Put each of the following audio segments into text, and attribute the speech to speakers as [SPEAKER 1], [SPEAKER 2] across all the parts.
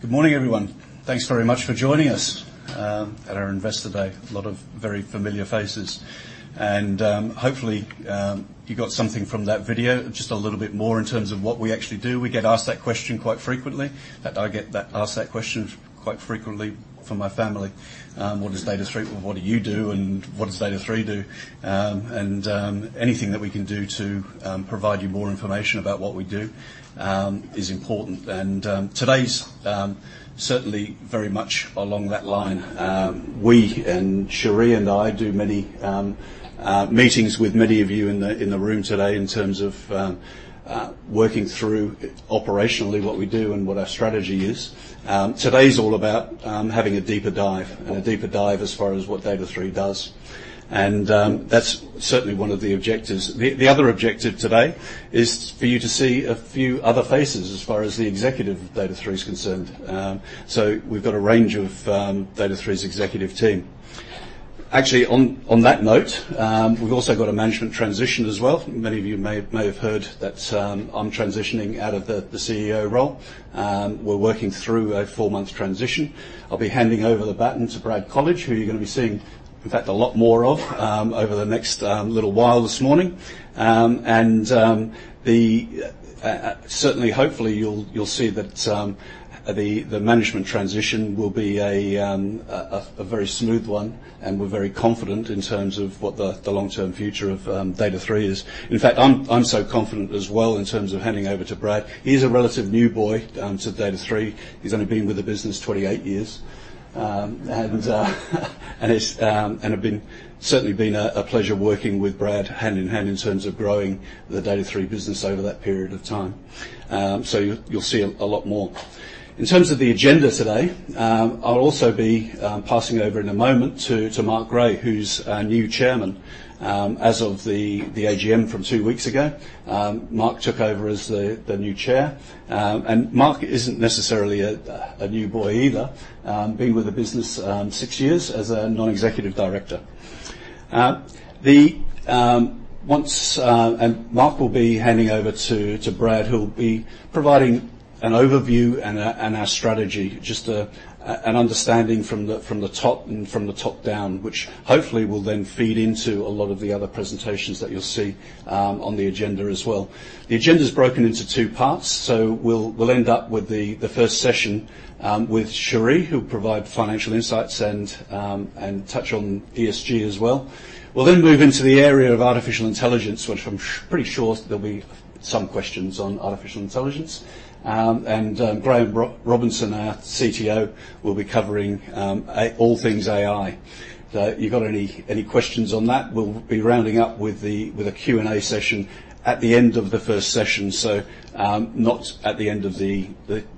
[SPEAKER 1] Good morning, everyone. Thanks very much for joining us at our Investor Day. A lot of very familiar faces. Hopefully, you got something from that video, just a little bit more in terms of what we actually do. We get asked that question quite frequently. I get asked that question quite frequently from my family. "What is Data#3? Well, what do you do, and what does Data#3 do?" Anything that we can do to provide you more information about what we do is important. Today's certainly very much along that line. We and Cherie and I do many meetings with many of you in the room today in terms of working through operationally what we do and what our strategy is. Today's all about having a deeper dive, and a deeper dive as far as what Data#3 does. And that's certainly one of the objectives. The other objective today is for you to see a few other faces as far as the executive of Data#3 is concerned. So we've got a range of Data#3's executive team. Actually, on that note, we've also got a management transition as well. Many of you may have heard that I'm transitioning out of the CEO role. We're working through a four-month transition. I'll be handing over the baton to Brad Colledge, who you're gonna be seeing, in fact, a lot more of over the next little while this morning. Certainly, hopefully, you'll see that the management transition will be a very smooth one, and we're very confident in terms of what the long-term future of Data#3 is. In fact, I'm so confident as well in terms of handing over to Brad. He's a relatively new boy to Data#3. He's only been with the business 28 years. Certainly been a pleasure working with Brad hand in hand in terms of growing the Data#3 business over that period of time. So you'll see a lot more. In terms of the agenda today, I'll also be passing over in a moment to Mark Gray, who's our new chairman. As of the AGM from two weeks ago, Mark took over as the new chair. Mark isn't necessarily a new boy either. Been with the business six years as a non-executive director. Mark will be handing over to Brad, who'll be providing an overview and our strategy. Just an understanding from the top and from the top down, which hopefully will then feed into a lot of the other presentations that you'll see on the agenda as well. The agenda's broken into two parts. So we'll end up with the first session with Cherie, who'll provide financial insights and touch on ESG as well. We'll then move into the area of artificial intelligence, which I'm pretty sure there'll be some questions on artificial intelligence. And Graham Robinson, our CTO, will be covering all things AI. So if you've got any questions on that, we'll be rounding up with a Q&A session at the end of the first session, so not at the end of the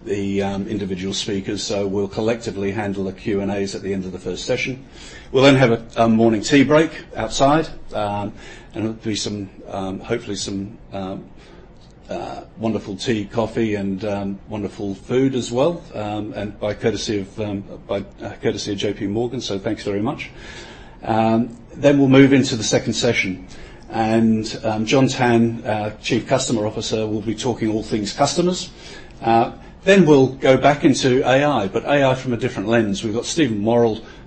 [SPEAKER 1] individual speakers. So we'll collectively handle the Q&As at the end of the first session. We'll then have a morning tea break outside, and there'll be some hopefully some wonderful tea, coffee and wonderful food as well. And by courtesy of JPMorgan, so thanks very much. Then we'll move into the second session, and John Tan, our Chief Customer Officer, will be talking all things customers. Then we'll go back into AI, but AI from a different lens. We've got Steven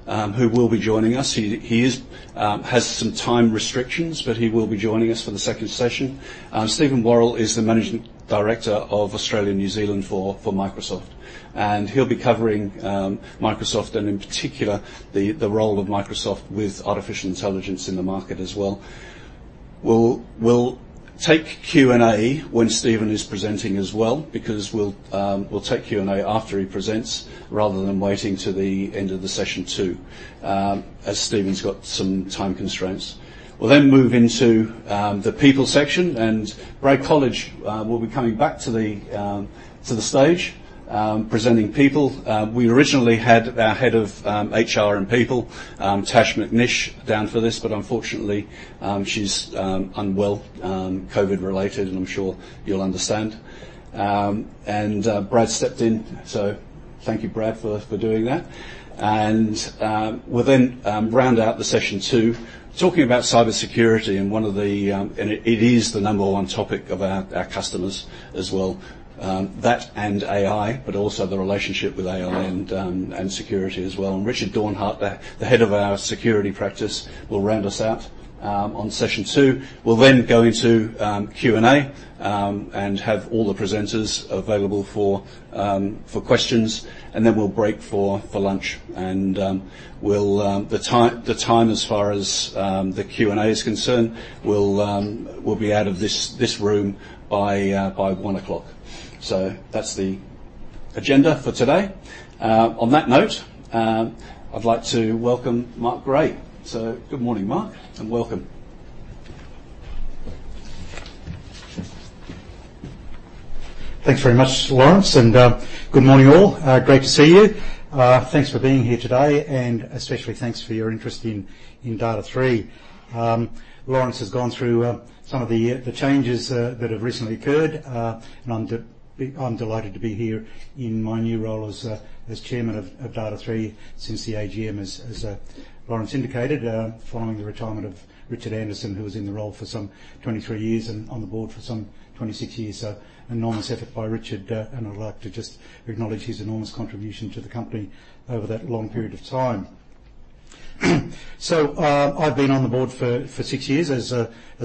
[SPEAKER 1] Worrall, who will be joining us. He has some time restrictions, but he will be joining us for the second session. Steven Worrall is the Managing Director of Australia and New Zealand for Microsoft, and he'll be covering Microsoft and, in particular, the role of Microsoft with artificial intelligence in the market as well. We'll take Q&A when Steven is presenting as well, because we'll take Q&A after he presents, rather than waiting to the end of the session two, as Steven's got some time constraints. We'll then move into the people section, and Brad Colledge will be coming back to the stage, presenting people. We originally had our head of HR and people, Tash Macknish, down for this, but unfortunately, she's unwell, COVID-related, and I'm sure you'll understand. And Brad stepped in, so thank you, Brad, for doing that. And we'll then round out session two, talking about cybersecurity. And it is the number one topic of our customers as well. That and AI, but also the relationship with AI and security as well. And Richard Dornhart, the head of our security practice, will round us out on session two. We'll then go into Q&A and have all the presenters available for questions, and then we'll break for lunch. The time, as far as the Q&A is concerned, we'll be out of this room by 1:00 P.M. So that's the agenda for today. On that note, I'd like to welcome Mark Gray. So good morning, Mark, and welcome.
[SPEAKER 2] Thanks very much, Laurence, and good morning, all. Great to see you. Thanks for being here today, and especially thanks for your interest in Data#3. Laurence has gone through some of the changes that have recently occurred, and I'm delighted to be here in my new role as chairman of Data#3 since the AGM, as Laurence indicated. Following the retirement of Richard Anderson, who was in the role for some 23 years and on the board for some 26 years. So enormous effort by Richard, and I'd like to just acknowledge his enormous contribution to the company over that long period of time. So, I've been on the board for six years, as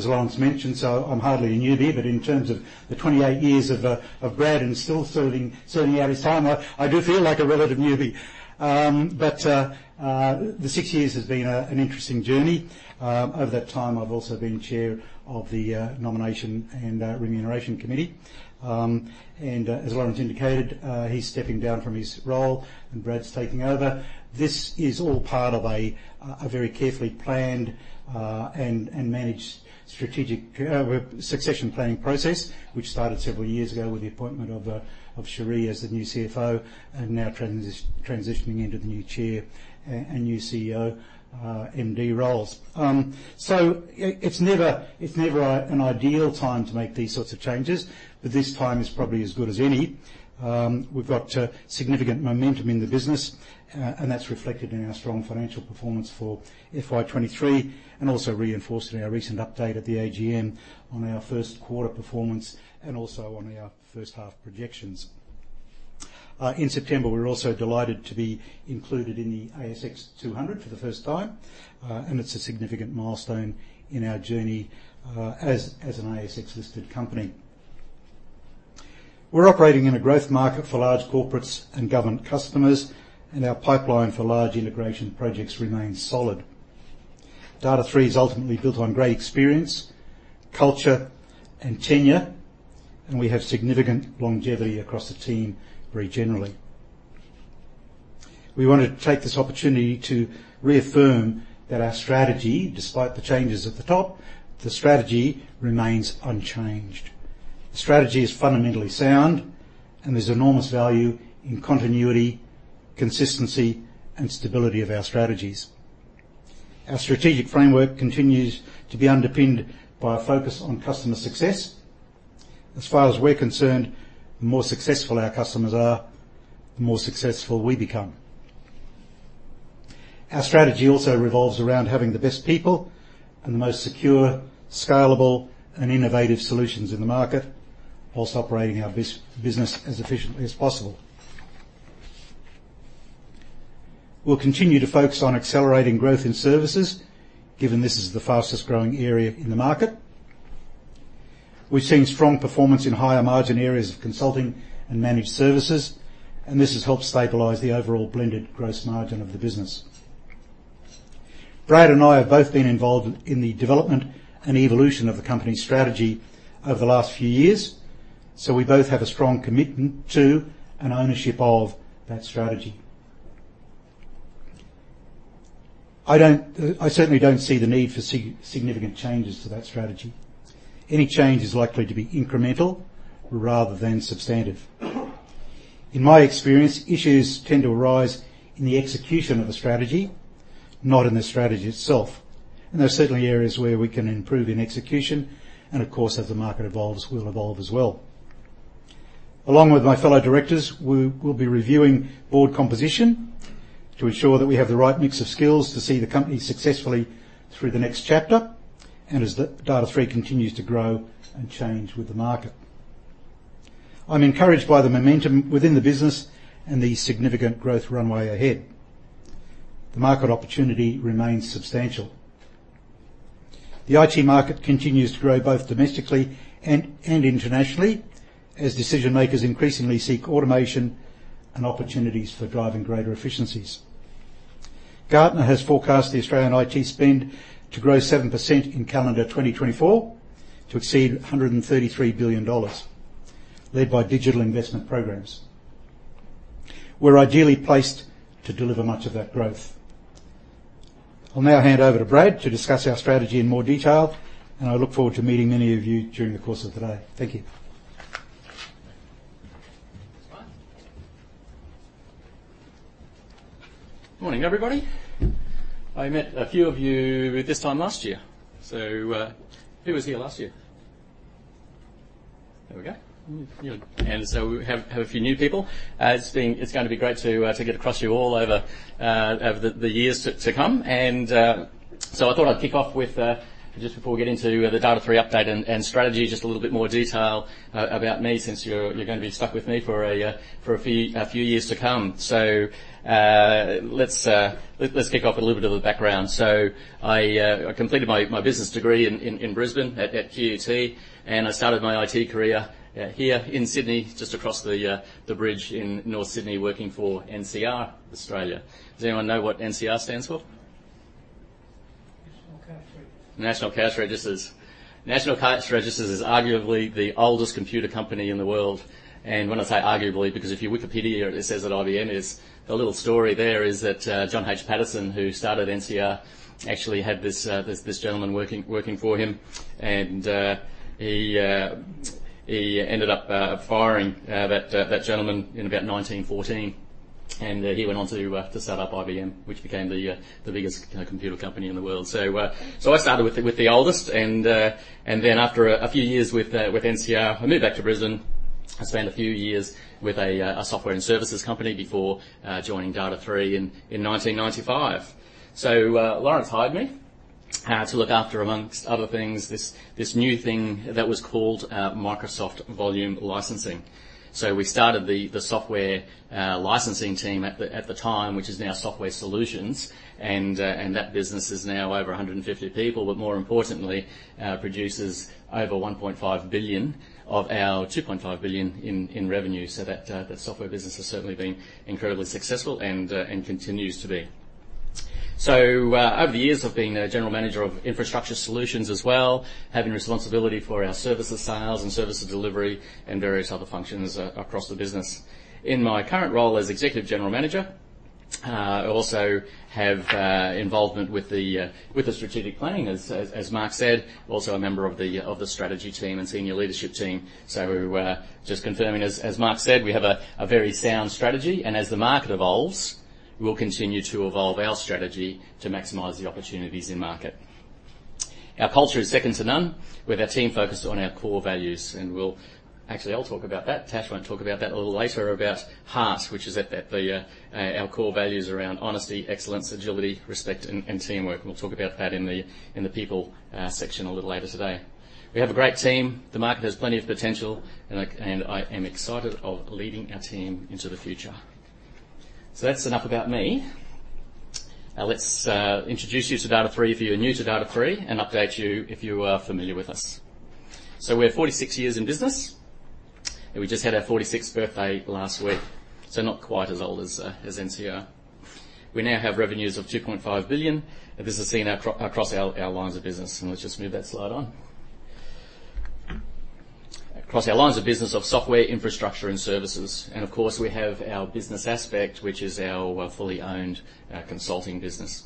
[SPEAKER 2] Laurence mentioned, so I'm hardly a newbie. But in terms of the 28 years of Brad and still serving out his time, I do feel like a relative newbie. But the six years has been an interesting journey. Over that time, I've also been chair of the Nomination and Remuneration Committee. And as Laurence indicated, he's stepping down from his role, and Brad's taking over. This is all part of a very carefully planned and managed strategic succession planning process, which started several years ago with the appointment of Cherie as the new CFO, and now transitioning into the new chair and new CEO MD roles. So it's never an ideal time to make these sorts of changes, but this time is probably as good as any. We've got significant momentum in the business, and that's reflected in our strong financial performance for FY 2023 and also reinforced in our recent update at the AGM on our first quarter performance and also on our first half projections. In September, we were also delighted to be included in the ASX 200 for the first time, and it's a significant milestone in our journey, as an ASX-listed company. We're operating in a growth market for large corporates and government customers, and our pipeline for large integration projects remains solid. Data#3 is ultimately built on great experience, culture, and tenure, and we have significant longevity across the team very generally. We want to take this opportunity to reaffirm that our strategy, despite the changes at the top, the strategy remains unchanged. The strategy is fundamentally sound, and there's enormous value in continuity, consistency, and stability of our strategies. Our strategic framework continues to be underpinned by a focus on customer success. As far as we're concerned, the more successful our customers are, the more successful we become. Our strategy also revolves around having the best people and the most secure, scalable, and innovative solutions in the market, while operating our business as efficiently as possible. We'll continue to focus on accelerating growth in services, given this is the fastest-growing area in the market. We've seen strong performance in higher margin areas of consulting and managed services, and this has helped stabilize the overall blended gross margin of the business. Brad and I have both been involved in the development and evolution of the company's strategy over the last few years, so we both have a strong commitment to and ownership of that strategy. I don't, I certainly don't see the need for significant changes to that strategy. Any change is likely to be incremental rather than substantive. In my experience, issues tend to arise in the execution of a strategy, not in the strategy itself. And there are certainly areas where we can improve in execution, and of course, as the market evolves, we'll evolve as well. Along with my fellow directors, we will be reviewing board composition to ensure that we have the right mix of skills to see the company successfully through the next chapter, and as the Data#3 continues to grow and change with the market. I'm encouraged by the momentum within the business and the significant growth runway ahead. The market opportunity remains substantial. The IT market continues to grow, both domestically and internationally, as decision-makers increasingly seek automation and opportunities for driving greater efficiencies. Gartner has forecast the Australian IT spend to grow 7% in calendar 2024, to exceed 133 billion dollars, led by digital investment programs. We're ideally placed to deliver much of that growth. I'll now hand over to Brad to discuss our strategy in more detail, and I look forward to meeting many of you during the course of the day. Thank you.
[SPEAKER 3] Morning, everybody. I met a few of you this time last year. So, who was here last year? There we go. Mm, yeah, and so we have a few new people. It's going to be great to get across you all over the years to come. And so I thought I'd kick off with just before we get into the Data#3 update and strategy, just a little bit more detail about me, since you're going to be stuck with me for a few years to come. So, let's kick off with a little bit of the background. I completed my business degree in Brisbane at QUT, and I started my IT career here in Sydney, just across the bridge in North Sydney, working for NCR Australia. Does anyone know what NCR stands for?
[SPEAKER 4] National Cash Register.
[SPEAKER 3] National Cash Register. National Cash Register is arguably the oldest computer company in the world, and when I say arguably, because if you Wikipedia it, it says that IBM is. The little story there is that, John H. Patterson, who started NCR, actually had this, this gentleman working for him, and, he ended up firing that gentleman in about 1914, and, he went on to start up IBM, which became the biggest computer company in the world. So, so I started with the oldest and, then after a few years with NCR, I moved back to Brisbane. I spent a few years with a software and services company before joining Data#3 in 1995. So, Laurence hired me-... To look after, amongst other things, this new thing that was called Microsoft Volume Licensing. We started the software licensing team at the time, which is now Software Solutions, and that business is now over 150 people, but more importantly, produces over 1.5 billion of our 2.5 billion in revenue. That software business has certainly been incredibly successful and continues to be. Over the years, I've been a general manager of Infrastructure Solutions as well, having responsibility for our services sales and services delivery and various other functions across the business. In my current role as Executive General Manager, I also have involvement with the strategic planning, as Mark said, also a member of the strategy team and senior leadership team. So just confirming, as Mark said, we have a very sound strategy, and as the market evolves, we'll continue to evolve our strategy to maximize the opportunities in market. Our culture is second to none, with our team focused on our core values, and we'll... Actually, I'll talk about that. Tash will talk about that a little later, about HEART, which is our core values around honesty, excellence, agility, respect, and teamwork. We'll talk about that in the people section, a little later today. We have a great team. The market has plenty of potential, and I, and I am excited of leading our team into the future. So that's enough about me. Let's introduce you to Data#3, if you're new to Data#3, and update you, if you are familiar with us. So we're 46 years in business, and we just had our 46th birthday last week, so not quite as old as NCR. We now have revenues of 2.5 billion, and this is seen across our lines of business, and let's just move that slide on. Across our lines of business of software, infrastructure, and services, and of course, we have our Business Aspect, which is our fully owned consulting business.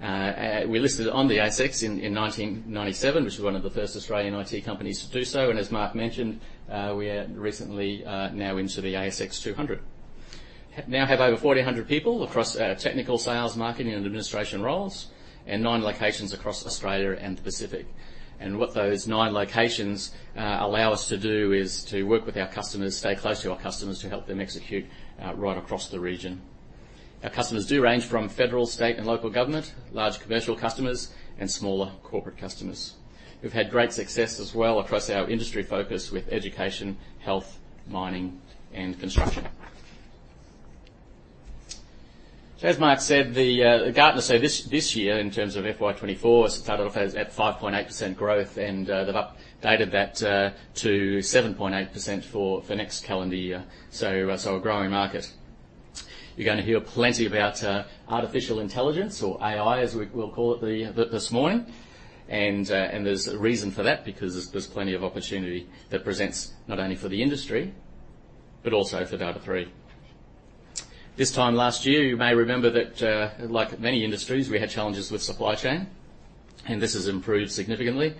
[SPEAKER 3] We listed on the ASX in 1997, which was one of the first Australian IT companies to do so, and as Mark mentioned, we are recently now into the ASX 200. We now have over 4,000 people across our technical sales, marketing, and administration roles, and nine locations across Australia and the Pacific. What those nine locations allow us to do is to work with our customers, stay close to our customers, to help them execute right across the region. Our customers do range from federal, state, and local government, large commercial customers, and smaller corporate customers. We've had great success as well across our industry focus with education, health, mining, and construction. So as Mark said, the Gartner say, this year, in terms of FY 2024, started off at 5.8% growth, and they've updated that to 7.8% for the next calendar year, so a growing market. You're going to hear plenty about artificial intelligence, or AI, as we'll call it this morning. And there's a reason for that, because there's plenty of opportunity that presents not only for the industry, but also for Data#3. This time last year, you may remember that, like many industries, we had challenges with supply chain, and this has improved significantly,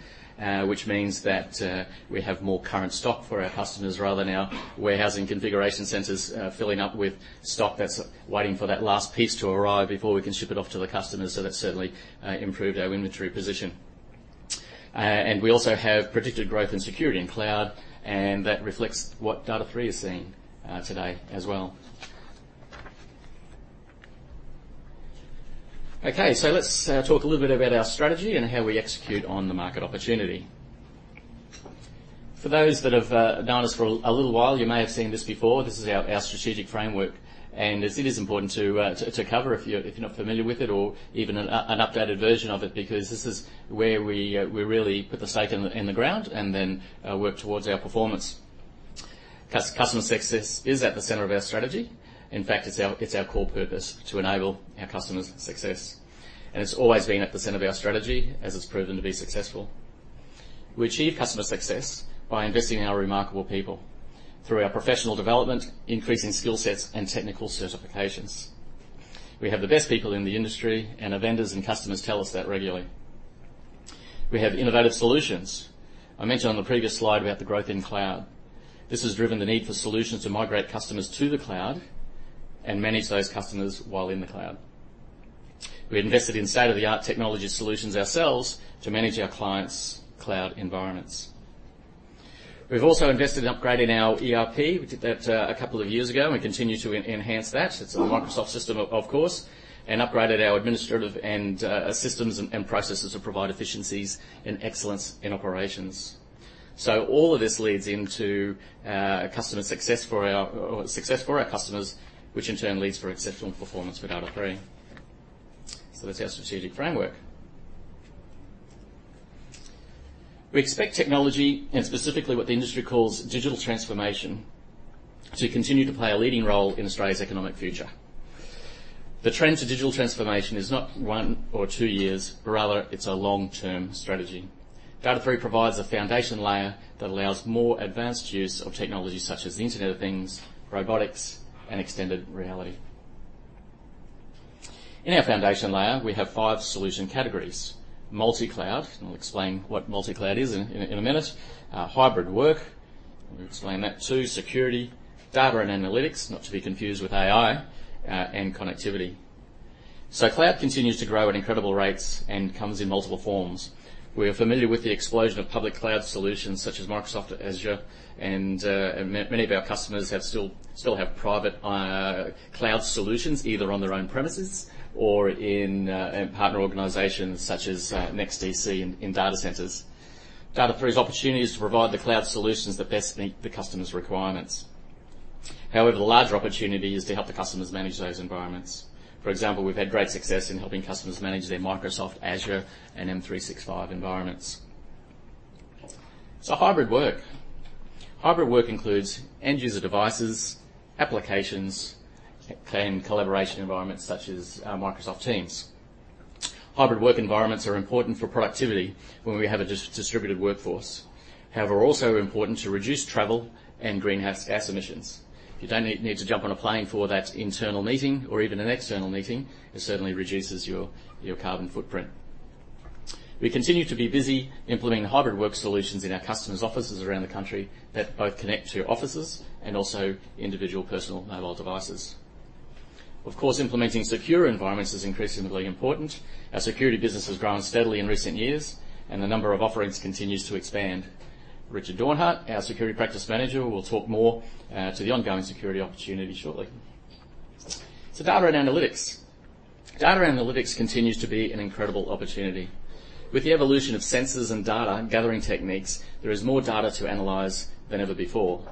[SPEAKER 3] which means that we have more current stock for our customers, rather than our warehousing configuration centers filling up with stock that's waiting for that last piece to arrive before we can ship it off to the customers. So that certainly improved our inventory position. And we also have predicted growth in security and cloud, and that reflects what Data#3 is seeing today as well. Okay, so let's talk a little bit about our strategy and how we execute on the market opportunity. For those that have known us for a little while, you may have seen this before. This is our strategic framework, and it is important to cover if you're not familiar with it or even an updated version of it, because this is where we really put the stake in the ground, and then work towards our performance. Customer success is at the center of our strategy. In fact, it's our core purpose to enable our customers' success, and it's always been at the center of our strategy, as it's proven to be successful. We achieve customer success by investing in our remarkable people through our professional development, increasing skill sets, and technical certifications. We have the best people in the industry, and our vendors and customers tell us that regularly. We have innovative solutions. I mentioned on the previous slide about the growth in cloud. This has driven the need for solutions to migrate customers to the cloud and manage those customers while in the cloud. We invested in state-of-the-art technology solutions ourselves to manage our clients' cloud environments. We've also invested in upgrading our ERP. We did that a couple of years ago, and we continue to enhance that. It's a Microsoft system, of course, and upgraded our administrative and systems and processes to provide efficiencies and excellence in operations. So all of this leads into customer success for our or success for our customers, which in turn leads for exceptional performance for Data#3. So that's our strategic framework. We expect technology, and specifically what the industry calls digital transformation, to continue to play a leading role in Australia's economic future. The trend to digital transformation is not one or two years, but rather, it's a long-term strategy. Data#3 provides a foundation layer that allows more advanced use of technologies such as the Internet of Things, robotics, and extended reality. In our foundation layer, we have five solution categories: multi-cloud, and I'll explain what multi-cloud is in a minute, hybrid work, and we'll explain that, too, security, data and analytics, not to be confused with AI, and connectivity. So cloud continues to grow at incredible rates and comes in multiple forms. We are familiar with the explosion of public cloud solutions, such as Microsoft Azure, and many of our customers still have private cloud solutions, either on their own premises or in partner organizations, such as NEXTDC in data centers. Data#3's opportunity is to provide the cloud solutions that best meet the customer's requirements. However, the larger opportunity is to help the customers manage those environments. For example, we've had great success in helping customers manage their Microsoft Azure and M365 environments. So, hybrid work. Hybrid work includes end-user devices, applications, and collaboration environments such as Microsoft Teams. Hybrid work environments are important for productivity when we have a distributed workforce. However, also important to reduce travel and greenhouse gas emissions. You don't need to jump on a plane for that internal meeting or even an external meeting. It certainly reduces your carbon footprint. We continue to be busy implementing hybrid work solutions in our customers' offices around the country that both connect to offices and also individual personal mobile devices. Of course, implementing secure environments is increasingly important. Our security business has grown steadily in recent years, and the number of offerings continues to expand. Richard Dornhart, our Security Practice Manager, will talk more to the ongoing security opportunity shortly. So data and analytics. Data and analytics continues to be an incredible opportunity. With the evolution of sensors and data-gathering techniques, there is more data to analyze than ever before.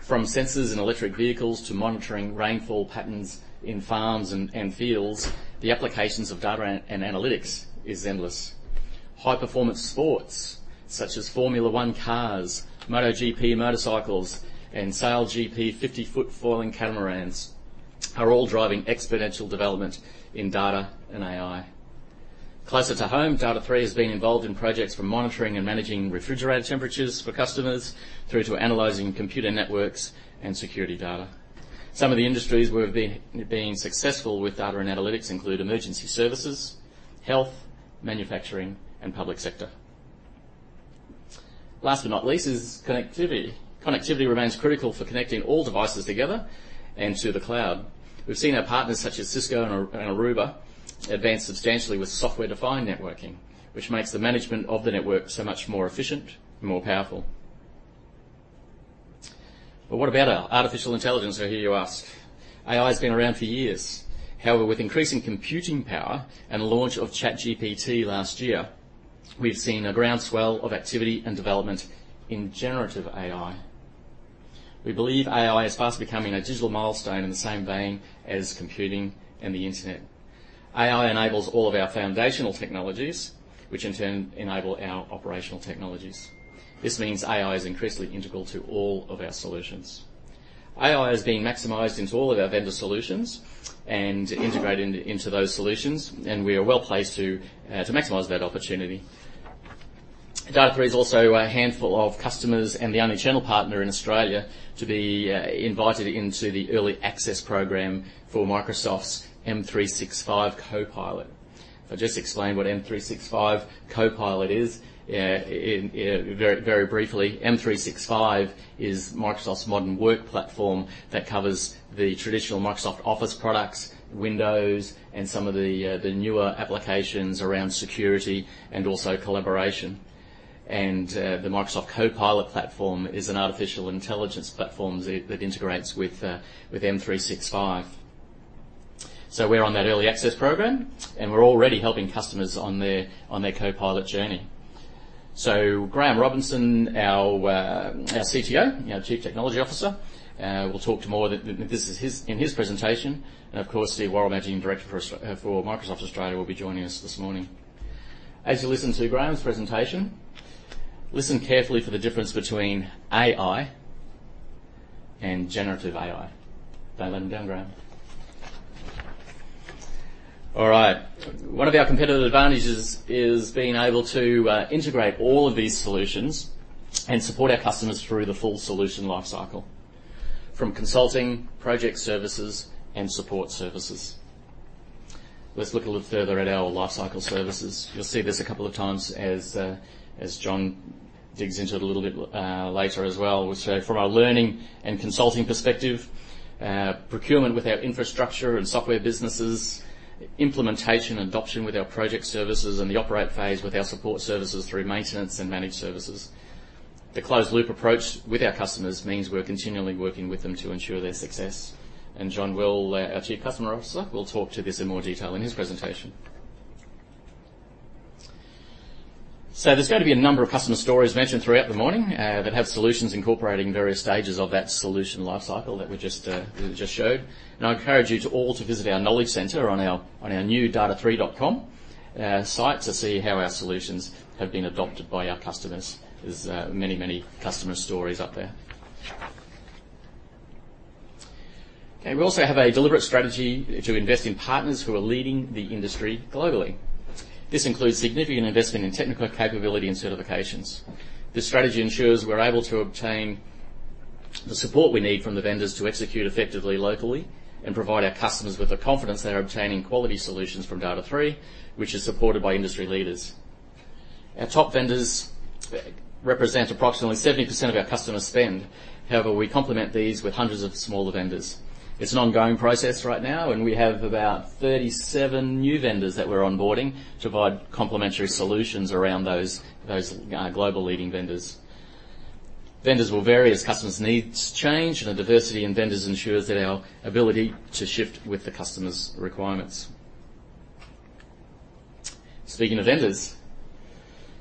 [SPEAKER 3] From sensors in electric vehicles to monitoring rainfall patterns in farms and fields, the applications of data and analytics is endless. High-performance sports, such as Formula One cars, MotoGP motorcycles, and SailGP 50-foot foiling catamarans, are all driving exponential development in data and AI. Closer to home, Data#3 has been involved in projects from monitoring and managing refrigerator temperatures for customers, through to analyzing computer networks and security data. Some of the industries we've been successful with data and analytics include emergency services, health, manufacturing, and public sector. Last but not least, is connectivity. Connectivity remains critical for connecting all devices together and to the cloud. We've seen our partners, such as Cisco and Aruba, advance substantially with software-defined networking, which makes the management of the network so much more efficient and more powerful. But what about artificial intelligence, I hear you ask? AI has been around for years. However, with increasing computing power and launch of ChatGPT last year, we've seen a groundswell of activity and development in generative AI. We believe AI is fast becoming a digital milestone in the same vein as computing and the internet. AI enables all of our foundational technologies, which in turn enable our operational technologies. This means AI is increasingly integral to all of our solutions. AI is being maximized into all of our vendor solutions and integrated into those solutions, and we are well placed to maximize that opportunity. Data#3 is also a handful of customers and the only channel partner in Australia to be invited into the early access program for Microsoft's M365 Copilot. I'll just explain what M365 Copilot is. In very briefly, M365 is Microsoft's modern work platform that covers the traditional Microsoft Office products, Windows, and some of the newer applications around security and also collaboration. And the Microsoft Copilot platform is an artificial intelligence platform that integrates with M365. So we're on that early access program, and we're already helping customers on their Copilot journey. So Graham Robinson, our CTO, our Chief Technology Officer, will talk to more than this is his in his presentation, and of course, the Managing Director for us for Microsoft Australia, will be joining us this morning. As you listen to Graham's presentation, listen carefully for the difference between AI and generative AI. Don't let them down, Graham. All right. One of our competitive advantages is being able to integrate all of these solutions and support our customers through the full solution lifecycle, from consulting, project services, and support services. Let's look a little further at our lifecycle services. You'll see this a couple of times as, as John digs into it a little bit, later as well. Which, from our learning and consulting perspective, procurement with our infrastructure and software businesses, implementation and adoption with our project services, and the operate phase with our support services through maintenance and managed services. The closed-loop approach with our customers means we're continually working with them to ensure their success, and John will, our Chief Customer Officer, will talk to this in more detail in his presentation. So there's going to be a number of customer stories mentioned throughout the morning, that have solutions incorporating various stages of that solution lifecycle that we just showed. And I encourage you to all to visit our knowledge centre on our new data3.com site, to see how our solutions have been adopted by our customers. There's many, many customer stories up there. Okay, we also have a deliberate strategy to invest in partners who are leading the industry globally. This includes significant investment in technical capability and certifications. This strategy ensures we're able to obtain the support we need from the vendors to execute effectively locally and provide our customers with the confidence they are obtaining quality solutions from Data#3, which is supported by industry leaders. Our top vendors represent approximately 70% of our customer spend. However, we complement these with hundreds of smaller vendors. It's an ongoing process right now, and we have about 37 new vendors that we're onboarding to provide complementary solutions around those global leading vendors. Vendors will vary as customers' needs change, and a diversity in vendors ensures that our ability to shift with the customers' requirements. Speaking of vendors,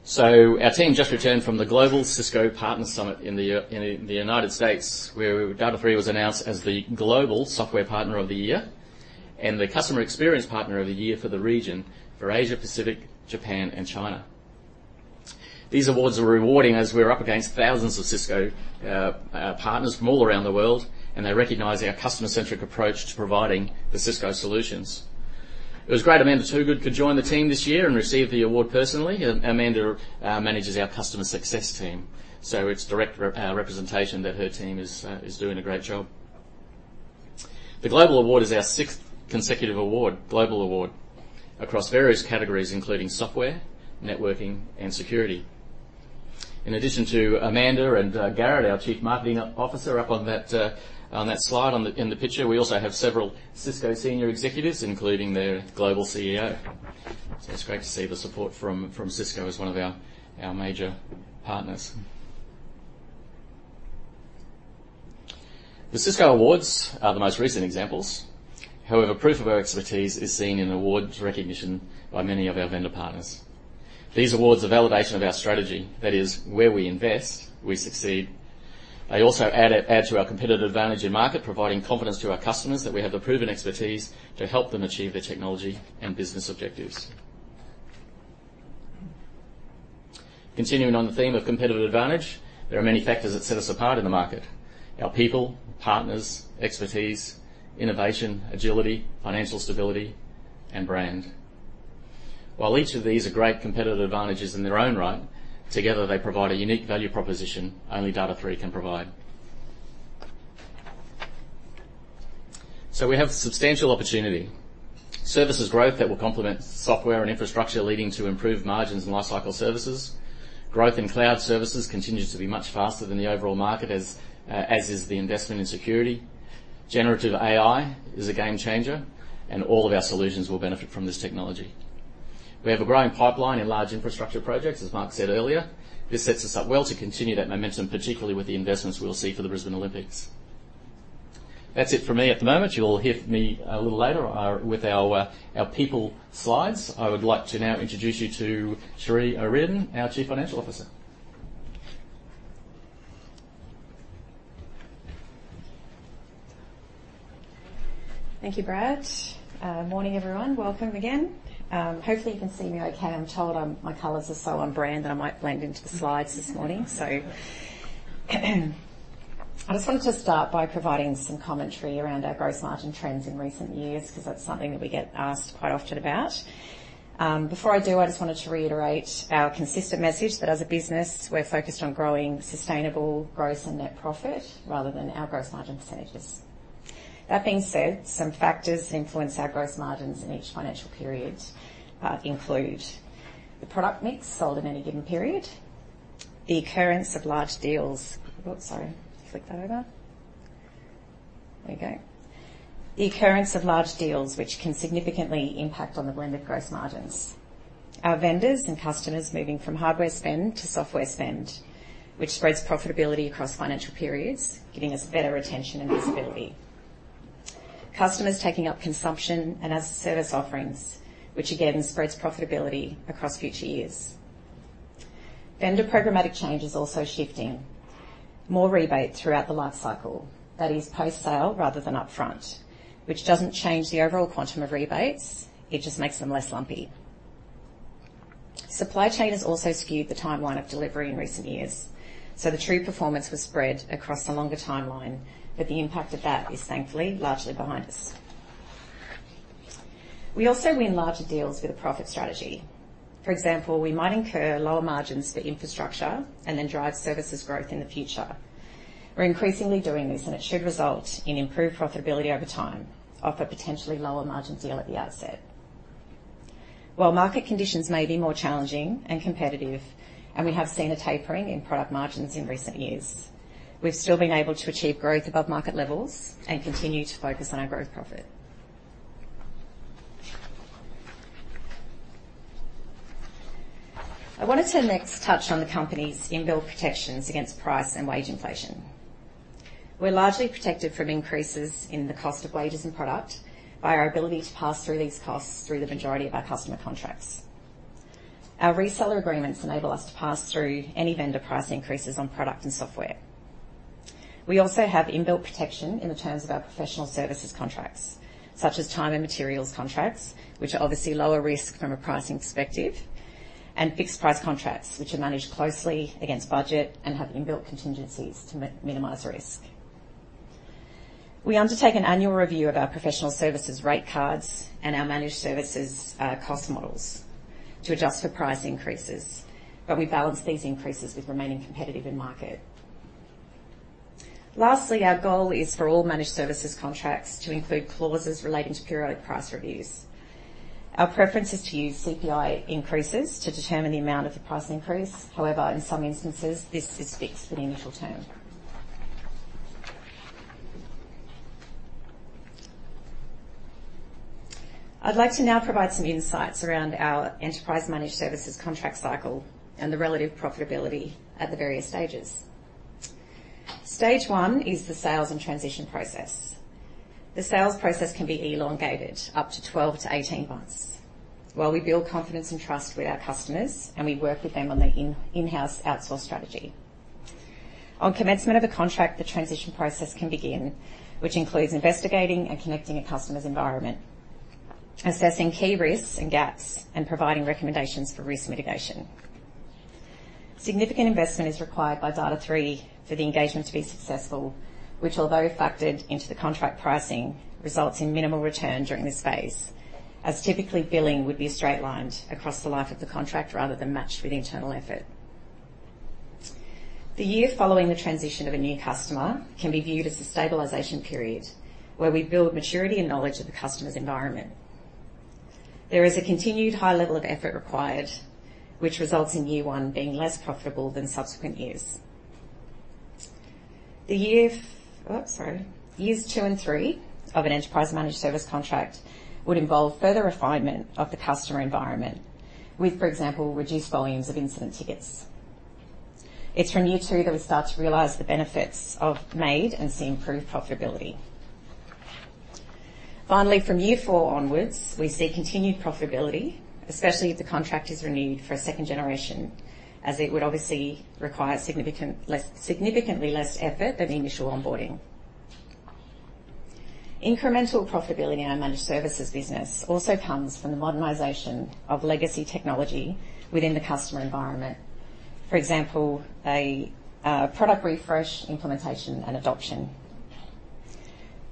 [SPEAKER 3] so our team just returned from the Global Cisco Partner Summit in the United States, where Data#3 was announced as the Global Software Partner of the Year and the Customer Experience Partner of the Year for the region, for Asia Pacific, Japan, and China. These awards are rewarding as we were up against thousands of Cisco partners from all around the world, and they recognize our customer-centric approach to providing the Cisco solutions. It was great Amanda Toogood could join the team this year and receive the award personally. Amanda manages our customer success team, so it's direct representation that her team is doing a great job. The Global Award is our sixth consecutive award, Global Award, across various categories, including software, networking, and security. In addition to Amanda and Garrett, our Chief Marketing Officer, up on that, on that slide, in the picture, we also have several Cisco senior executives, including their global CEO. So it's great to see the support from Cisco as one of our major partners. The Cisco Awards are the most recent examples. However, proof of our expertise is seen in awards recognition by many of our vendor partners. These awards are validation of our strategy. That is, where we invest, we succeed. They also add to our competitive advantage in market, providing confidence to our customers that we have the proven expertise to help them achieve their technology and business objectives. Continuing on the theme of competitive advantage, there are many factors that set us apart in the market: our people, partners, expertise, innovation, agility, financial stability, and brand. While each of these are great competitive advantages in their own right, together, they provide a unique value proposition only Data#3 can provide. So we have substantial opportunity. Services growth that will complement software and infrastructure, leading to improved margins and lifecycle services. Growth in cloud services continues to be much faster than the overall market, as, as is the investment in security. Generative AI is a game changer, and all of our solutions will benefit from this technology. We have a growing pipeline in large infrastructure projects, as Mark said earlier. This sets us up well to continue that momentum, particularly with the investments we'll see for the Brisbane Olympics. That's it for me at the moment. You'll hear from me a little later on, with our, our people slides. I would like to now introduce you to Cherie O'Riordan, our Chief Financial Officer.
[SPEAKER 5] Thank you, Brad. Morning, everyone. Welcome again. Hopefully, you can see me okay. I'm told my colors are so on brand that I might blend into the slides this morning. So, I just wanted to start by providing some commentary around our gross margin trends in recent years, 'cause that's something that we get asked quite often about. Before I do, I just wanted to reiterate our consistent message that as a business, we're focused on growing sustainable gross and net profit rather than our gross margin percentages. That being said, some factors influence our gross margins in each financial period include: the product mix sold in any given period, the occurrence of large deals. Oops, sorry. Flick that over. There we go. The occurrence of large deals, which can significantly impact on the blended gross margins. Our vendors and customers moving from hardware spend to software spend, which spreads profitability across financial periods, giving us better retention and visibility. Customers taking up consumption and as-a-service offerings, which again, spreads profitability across future years. Vendor programmatic change is also shifting. More rebates throughout the life cycle, that is post-sale rather than upfront, which doesn't change the overall quantum of rebates, it just makes them less lumpy. Supply chain has also skewed the timeline of delivery in recent years, so the true performance was spread across a longer timeline, but the impact of that is thankfully largely behind us. We also win larger deals with a profit strategy. For example, we might incur lower margins for infrastructure and then drive services growth in the future. We're increasingly doing this, and it should result in improved profitability over time of a potentially lower margin deal at the outset. While market conditions may be more challenging and competitive, and we have seen a tapering in product margins in recent years, we've still been able to achieve growth above market levels and continue to focus on our growth profit. I wanted to next touch on the company's inbuilt protections against price and wage inflation. We're largely protected from increases in the cost of wages and product by our ability to pass through these costs through the majority of our customer contracts. Our reseller agreements enable us to pass through any vendor price increases on product and software. We also have inbuilt protection in the terms of our professional services contracts, such as time and materials contracts, which are obviously lower risk from a pricing perspective, and fixed price contracts, which are managed closely against budget and have inbuilt contingencies to minimize risk. We undertake an annual review of our professional services rate cards and our managed services cost models to adjust for price increases, but we balance these increases with remaining competitive in market. Lastly, our goal is for all managed services contracts to include clauses relating to periodic price reviews. Our preference is to use CPI increases to determine the amount of the price increase. However, in some instances, this is fixed for the initial term. I'd like to now provide some insights around our enterprise managed services contract cycle and the relative profitability at the various stages. Stage one is the sales and transition process. The sales process can be elongated up to 12-18 months, while we build confidence and trust with our customers, and we work with them on their in-house outsource strategy. On commencement of the contract, the transition process can begin, which includes investigating and connecting a customer's environment, assessing key risks and gaps, and providing recommendations for risk mitigation. Significant investment is required by Data#3 for the engagement to be successful, which, although factored into the contract pricing, results in minimal return during this phase, as typically, billing would be straight lined across the life of the contract rather than matched with internal effort. The year following the transition of a new customer can be viewed as a stabilization period, where we build maturity and knowledge of the customer's environment. There is a continued high level of effort required, which results in year one being less profitable than subsequent years. Years two and three of an enterprise managed service contract would involve further refinement of the customer environment with, for example, reduced volumes of incident tickets. It's from year two that we start to realize the benefits of MaIT and see improved profitability. Finally, from year four onwards, we see continued profitability, especially if the contract is renewed for a second generation, as it would obviously require significantly less effort than the initial onboarding. Incremental profitability in our managed services business also comes from the modernization of legacy technology within the customer environment. For example, a product refresh, implementation, and adoption.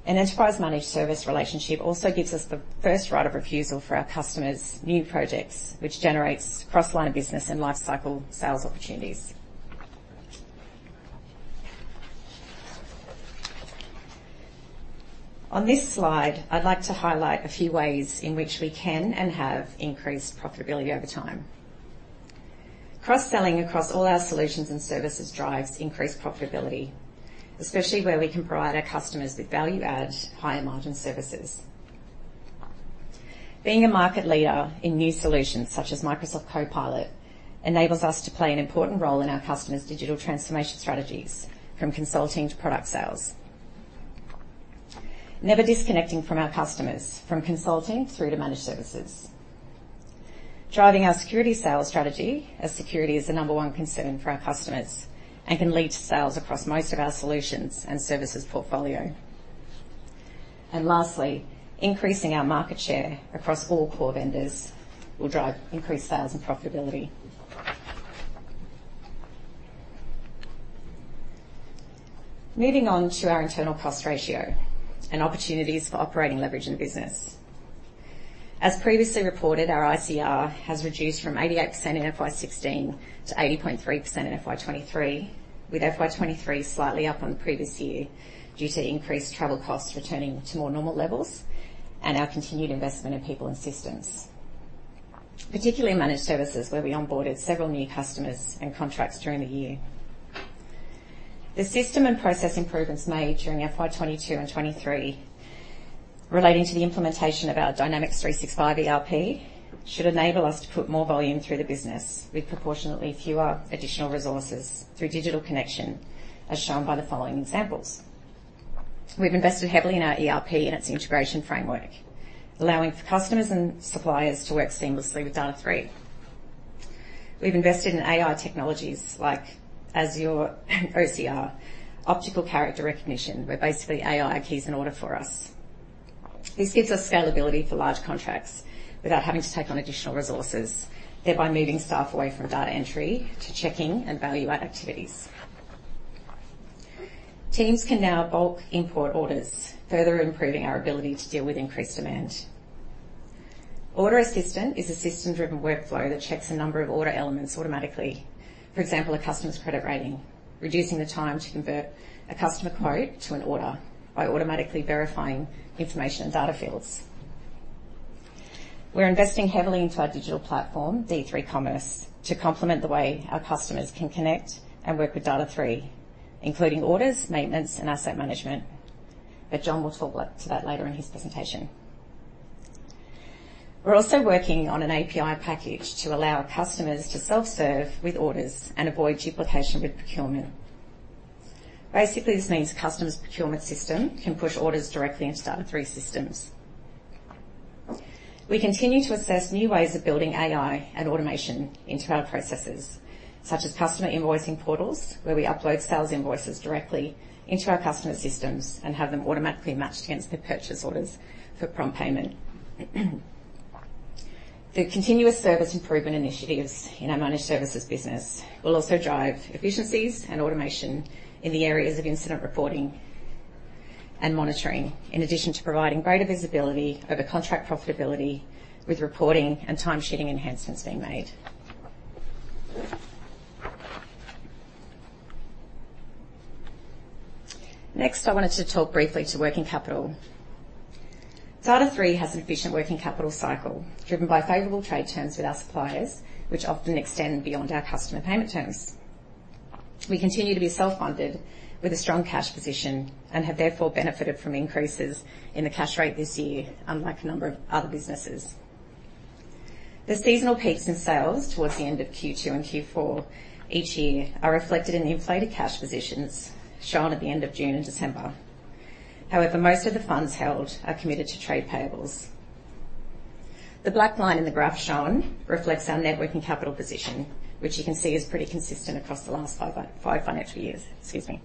[SPEAKER 5] An enterprise managed service relationship also gives us the first right of refusal for our customers' new projects, which generates cross line of business and lifecycle sales opportunities. On this slide, I'd like to highlight a few ways in which we can and have increased profitability over time. Cross-selling across all our solutions and services drives increased profitability, especially where we can provide our customers with value-added, higher margin services. Being a market leader in new solutions, such as Microsoft Copilot, enables us to play an important role in our customers' digital transformation strategies, from consulting to product sales. Never disconnecting from our customers, from consulting through to managed services. Driving our security sales strategy, as security is the number one concern for our customers and can lead to sales across most of our solutions and services portfolio. And lastly, increasing our market share across all core vendors will drive increased sales and profitability. Moving on to our internal cost ratio and opportunities for operating leverage in the business. As previously reported, our ICR has reduced from 88% in FY 2016 to 80.3% in FY 2023, with FY 2023 slightly up on the previous year due to increased travel costs returning to more normal levels and our continued investment in people and systems. Particularly managed services, where we onboarded several new customers and contracts during the year. The system and process improvements made during FY 2022 and 2023 relating to the implementation of our Dynamics 365 ERP should enable us to put more volume through the business with proportionately fewer additional resources through digital connection, as shown by the following examples. We've invested heavily in our ERP and its integration framework, allowing for customers and suppliers to work seamlessly with Data#3. We've invested in AI technologies like Azure OCR, Optical Character Recognition, where basically AI keys in order for us. This gives us scalability for large contracts without having to take on additional resources, thereby moving staff away from data entry to checking and value-add activities. Teams can now bulk import orders, further improving our ability to deal with increased demand. Order Assistant is a system-driven workflow that checks a number of order elements automatically. For example, a customer's credit rating, reducing the time to convert a customer quote to an order by automatically verifying information and data fields. We're investing heavily into our digital platform, D3 Commerce, to complement the way our customers can connect and work with Data#3, including orders, maintenance, and asset management, but John will talk about... to that later in his presentation. We're also working on an API package to allow our customers to self-serve with orders and avoid duplication with procurement. Basically, this means a customer's procurement system can push orders directly into Data#3 systems. We continue to assess new ways of building AI and automation into our processes, such as customer invoicing portals, where we upload sales invoices directly into our customers' systems and have them automatically matched against their purchase orders for prompt payment. The continuous service improvement initiatives in our managed services business will also drive efficiencies and automation in the areas of incident reporting and monitoring, in addition to providing greater visibility over contract profitability, with reporting and time sheeting enhancements being made. Next, I wanted to talk briefly to working capital. Data#3 has an efficient working capital cycle, driven by favorable trade terms with our suppliers, which often extend beyond our customer payment terms. We continue to be self-funded, with a strong cash position, and have therefore benefited from increases in the cash rate this year, unlike a number of other businesses. The seasonal peaks in sales towards the end of Q2 and Q4 each year are reflected in the inflated cash positions shown at the end of June and December. However, most of the funds held are committed to trade payables. The black line in the graph shown reflects our net working capital position, which you can see is pretty consistent across the last five financial years. Excuse me.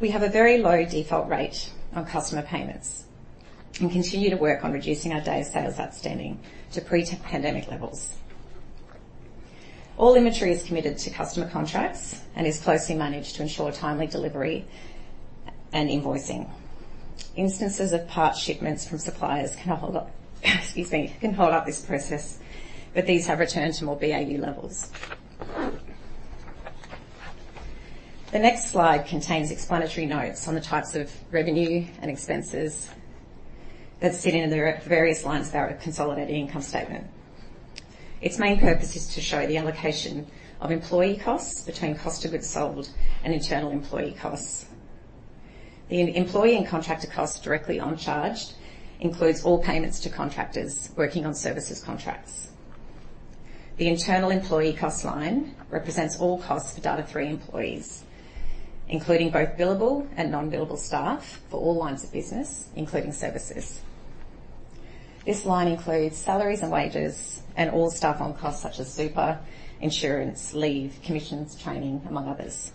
[SPEAKER 5] We have a very low default rate on customer payments and continue to work on reducing our days sales outstanding to pre-pandemic levels. All inventory is committed to customer contracts and is closely managed to ensure timely delivery and invoicing. Instances of part shipments from suppliers can hold up, excuse me, can hold up this process, but these have returned to more BAU levels. The next slide contains explanatory notes on the types of revenue and expenses that sit in the various lines of our consolidated income statement. Its main purpose is to show the allocation of employee costs between cost of goods sold and internal employee costs. The employee and contractor costs directly uncharged includes all payments to contractors working on services contracts. The internal employee cost line represents all costs for Data#3 employees, including both billable and non-billable staff for all lines of business, including services. This line includes salaries and wages and all staff on costs such as super, insurance, leave, commissions, training, among others.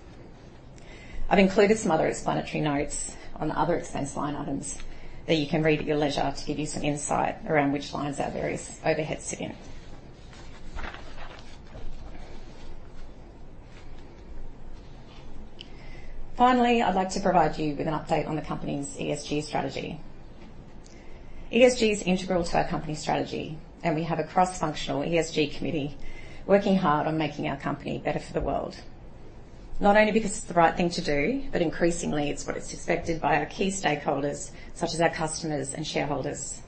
[SPEAKER 5] I've included some other explanatory notes on the other expense line items that you can read at your leisure to give you some insight around which lines our various overheads sit in. Finally, I'd like to provide you with an update on the company's ESG strategy. ESG is integral to our company strategy, and we have a cross-functional ESG committee working hard on making our company better for the world. Not only because it's the right thing to do, but increasingly, it's what is expected by our key stakeholders, such as our customers and shareholders.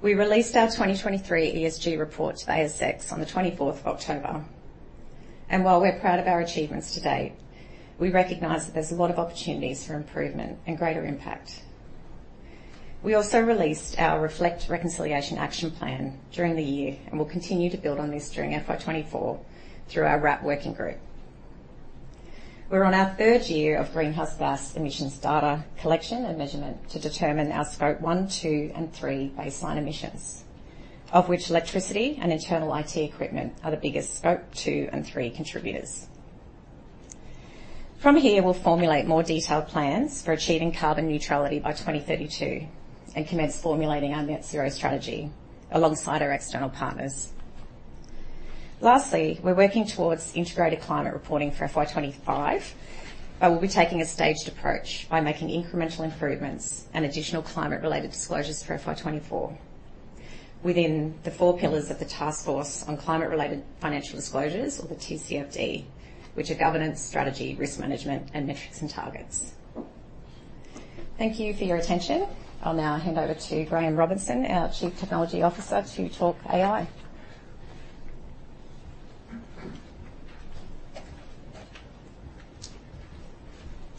[SPEAKER 5] We released our 2023 ESG report to the ASX on the 24th of October, and while we're proud of our achievements to date, we recognize that there's a lot of opportunities for improvement and greater impact. We also released our Reflect Reconciliation Action Plan during the year, and we'll continue to build on this during FY 2024 through our RAP working group. We're on our third year of greenhouse gas emissions data collection and measurement to determine our Scope 1, 2, and 3 baseline emissions, of which electricity and internal IT equipment are the biggest Scope 2 and 3 contributors. From here, we'll formulate more detailed plans for achieving carbon neutrality by 2032 and commence formulating our net zero strategy alongside our external partners. Lastly, we're working towards integrated climate reporting for FY 2025, but we'll be taking a staged approach by making incremental improvements and additional climate-related disclosures for FY 2024 within the four pillars of the Taskforce on Climate-related Financial Disclosures, or the TCFD, which are governance, strategy, risk management, and metrics and targets. Thank you for your attention. I'll now hand over to Graham Robinson, our Chief Technology Officer, to talk AI.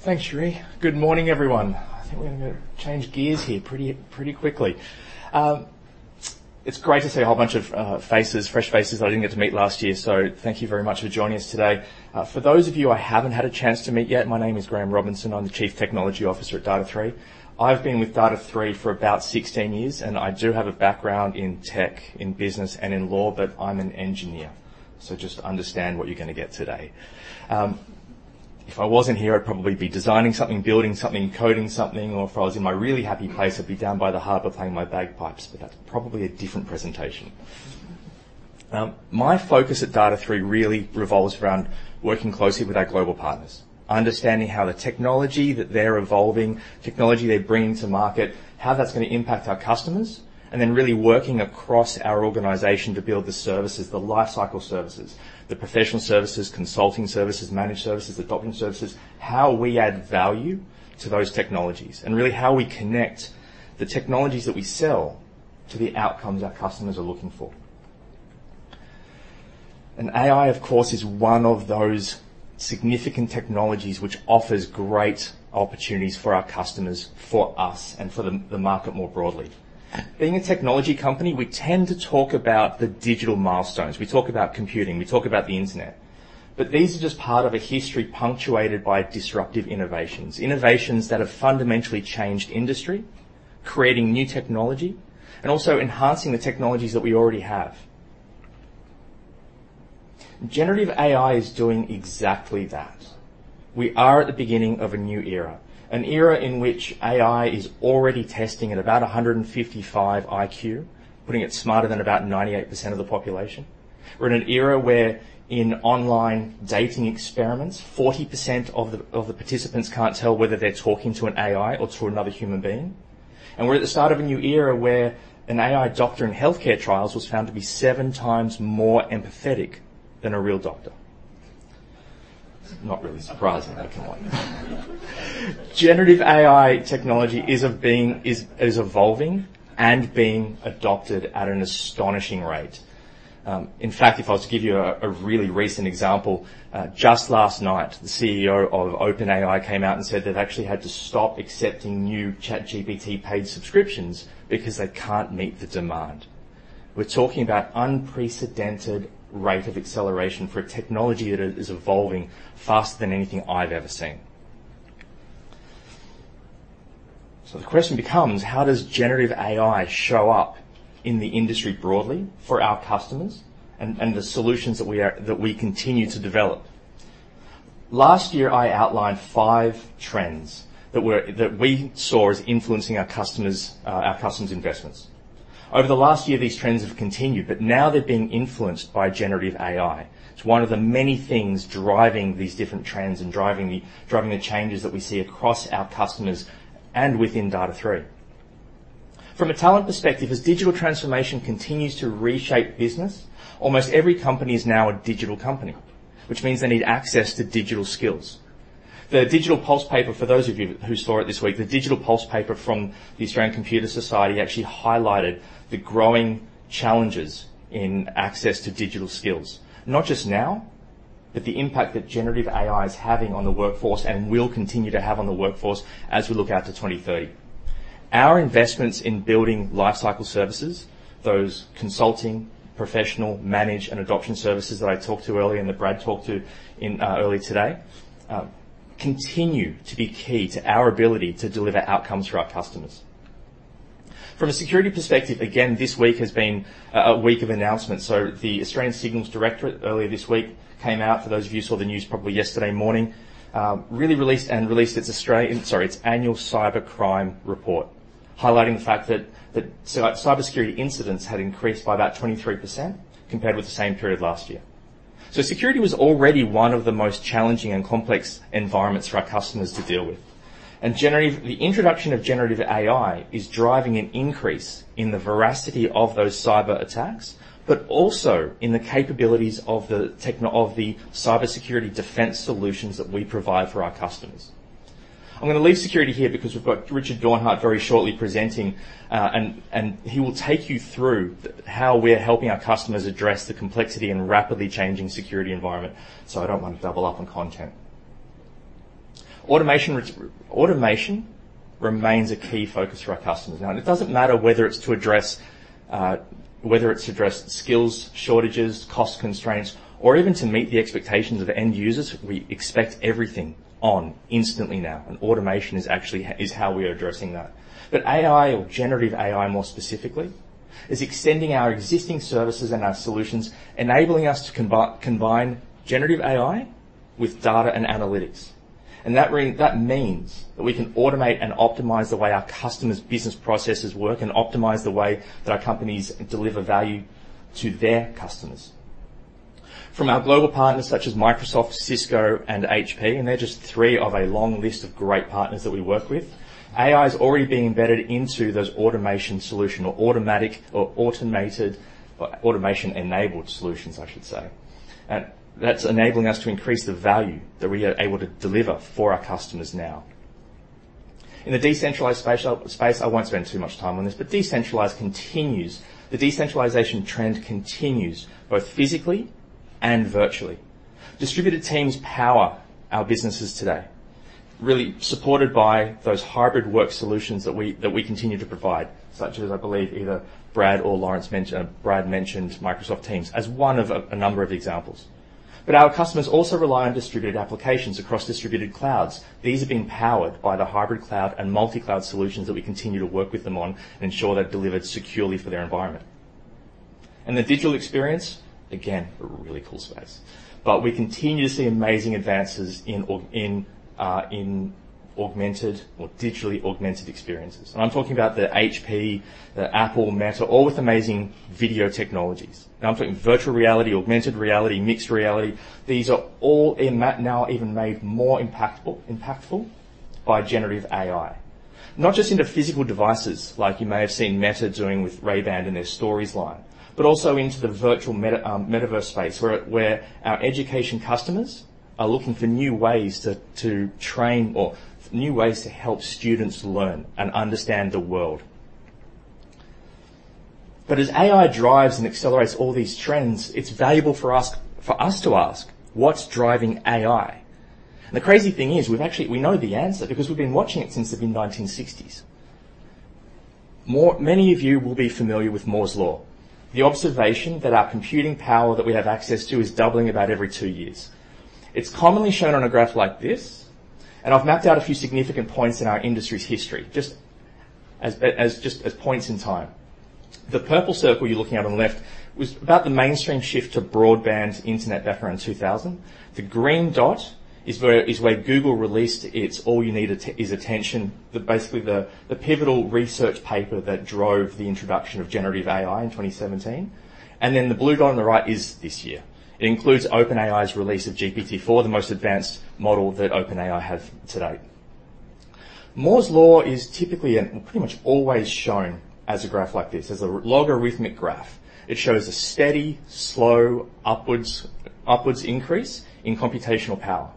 [SPEAKER 6] Thanks, Cherie. Good morning, everyone. I think we're going to change gears here pretty, pretty quickly. It's great to see a whole bunch of faces, fresh faces that I didn't get to meet last year, so thank you very much for joining us today. For those of you I haven't had a chance to meet yet, my name is Graham Robinson. I'm the Chief Technology Officer at Data#3. I've been with Data#3 for about 16 years, and I do have a background in tech, in business, and in law, but I'm an engineer. So just understand what you're going to get today. If I wasn't here, I'd probably be designing something, building something, coding something, or if I was in my really happy place, I'd be down by the harbor playing my bagpipes, but that's probably a different presentation. My focus at Data#3 really revolves around working closely with our global partners, understanding how the technology that they're evolving, technology they're bringing to market, how that's going to impact our customers, and then really working across our organization to build the services, the lifecycle services, the professional services, consulting services, managed services, adoption services, how we add value to those technologies, and really how we connect the technologies that we sell to the outcomes our customers are looking for. And AI, of course, is one of those significant technologies which offers great opportunities for our customers, for us, and for the, the market more broadly. Being a technology company, we tend to talk about the digital milestones. We talk about computing, we talk about the internet, but these are just part of a history punctuated by disruptive innovations, innovations that have fundamentally changed industry, creating new technology and also enhancing the technologies that we already have. Generative AI is doing exactly that. We are at the beginning of a new era, an era in which AI is already testing at about 155 IQ, putting it smarter than about 98% of the population. We're in an era where, in online dating experiments, 40% of the participants can't tell whether they're talking to an AI or to another human being. We're at the start of a new era where an AI doctor in healthcare trials was found to be 7x more empathetic than a real doctor. It's not really surprising, though, can I? Generative AI technology is evolving and being adopted at an astonishing rate. In fact, if I was to give you a really recent example, just last night, the CEO of OpenAI came out and said they've actually had to stop accepting new ChatGPT paid subscriptions because they can't meet the demand. We're talking about unprecedented rate of acceleration for a technology that is evolving faster than anything I've ever seen. So the question becomes: How does generative AI show up in the industry broadly for our customers and the solutions that we continue to develop? Last year, I outlined five trends that we saw as influencing our customers' investments. Over the last year, these trends have continued, but now they're being influenced by generative AI. It's one of the many things driving these different trends and driving the changes that we see across our customers and within Data#3. From a talent perspective, as digital transformation continues to reshape business, almost every company is now a digital company, which means they need access to digital skills. The Digital Pulse paper, for those of you who saw it this week, the Digital Pulse paper from the Australian Computer Society actually highlighted the growing challenges in access to digital skills. Not just now, but the impact that generative AI is having on the workforce and will continue to have on the workforce as we look out to 2030. Our investments in building lifecycle services, those consulting, professional, managed, and adoption services that I talked to earlier and that Brad talked to in early today, continue to be key to our ability to deliver outcomes for our customers. From a security perspective, again, this week has been a week of announcements. So the Australian Signals Directorate, earlier this week, came out, for those of you who saw the news probably yesterday morning, really released its Australian... Sorry, its annual cybercrime report, highlighting the fact that cybersecurity incidents had increased by about 23% compared with the same period last year. So security was already one of the most challenging and complex environments for our customers to deal with. The introduction of generative AI is driving an increase in the veracity of those cyberattacks, but also in the capabilities of the technology of the cybersecurity defense solutions that we provide for our customers. I'm going to leave security here because we've got Richard Dornhart very shortly presenting, and he will take you through how we're helping our customers address the complexity and rapidly changing security environment, so I don't want to double up on content. Automation remains a key focus for our customers. Now, it doesn't matter whether it's to address skills shortages, cost constraints, or even to meet the expectations of end users. We expect everything on instantly now, and automation is actually is how we are addressing that. But AI, or generative AI more specifically, is extending our existing services and our solutions, enabling us to combine generative AI with data and analytics. And that means that we can automate and optimize the way our customers' business processes work and optimize the way that our companies deliver value to their customers. From our global partners, such as Microsoft, Cisco, and HP, and they're just three of a long list of great partners that we work with, AI is already being embedded into those automation solution or automatic or automated or automation-enabled solutions, I should say. And that's enabling us to increase the value that we are able to deliver for our customers now. In the decentralized space, I won't spend too much time on this but decentralized continues. The decentralization trend continues, both physically and virtually. Distributed teams power our businesses today, really supported by those hybrid work solutions that we continue to provide, such as, I believe, either Brad or Laurence mentioned. Brad mentioned Microsoft Teams as one of a number of examples. But our customers also rely on distributed applications across distributed clouds. These are being powered by the hybrid cloud and multi-cloud solutions that we continue to work with them on and ensure they're delivered securely for their environment. And the digital experience, again, a really cool space. But we continue to see amazing advances in augmented or digitally augmented experiences. And I'm talking about the HP, the Apple, Meta, all with amazing video technologies. Now, I'm talking virtual reality, augmented reality, mixed reality. These are all in that now even made more impactful by generative AI. Not just in the physical devices like you may have seen Meta doing with Ray-Ban and their Stories line, but also into the virtual meta metaverse space, where our education customers are looking for new ways to train or new ways to help students learn and understand the world. But as AI drives and accelerates all these trends, it's valuable for us to ask: What's driving AI? And the crazy thing is, we've actually we know the answer because we've been watching it since the mid-1960s. Many of you will be familiar with Moore's Law, the observation that our computing power that we have access to is doubling about every two years. It's commonly shown on a graph like this, and I've mapped out a few significant points in our industry's history, just as points in time. The purple circle you're looking at on the left was about the mainstream shift to broadband internet back around 2000. The green dot is where Google released its "All You Need is Attention," basically the pivotal research paper that drove the introduction of generative AI in 2017. And then the blue dot on the right is this year. It includes OpenAI's release of GPT-4, the most advanced model that OpenAI have to date. Moore's Law is typically, and pretty much always shown as a graph like this, as a logarithmic graph. It shows a steady, slow, upwards increase in computational power.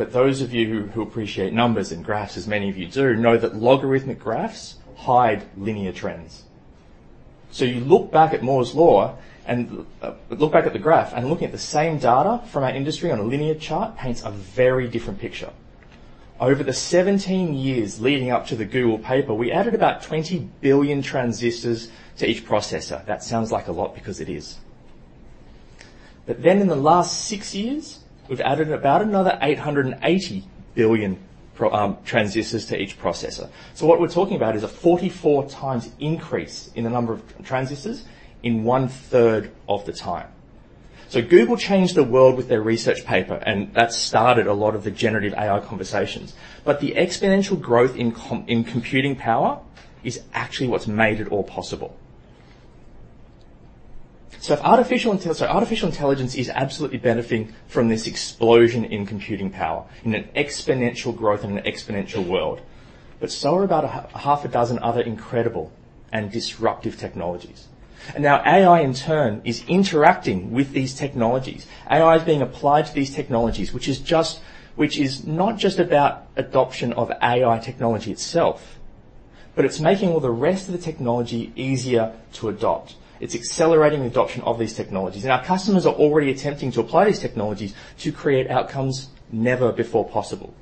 [SPEAKER 6] But those of you who appreciate numbers and graphs, as many of you do, know that logarithmic graphs hide linear trends. So you look back at Moore's Law and look back at the graph, and looking at the same data from our industry on a linear chart paints a very different picture. Over the 17 years leading up to the Google paper, we added about 20 billion transistors to each processor. That sounds like a lot because it is. But then in the last six years, we've added about another 880 billion transistors to each processor. So what we're talking about is a 44x increase in the number of transistors in 1/3 of the time. So Google changed the world with their research paper, and that started a lot of the generative AI conversations. But the exponential growth in computing power is actually what's made it all possible. So if artificial intel... So artificial intelligence is absolutely benefiting from this explosion in computing power, in an exponential growth, in an exponential world. But so are about half a dozen other incredible and disruptive technologies. And now AI, in turn, is interacting with these technologies. AI is being applied to these technologies, which is not just about adoption of AI technology itself, but it's making all the rest of the technology easier to adopt. It's accelerating the adoption of these technologies, and our customers are already attempting to apply these technologies to create outcomes never before possible.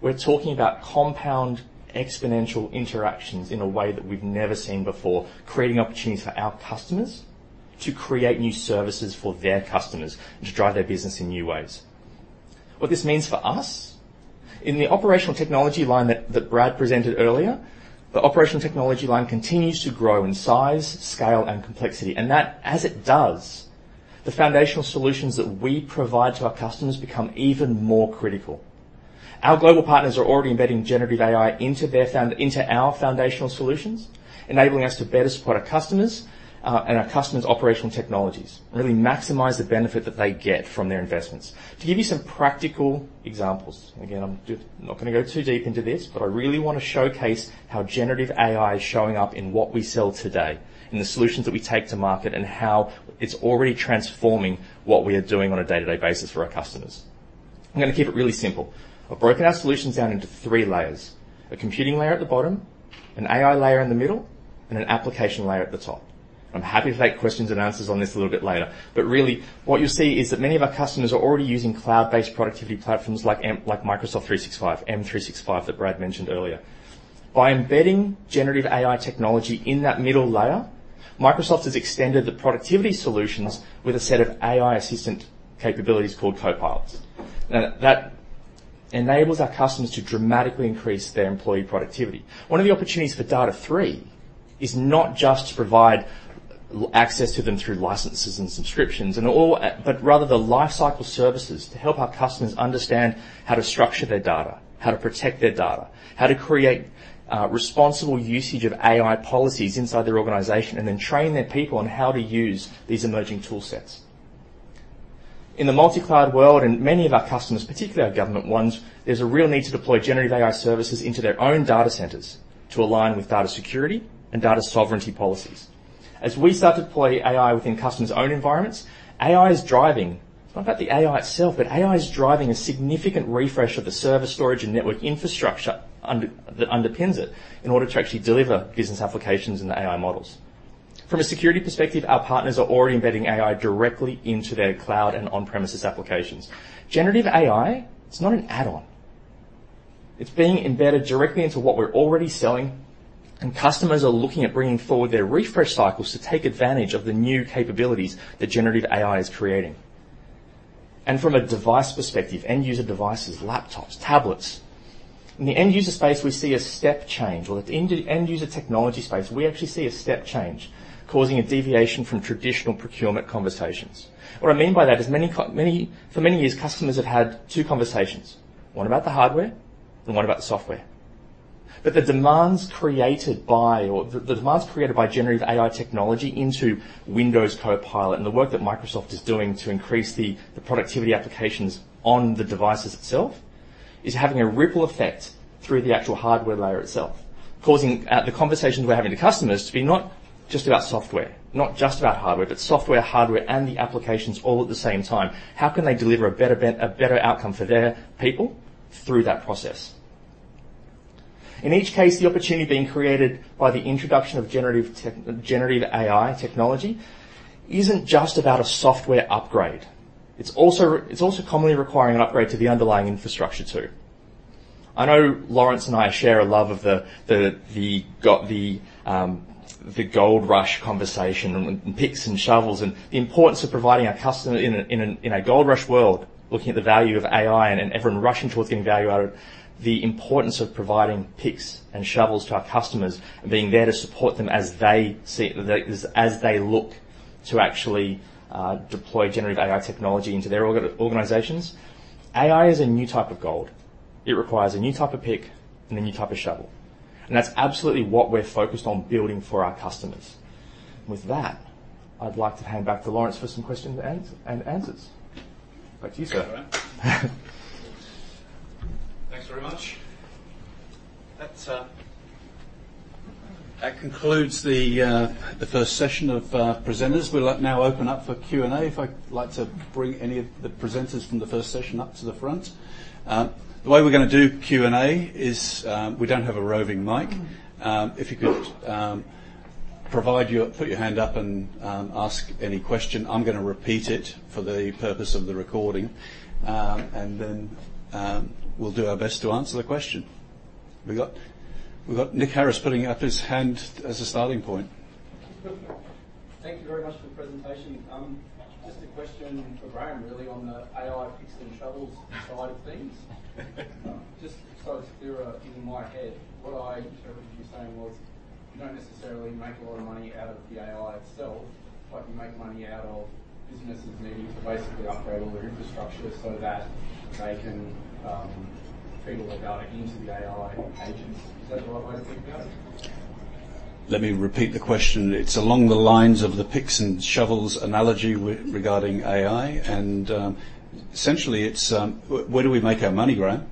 [SPEAKER 6] We're talking about compound exponential interactions in a way that we've never seen before, creating opportunities for our customers to create new services for their customers and to drive their business in new ways. What this means for us, in the operational technology line that Brad presented earlier, the operational technology line continues to grow in size, scale, and complexity. That, as it does, the foundational solutions that we provide to our customers become even more critical. Our global partners are already embedding generative AI into their into our foundational solutions, enabling us to better support our customers, and our customers' operational technologies. Really maximize the benefit that they get from their investments. To give you some practical examples, again, I'm just not gonna go too deep into this, but I really want to showcase how generative AI is showing up in what we sell today, and the solutions that we take to market, and how it's already transforming what we are doing on a day-to-day basis for our customers. I'm gonna keep it really simple. I've broken our solutions down into three layers: a computing layer at the bottom, an AI layer in the middle, and an application layer at the top. I'm happy to take questions and answers on this a little bit later. But really, what you'll see is that many of our customers are already using cloud-based productivity platforms like Microsoft 365, M365, that Brad mentioned earlier. By embedding generative AI technology in that middle layer, Microsoft has extended the productivity solutions with a set of AI assistant capabilities called Copilots. Now, that enables our customers to dramatically increase their employee productivity. One of the opportunities for Data#3 is not just to provide access to them through licenses and subscriptions and all, but rather the lifecycle services to help our customers understand how to structure their data, how to protect their data, how to create responsible usage of AI policies inside their organization, and then train their people on how to use these emerging tool sets. In the multi-cloud world, and many of our customers, particularly our government ones, there's a real need to deploy generative AI services into their own data centers to align with data security and data sovereignty policies. As we start to deploy AI within customers' own environments, AI is driving... It's not about the AI itself, but AI is driving a significant refresh of the server storage and network infrastructure that underpins it, in order to actually deliver business applications and the AI models. From a security perspective, our partners are already embedding AI directly into their cloud and on-premises applications. Generative AI, it's not an add-on. It's being embedded directly into what we're already selling, and customers are looking at bringing forward their refresh cycles to take advantage of the new capabilities that generative AI is creating. And from a device perspective, end-user devices, laptops, tablets. In the end-user space, we see a step change, or with the end-user technology space, we actually see a step change, causing a deviation from traditional procurement conversations. What I mean by that is for many years, customers have had two conversations: one about the hardware and one about the software. But the demands created by generative AI technology into Windows Copilot and the work that Microsoft is doing to increase the productivity applications on the devices itself is having a ripple effect through the actual hardware layer itself, causing the conversations we're having with customers to be not just about software, not just about hardware, but software, hardware, and the applications all at the same time. How can they deliver a better outcome for their people through that process? In each case, the opportunity being created by the introduction of generative AI technology isn't just about a software upgrade. It's also commonly requiring an upgrade to the underlying infrastructure, too. I know Laurence and I share a love of the gold rush conversation and picks and shovels, and the importance of providing our customer in a gold rush world, looking at the value of AI and everyone rushing towards getting value out of it, the importance of providing picks and shovels to our customers and being there to support them as they look to actually deploy generative AI technology into their organizations. AI is a new type of gold. It requires a new type of pick and a new type of shovel, and that's absolutely what we're focused on building for our customers. With that, I'd like to hand back to Laurence for some questions and answers. Back to you, sir.
[SPEAKER 1] Thanks very much. That concludes the first session of presenters. We'll now open up for Q&A. I'd like to bring any of the presenters from the first session up to the front. The way we're gonna do Q&A is we don't have a roving mic. If you could put your hand up and ask any question, I'm gonna repeat it for the purpose of the recording. And then we'll do our best to answer the question. We've got Nick Harris putting up his hand as a starting point.
[SPEAKER 7] Thank you very much for the presentation. Just a question for Graham, really, on the AI picks and shovels side of things. Just so it's clearer in my head, what I interpreted you saying was, you don't necessarily make a lot of money out of the AI itself, but you make money out of businesses needing to basically upgrade all their infrastructure so that they can feed all the data into the AI agents. Is that the right way to think about it?
[SPEAKER 1] Let me repeat the question. It's along the lines of the picks and shovels analogy regarding AI, and essentially, it's where do we make our money, Graham?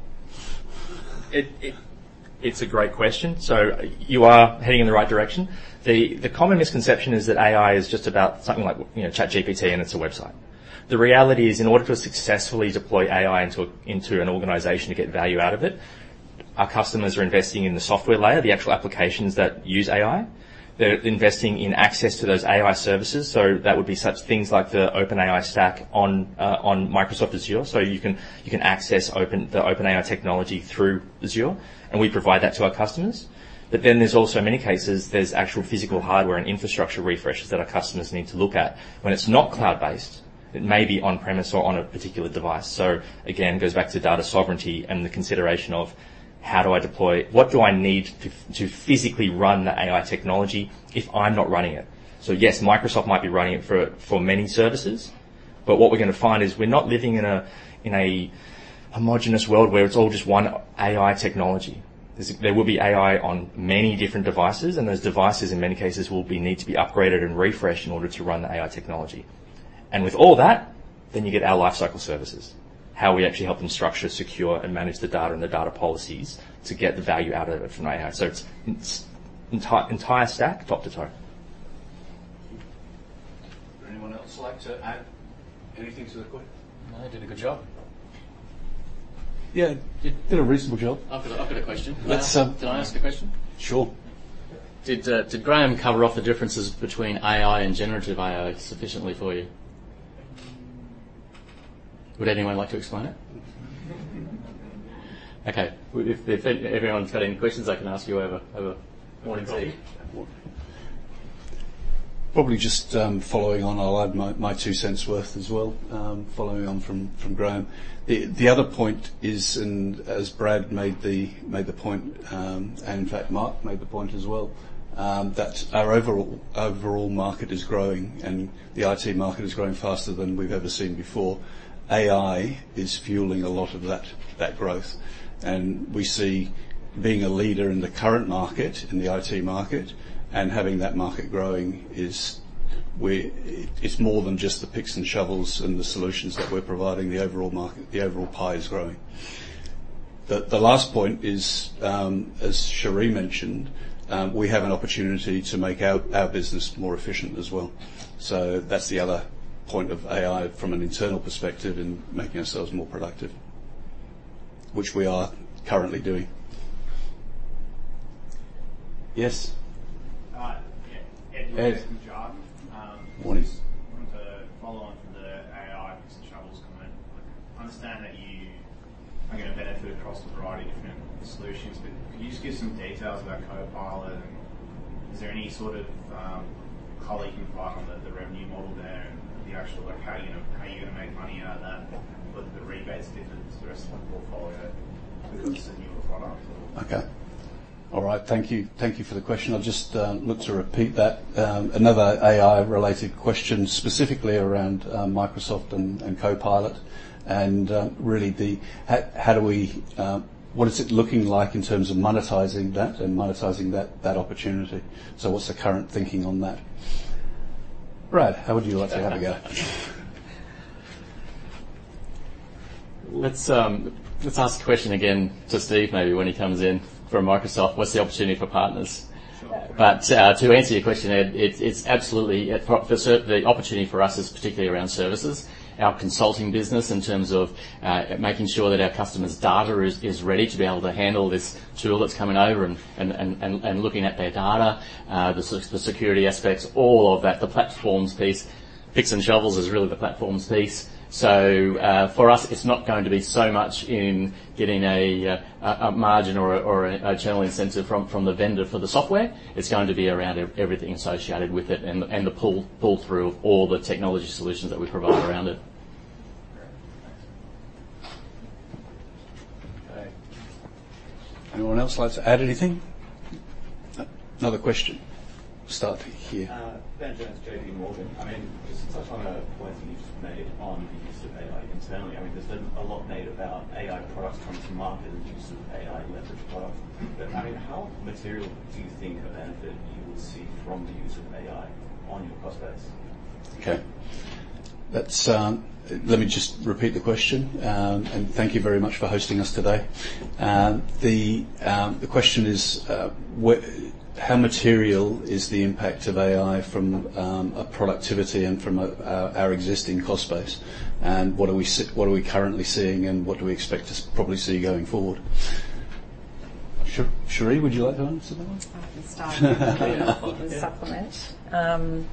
[SPEAKER 6] It's a great question. So you are heading in the right direction. The common misconception is that AI is just about something like, you know, ChatGPT, and it's a website. The reality is, in order to successfully deploy AI into an organization to get value out of it, our customers are investing in the software layer, the actual applications that use AI. They're investing in access to those AI services, so that would be such things like the OpenAI stack on Microsoft Azure. So you can access the OpenAI technology through Azure, and we provide that to our customers. But then there's also many cases, there's actual physical hardware and infrastructure refreshes that our customers need to look at. When it's not cloud-based, it may be on-premise or on a particular device. So again, it goes back to data sovereignty and the consideration of: How do I deploy? What do I need to physically run the AI technology if I'm not running it? So yes, Microsoft might be running it for many services, but what we're going to find is, we're not living in a homogeneous world, where it's all just one AI technology. There will be AI on many different devices, and those devices, in many cases, will need to be upgraded and refreshed in order to run the AI technology. And with all that, then you get our lifecycle services, how we actually help them structure, secure, and manage the data and the data policies to get the value out of it from AI. So it's the entire stack, top to toe.
[SPEAKER 1] Would anyone else like to add anything to the question?
[SPEAKER 3] No, he did a good job.
[SPEAKER 1] Yeah, you did a reasonable job.
[SPEAKER 3] I've got a question.
[SPEAKER 1] Let's, um-
[SPEAKER 3] Can I ask the question?
[SPEAKER 1] Sure.
[SPEAKER 3] Did Graham cover off the differences between AI and generative AI sufficiently for you? Would anyone like to explain it? Okay, if anyone's got any questions, I can ask you over morning tea.
[SPEAKER 1] Probably just following on, I'll add my two cents' worth as well, following on from Graham. The other point is, and as Brad made the point, and in fact, Mark made the point as well, that our overall market is growing, and the IT market is growing faster than we've ever seen before. AI is fueling a lot of that growth, and we see being a leader in the current market, in the IT market, and having that market growing is... It's more than just the picks and shovels and the solutions that we're providing. The overall market, the overall pie is growing. The last point is, as Cherie mentioned, we have an opportunity to make our business more efficient as well. That's the other point of AI from an internal perspective, in making ourselves more productive, which we are currently doing. Yes?
[SPEAKER 8] Hi. Yeah.
[SPEAKER 1] Ed.
[SPEAKER 8] Ed, from Jarden.
[SPEAKER 1] Mornings.
[SPEAKER 8] To follow on from the AI picks and shovels comment, I understand that you are going to benefit across a variety of different solutions, but can you just give some details about Copilot? And is there any sort of, color you can provide on the, the revenue model there and the actual, like, how you, how you're going to make money out of that, with the rebates difference, the rest of the portfolio, because it's a newer product?
[SPEAKER 1] Okay. All right. Thank you. Thank you for the question. I'll just look to repeat that. Another AI-related question, specifically around Microsoft and Copilot, and really the... How do we what is it looking like in terms of monetizing that and monetizing that opportunity? So what's the current thinking on that? Brad, how would you like to have a go?
[SPEAKER 3] Let's, let's ask the question again to Steve, maybe when he comes in, from Microsoft: What's the opportunity for partners?
[SPEAKER 8] Sure.
[SPEAKER 6] But to answer your question, Ed, it's absolutely for certain the opportunity for us is particularly around services. Our consulting business, in terms of making sure that our customers' data is ready to be able to handle this tool that's coming over and looking at their data, the security aspects, all of that. The platforms piece, picks and shovels, is really the platforms piece. So for us, it's not going to be so much in getting a margin or a channel incentive from the vendor for the software. It's going to be around everything associated with it and the pull-through of all the technology solutions that we provide around it.
[SPEAKER 8] Great. Thanks.
[SPEAKER 1] Okay. Anyone else like to add anything? Another question. We'll start here.
[SPEAKER 9] Ben Jones, JPMorgan. I mean, just touching on a point you just made on the use of AI internally, I mean, there's been a lot made about AI products coming to market and use of AI-enabled products. But, I mean, how material do you think a benefit you will see from the use of AI on your cost base?
[SPEAKER 1] Let me just repeat the question. And thank you very much for hosting us today. The question is, what, how material is the impact of AI from a productivity and from a our existing cost base? And what are we currently seeing, and what do we expect to probably see going forward? Cherie, would you like to answer that one?
[SPEAKER 5] I can start.
[SPEAKER 1] Yeah.
[SPEAKER 5] You can supplement.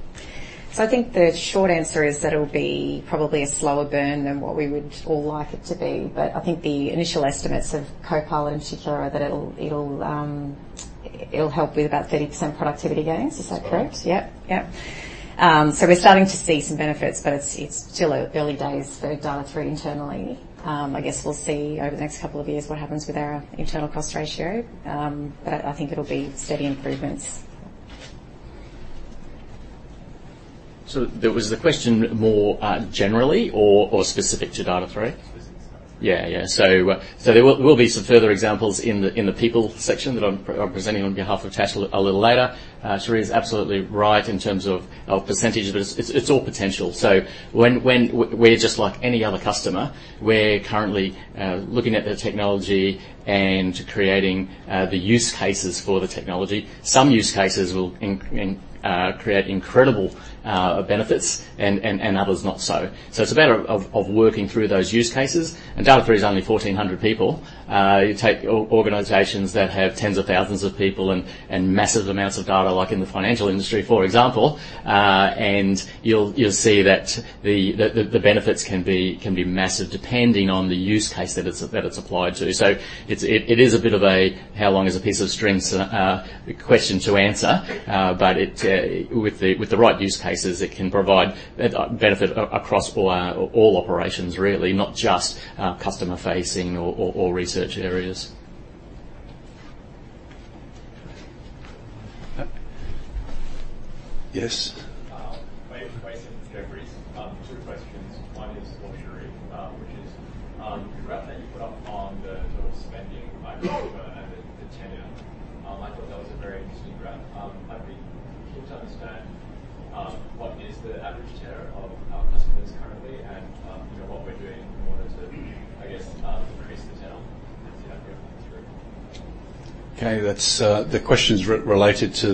[SPEAKER 5] So I think the short answer is that it'll be probably a slower burn than what we would all like it to be. But I think the initial estimates of Copilot, in particular, are that it'll help with about 30% productivity gains. Is that correct?
[SPEAKER 1] Right.
[SPEAKER 5] Yep, yep. So we're starting to see some benefits, but it's still early days for Data#3 internally. I guess we'll see over the next couple of years what happens with our internal cost ratio. But I think it'll be steady improvements.
[SPEAKER 3] Was the question more generally or specific to Data#3?
[SPEAKER 9] Specific.
[SPEAKER 3] Yeah, yeah. So there will be some further examples in the people section that I'm presenting on behalf of Tash a little later. Cherie is absolutely right in terms of percentage, but it's all potential. So we're just like any other customer, we're currently looking at the technology and creating the use cases for the technology. Some use cases will create incredible benefits and others, not so. So it's a matter of working through those use cases. And Data#3 is only 1,400 people. You take organizations that have tens of thousands of people and massive amounts of data, like in the financial industry, for example, and you'll see that the benefits can be massive, depending on the use case that it's applied to. So it's a bit of a how long is a piece of string? So, question to answer. But with the right use cases, it can provide benefit across all operations, really, not just customer-facing or research areas.
[SPEAKER 1] Uh, yes?
[SPEAKER 10] Wei Sim, Jefferies. Two questions. One is for Cherie, which is, the graph that you put up on the sort of spending and the, the tenure. I'd be keen to understand, what is the average tenure of, customers currently and, you know, what we're doing in order to, I guess, increase the tenure with Data#3.
[SPEAKER 1] Okay, that's the question is related to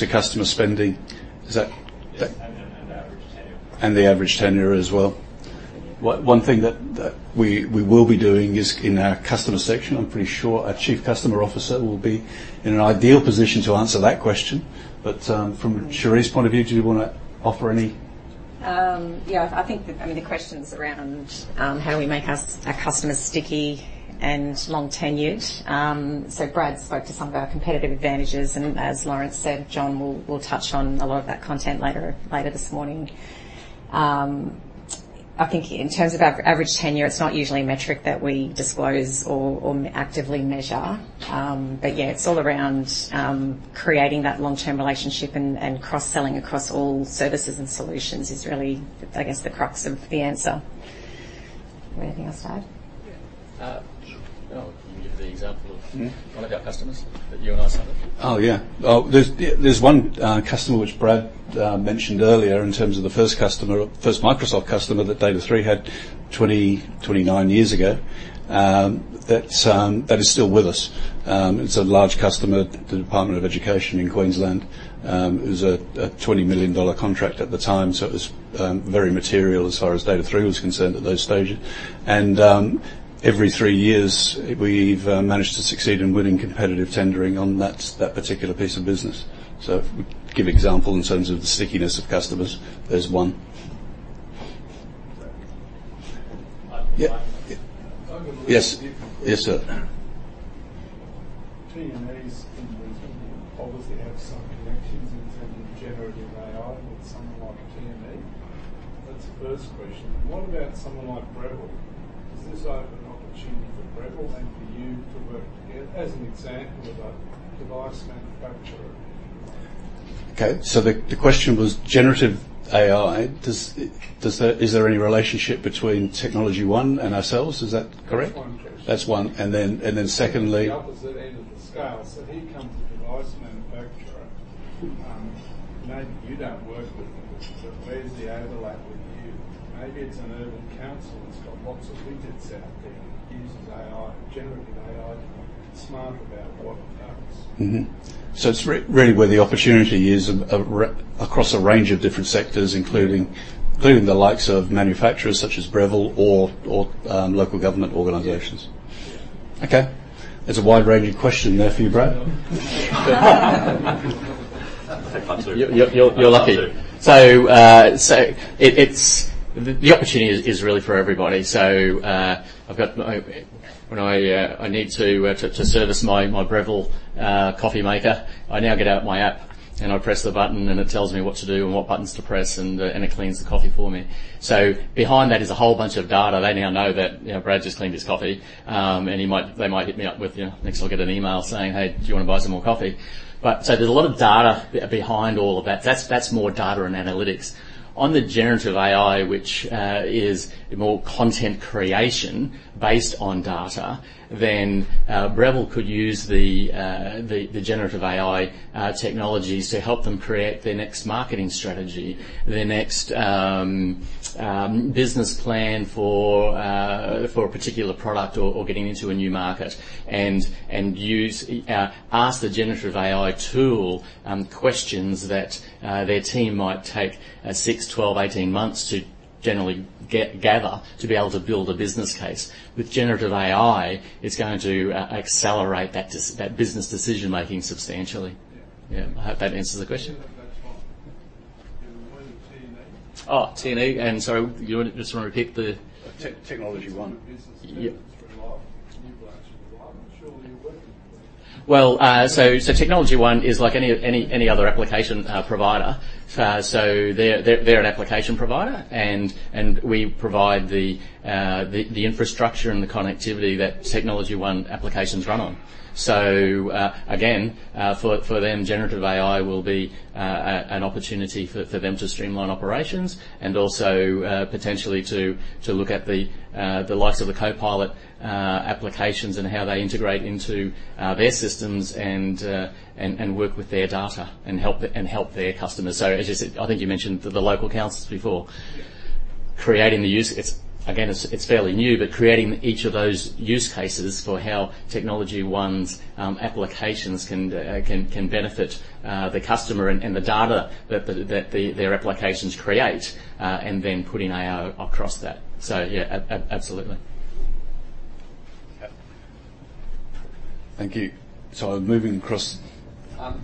[SPEAKER 1] the customer spending. Is that that-
[SPEAKER 10] Yes, spending and average tenure.
[SPEAKER 1] The average tenure as well. One thing that we will be doing is in our customer section. I'm pretty sure our Chief Customer Officer will be in an ideal position to answer that question. But from Cherie's point of view, do you want to offer any?
[SPEAKER 5] Yeah, I think that, I mean, the question's around how do we make our customers sticky and long-tenured. So Brad spoke to some of our competitive advantages, and as Laurence said, John will touch on a lot of that content later this morning. I think in terms of our average tenure, it's not usually a metric that we disclose or actively measure. But yeah, it's all around creating that long-term relationship and cross-selling across all services and solutions is really, I guess, the crux of the answer. Anything else to add?
[SPEAKER 3] Yeah. Well, can you give the example of-
[SPEAKER 1] Mm-hmm.
[SPEAKER 3] one of our customers that you and I saw?
[SPEAKER 1] Oh, yeah. There's, yeah, there's one customer which Brad mentioned earlier in terms of the first customer, first Microsoft customer that Data#3 had 29 years ago, that's that is still with us. It's a large customer. The Department of Education in Queensland, it was a 20 million dollar contract at the time, so it was very material as far as Data#3 was concerned at that stage. And every three years, we've managed to succeed in winning competitive tendering on that particular piece of business. So to give example in terms of the stickiness of customers, there's one.
[SPEAKER 10] Thank you.
[SPEAKER 1] Yeah, yeah.
[SPEAKER 11] I would-
[SPEAKER 1] Yes. Yes, sir.
[SPEAKER 11] TNE is in the... obviously have some connections in terms of generative AI with someone like TNE. That's the first question. What about someone like Breville? Does this open an opportunity for Breville and for you to work together, as an example, of a device manufacturer?
[SPEAKER 1] Okay, so the question was generative AI. Is there any relationship between TechnologyOne and ourselves? Is that correct?
[SPEAKER 11] One question.
[SPEAKER 1] That's one. And then, and then secondly-
[SPEAKER 11] The opposite end of the scale. So here comes the device manufacturer. Maybe you don't work with them, but where's the overlap with you? Maybe it's an urban council that's got lots of widgets out there, uses AI, generative AI, to be smart about what works.
[SPEAKER 1] Mm-hmm. So it's really where the opportunity is across a range of different sectors, including the likes of manufacturers such as Breville or local government organizations.
[SPEAKER 11] Yeah.
[SPEAKER 1] Okay. There's a wide-ranging question there for you, Brad.
[SPEAKER 3] I'd love to. You're lucky. The opportunity is really for everybody. So, when I need to service my Breville coffee maker, I now get out my app, and I press the button, and it tells me what to do and what buttons to press, and it cleans the coffee for me. So behind that is a whole bunch of data. They now know that, you know, Brad just cleaned his coffee. And they might hit me up with, you know, next I'll get an email saying: "Hey, do you want to buy some more coffee?" So there's a lot of data behind all of that. That's more data and analytics. On the generative AI, which is more content creation based on data, then Breville could use the generative AI technologies to help them create their next marketing strategy, their next business plan for a particular product or getting into a new market. And ask the generative AI tool questions that their team might take six, 12, 18 months to generally gather to be able to build a business case. With generative AI, it's going to accelerate that business decision-making substantially.
[SPEAKER 11] Yeah.
[SPEAKER 3] Yeah, I hope that answers the question.
[SPEAKER 11] Yeah, that's fine. And what about TNE?
[SPEAKER 3] Oh, TNE. Sorry, you just want to repeat the-
[SPEAKER 1] TechnologyOne. Business-
[SPEAKER 3] Yeah
[SPEAKER 11] From live to new live. I'm not sure where you're working.
[SPEAKER 3] Well, so TechnologyOne is like any other application provider. So they're an application provider, and we provide the infrastructure and the connectivity that TechnologyOne applications run on. So again, for them, generative AI will be an opportunity for them to streamline operations and also potentially to look at the likes of the Copilot applications and how they integrate into their systems and work with their data and help their customers. So as you said, I think you mentioned the local councils before.
[SPEAKER 11] Yeah.
[SPEAKER 3] Creating the use cases, it's again, it's fairly new, but creating each of those use cases for how TechnologyOne's applications can benefit the customer and the data that their applications create, and then putting AI across that. So yeah, absolutely.
[SPEAKER 1] Okay. Thank you. So moving across-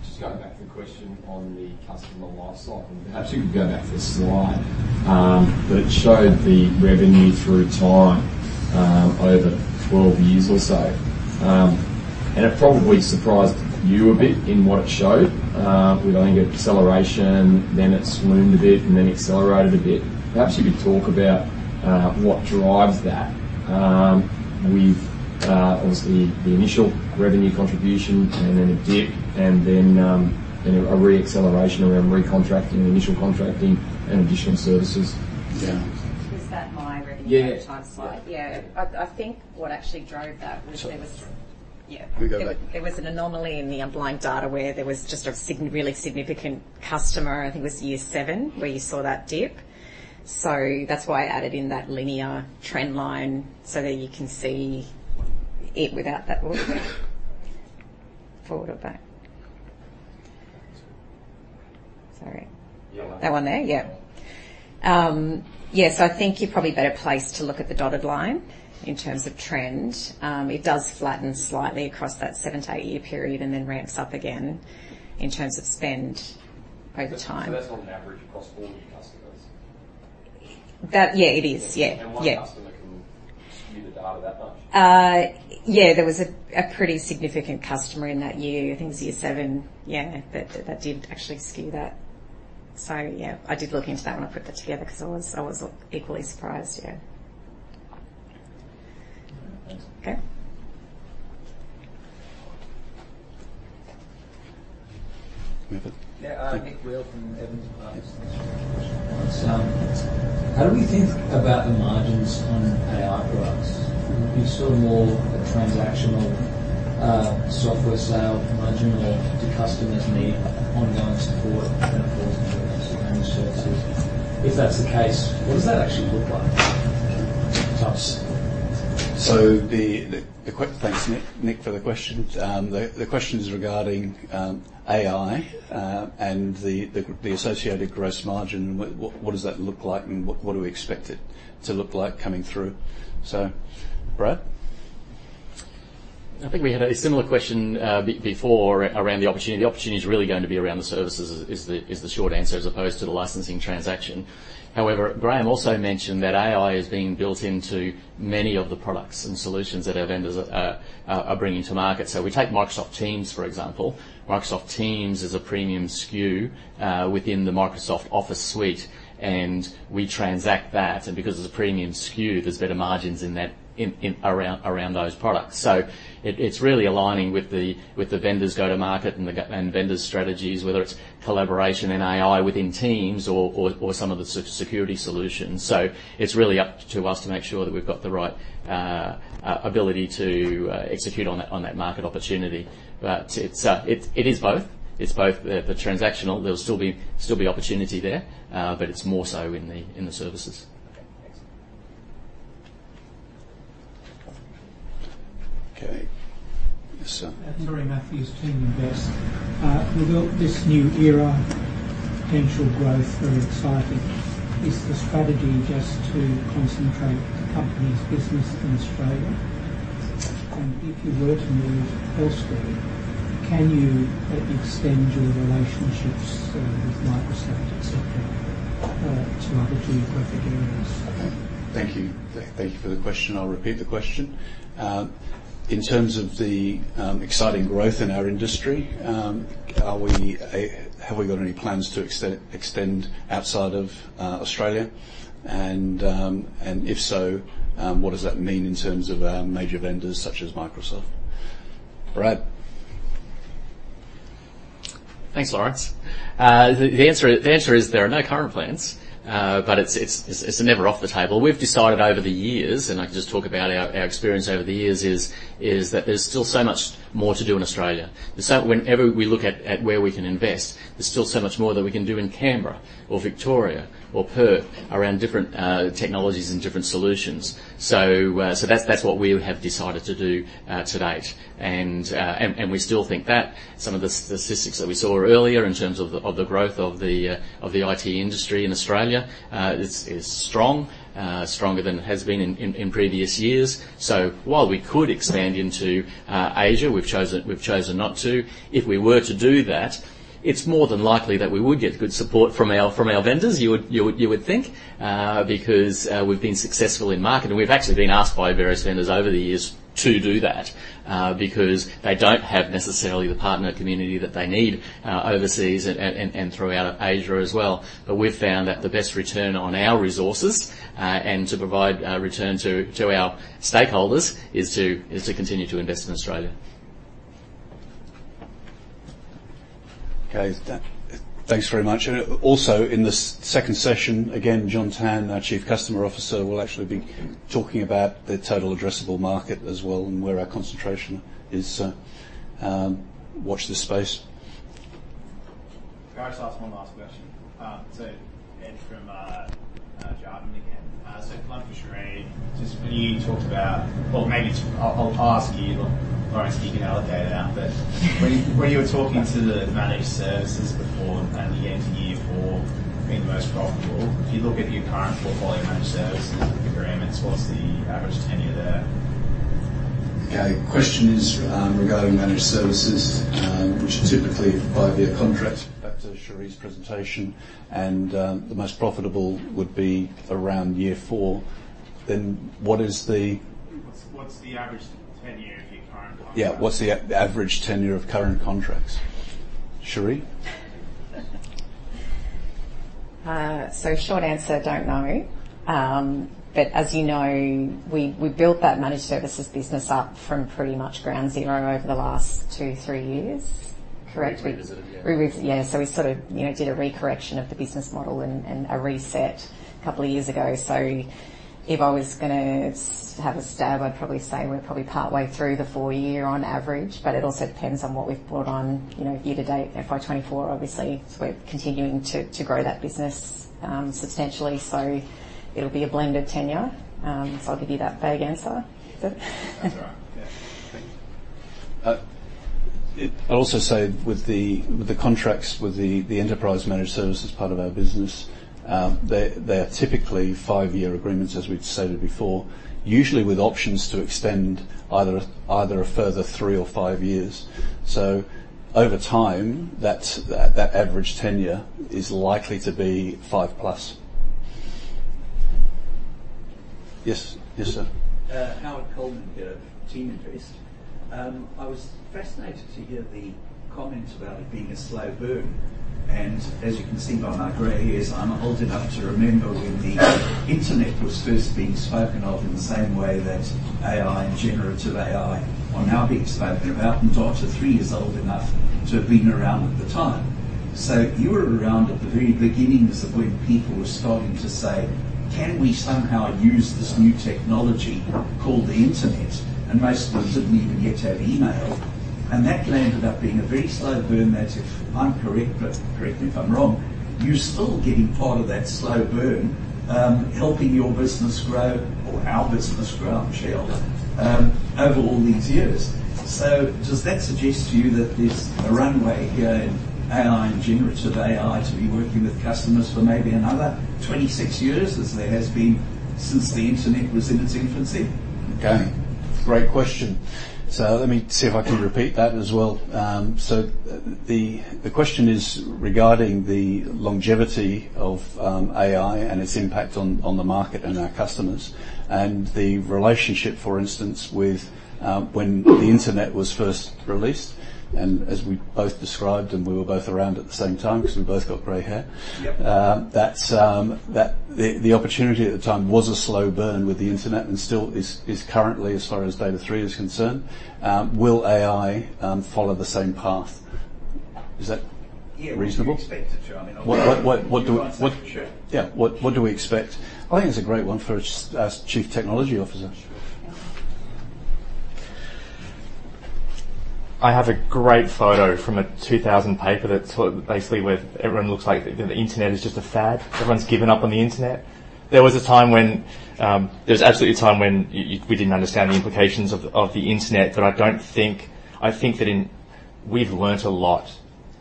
[SPEAKER 11] Just going back to the question on the customer lifestyle, and perhaps you could go back to the slide, that showed the revenue through time, over 12 years or so. It probably surprised you a bit in what it showed. We've only got deceleration, then it swooned a bit and then accelerated a bit. Perhaps you could talk about, what drives that, with, obviously the initial revenue contribution and then a dip and then, then a re-acceleration around recontracting, initial contracting and additional services.
[SPEAKER 1] Yeah.
[SPEAKER 5] Is that my revenue-
[SPEAKER 11] Yeah
[SPEAKER 5] -type slide? Yeah. I think what actually drove that was there was-
[SPEAKER 11] Sure.
[SPEAKER 5] Yeah.
[SPEAKER 1] We go back.
[SPEAKER 5] There was an anomaly in the underlying data where there was just a single really significant customer. I think it was year seven where you saw that dip. So that's why I added in that linear trend line, so that you can see it without that. Forward or back? Sorry. That one there? Yeah. Yes, I think you're probably better placed to look at the dotted line in terms of trend. It does flatten slightly across that seven to eight-year period and then ramps up again in terms of spend over time.
[SPEAKER 11] That's on average across all your customers?
[SPEAKER 5] Yeah, it is. Yeah. Yeah.
[SPEAKER 11] One customer can skew the data that much?
[SPEAKER 5] Yeah, there was a pretty significant customer in that year. I think it was year seven. Yeah, that did actually skew that. So yeah, I did look into that when I put that together because I was equally surprised. Yeah.
[SPEAKER 11] Thank you.
[SPEAKER 5] Okay.
[SPEAKER 1] We have a-
[SPEAKER 12] Yeah, Nick Weal from Evans and Partners. How do we think about the margins on AI products? Is it still more a transactional software sale margin, or do customers need ongoing support and managed services? If that's the case, what does that actually look like? Types.
[SPEAKER 1] Thanks, Nick, for the question. The question is regarding AI and the associated gross margin. What does that look like, and what do we expect it to look like coming through? So, Brad?
[SPEAKER 3] I think we had a similar question before around the opportunity. The opportunity is really going to be around the services is the short answer, as opposed to the licensing transaction. However, Graham also mentioned that AI is being built into many of the products and solutions that our vendors are bringing to market. So we take Microsoft Teams, for example. Microsoft Teams is a premium SKU within the Microsoft Office suite, and we transact that. And because it's a premium SKU, there's better margins in that, in around those products. So it it's really aligning with the vendors' go-to-market and the vendors' strategies, whether it's collaboration in AI within Teams or some of the security solutions. So it's really up to us to make sure that we've got the right ability to execute on that market opportunity. But it is both. It's both. The transactional, there'll still be opportunity there, but it's more so in the services.
[SPEAKER 12] Okay, thanks.
[SPEAKER 1] Okay. Yes, sir.
[SPEAKER 13] Matthews, Teaminvest. With all this new era, potential growth, very exciting. Is the strategy just to concentrate the company's business in Australia? And if you were to move elsewhere, can you extend your relationships with Microsoft, et cetera, to other geographic areas?
[SPEAKER 1] Thank you. Thank you for the question. I'll repeat the question. In terms of the exciting growth in our industry, are we... Have we got any plans to extend outside of Australia? And, and if so, what does that mean in terms of our major vendors, such as Microsoft? Brad.
[SPEAKER 3] Thanks, Laurence. The answer is there are no current plans. But it's never off the table. We've decided over the years, and I can just talk about our experience over the years, is that there's still so much more to do in Australia. So whenever we look at where we can invest, there's still so much more that we can do in Canberra or Victoria or Perth around different technologies and different solutions. So that's what we have decided to do to date. And we still think that some of the statistics that we saw earlier in terms of the growth of the IT industry in Australia is strong. Stronger than it has been in previous years. So while we could expand into Asia, we've chosen not to. If we were to do that, it's more than likely that we would get good support from our vendors, you would think, because we've been successful in market. We've actually been asked by various vendors over the years to do that, because they don't have necessarily the partner community that they need overseas and throughout Asia as well. But we've found that the best return on our resources and to provide a return to our stakeholders is to continue to invest in Australia.
[SPEAKER 1] Okay. Thanks very much. And also, in the second session, again, John Tan, our Chief Customer Officer, will actually be talking about the total addressable market as well, and where our concentration is. So, watch this space.
[SPEAKER 8] Can I just ask one last question? So Ed from Jarden again. So one for Cherie, just when you talked about... Well, maybe I'll ask you, or else you can allocate it out. But when you were talking to the managed services before and the end of year for being the most profitable, if you look at your current portfolio managed services agreements, what's the average tenure there?
[SPEAKER 1] Okay, question is, regarding managed services, which are typically five-year contracts, back to Cherie's presentation, and, the most profitable would be around year four. Then what is the-
[SPEAKER 8] What's the average tenure of your current contracts?
[SPEAKER 1] Yeah, what's the average tenure of current contracts? Cherie?
[SPEAKER 5] So, short answer, don't know. But as you know, we built that managed services business up from pretty much ground zero over the last two, three years. Correct me-
[SPEAKER 3] Revisited, yeah.
[SPEAKER 5] Revis- Yeah. So we sort of, you know, did a re-correction of the business model and a reset a couple of years ago. So if I was gonna have a stab, I'd probably say we're probably partway through the four-year on average, but it also depends on what we've brought on, you know, year to date, FY 2024, obviously, we're continuing to grow that business substantially. So it'll be a blended tenure. So I'll give you that vague answer.
[SPEAKER 8] That's all right. Yeah. Thank you.
[SPEAKER 1] I'd also say with the contracts with the enterprise managed services part of our business, they're typically five-year agreements, as we've stated before, usually with options to extend either a further three or five years. So over time, that average tenure is likely to be five plus. Yes. Yes, sir?
[SPEAKER 14] Howard Coleman here, Teaminvest. I was fascinated to hear the comments about it being a slow burn. As you can see by my gray hairs, I'm old enough to remember when the Internet was first being spoken of in the same way that AI and generative AI are now being spoken about. And Data#3 is old enough to have been around at the time. So you were around at the very beginnings of when people were starting to say: Can we somehow use this new technology called the Internet? And most of us didn't even yet have email, and that ended up being a very slow burn. That's, if I'm correct, but correct me if I'm wrong, you're still getting part of that slow burn, helping your business grow or our business grow, I'm sure, over all these years. Does that suggest to you that there's a runway in AI and generative AI to be working with customers for maybe another 26 years, as there has been since the Internet was in its infancy?
[SPEAKER 1] Okay, great question. So let me see if I can repeat that as well. So the question is regarding the longevity of AI and its impact on the market and our customers, and the relationship, for instance, with when the Internet was first released, and as we both described, and we were both around at the same time, because we've both got gray hair.
[SPEAKER 14] Yep.
[SPEAKER 1] The opportunity at the time was a slow burn with the Internet and still is currently, as far as Data#3 is concerned. Will AI follow the same path? Is that-
[SPEAKER 14] Yeah...
[SPEAKER 1] reasonable?
[SPEAKER 14] Expect it to. I mean, I-
[SPEAKER 1] What do-
[SPEAKER 14] Sure.
[SPEAKER 1] Yeah. What, what do we expect? I think it's a great one for us, as Chief Technology Officer.
[SPEAKER 6] I have a great photo from a 2000 paper that's sort of basically where everyone looks like the Internet is just a fad. Everyone's given up on the Internet. There was a time when there was absolutely a time when we didn't understand the implications of the Internet, but I don't think... I think that we've learned a lot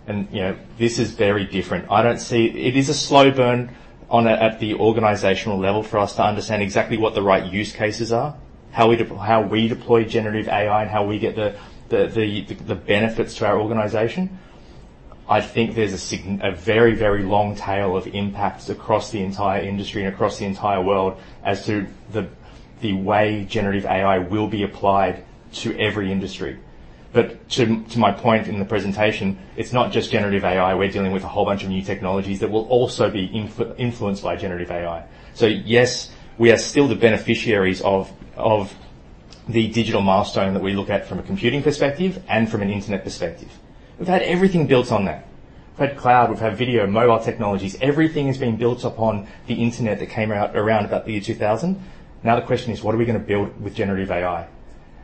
[SPEAKER 6] and, you know, this is very different. I don't see-- It is a slow burn at the organizational level for us to understand exactly what the right use cases are, how we deploy generative AI and how we get the benefits to our organization. I think there's a very, very long tail of impacts across the entire industry and across the entire world as to the way generative AI will be applied to every industry. But to my point in the presentation, it's not just generative AI. We're dealing with a whole bunch of new technologies that will also be influenced by generative AI. So yes, we are still the beneficiaries of the digital milestone that we look at from a computing perspective and from an internet perspective. We've had everything built on that. We've had cloud, we've had video, mobile technologies, everything has been built upon the internet that came out around about the year 2000. Now, the question is: what are we gonna build with generative AI?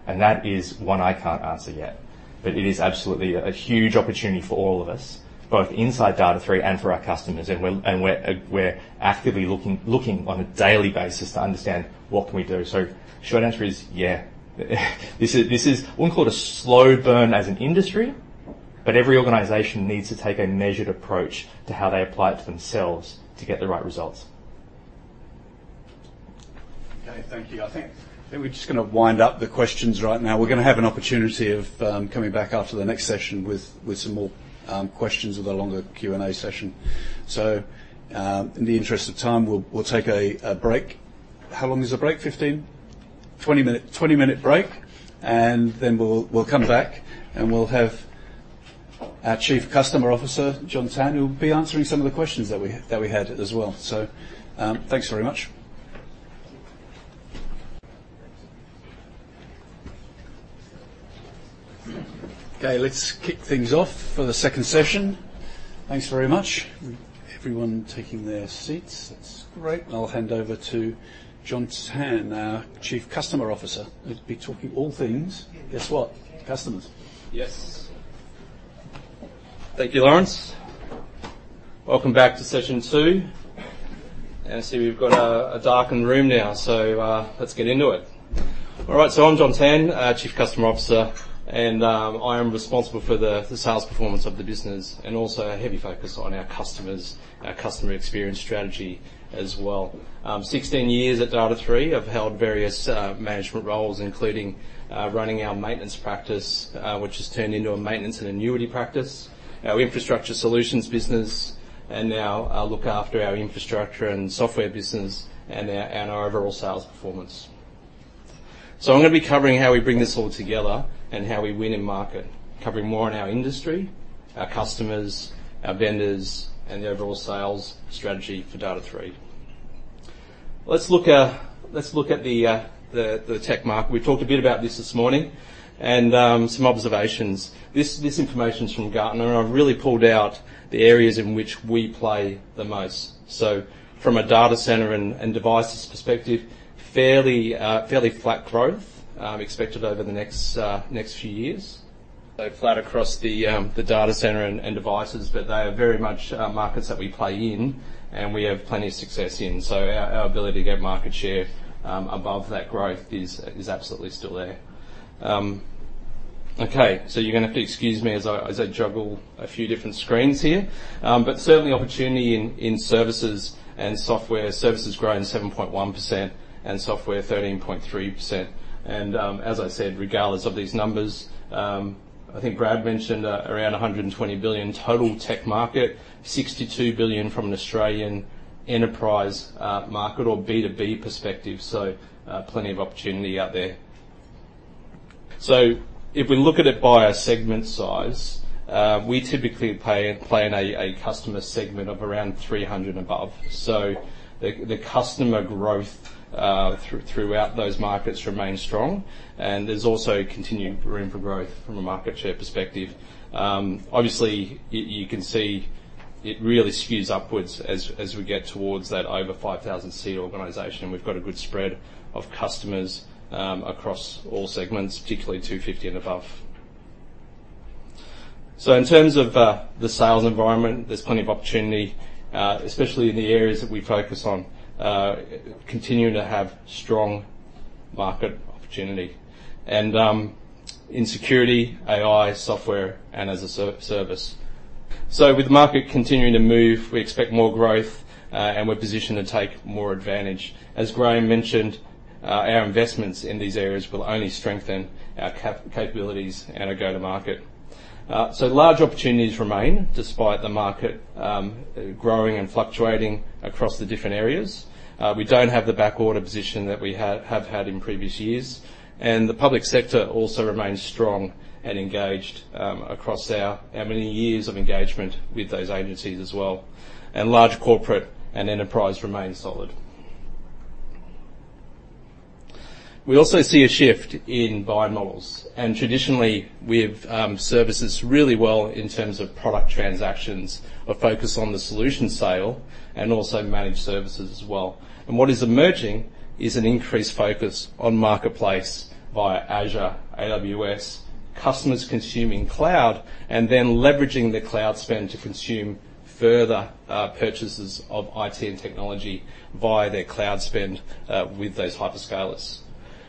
[SPEAKER 6] And that is one I can't answer yet, but it is absolutely a huge opportunity for all of us, both inside Data#3 and for our customers. And we're, and we're, we're actively looking, looking on a daily basis to understand what can we do. So short answer is, yeah, this is, this is what we call a slow burn as an industry, but every organization needs to take a measured approach to how they apply it to themselves to get the right results.
[SPEAKER 1] Okay, thank you. I think that we're just gonna wind up the questions right now. We're gonna have an opportunity of coming back after the next session with some more questions with a longer Q&A session. So, in the interest of time, we'll take a break. How long is the break? 15? 20-minute break, and then we'll come back, and we'll have our Chief Customer Officer, John Tan, who'll be answering some of the questions that we had as well. So, thanks very much. Okay, let's kick things off for the second session. Thanks very much. Everyone taking their seats. That's great. I'll hand over to John Tan, our Chief Customer Officer. He'll be talking all things, guess what? Customers.
[SPEAKER 15] Yes. Thank you, Laurence. Welcome back to session two, and I see we've got a darkened room now, so let's get into it. All right, so I'm John Tan, Chief Customer Officer, and I am responsible for the sales performance of the business and also a heavy focus on our customers and our customer experience strategy as well. 16 years at Data#3. I've held various management roles, including running our maintenance practice, which has turned into a maintenance and annuity practice, our infrastructure solutions business, and now I look after our infrastructure and software business and our overall sales performance. So I'm gonna be covering how we bring this all together and how we win in market. Covering more on our industry, our customers, our vendors, and the overall sales strategy for Data#3. Let's look at the tech market. We talked a bit about this this morning, and some observations. This information is from Gartner, and I've really pulled out the areas in which we play the most. So from a data center and devices perspective, fairly flat growth expected over the next few years. So flat across the data center and devices, but they are very much markets that we play in and we have plenty of success in. So our ability to get market share above that growth is absolutely still there. Okay, so you're gonna have to excuse me as I juggle a few different screens here. But certainly opportunity in services and software. Services growing 7.1% and software 13.3%. As I said, regardless of these numbers, I think Brad mentioned around 120 billion total tech market, 62 billion from an Australian enterprise market or B2B perspective, so plenty of opportunity out there. If we look at it by a segment size, we typically play in a customer segment of around 300 above. The customer growth throughout those markets remains strong, and there's also continued room for growth from a market share perspective. Obviously, you can see it really skews upwards as we get towards that over 5,000-seat organization, and we've got a good spread of customers across all segments, particularly 250 and above. So in terms of the sales environment, there's plenty of opportunity, especially in the areas that we focus on, continuing to have strong market opportunity and in security, AI, software, and as a service. So with the market continuing to move, we expect more growth, and we're positioned to take more advantage. As Graham mentioned, our investments in these areas will only strengthen our capabilities and our go-to-market. So large opportunities remain despite the market growing and fluctuating across the different areas. We don't have the backorder position that we have had in previous years, and the public sector also remains strong and engaged across our many years of engagement with those agencies as well, and large corporate and enterprise remain solid. We also see a shift in buying models, and traditionally, we have services really well in terms of product transactions, a focus on the solution sale, and also managed services as well. And what is emerging is an increased focus on marketplace via Azure, AWS, customers consuming cloud, and then leveraging the cloud spend to consume further purchases of IT and technology via their cloud spend with those hyperscalers.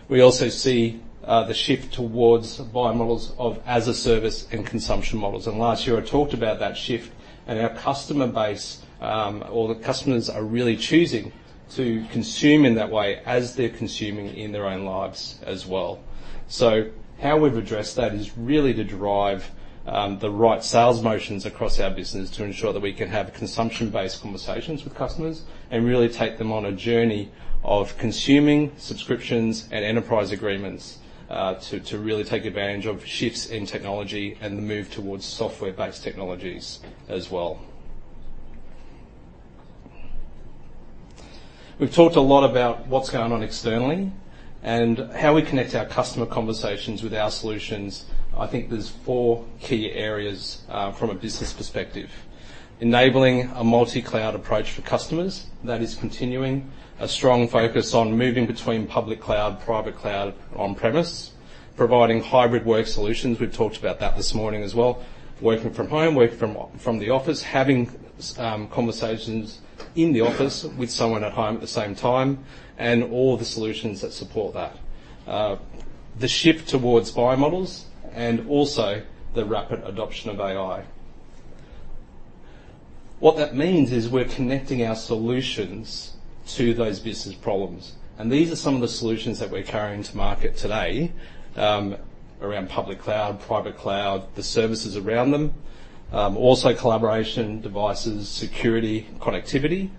[SPEAKER 15] We also see the shift towards buying models of as a service and consumption models. And last year, I talked about that shift and our customer base, or the customers are really choosing to consume in that way as they're consuming in their own lives as well. So how we've addressed that is really to drive the right sales motions across our business to ensure that we can have consumption-based conversations with customers and really take them on a journey of consuming subscriptions and enterprise agreements, to really take advantage of shifts in technology and the move towards software-based technologies as well.... We've talked a lot about what's going on externally and how we connect our customer conversations with our solutions. I think there's four key areas from a business perspective. Enabling a multi-cloud approach for customers, that is continuing. A strong focus on moving between public cloud, private cloud, on-premise. Providing hybrid work solutions, we've talked about that this morning as well, working from home, working from the office, having conversations in the office with someone at home at the same time, and all of the solutions that support that. The shift towards buy models and also the rapid adoption of AI. What that means is we're connecting our solutions to those business problems, and these are some of the solutions that we're carrying to market today, around public cloud, private cloud, the services around them. Also collaboration, devices, security, connectivity,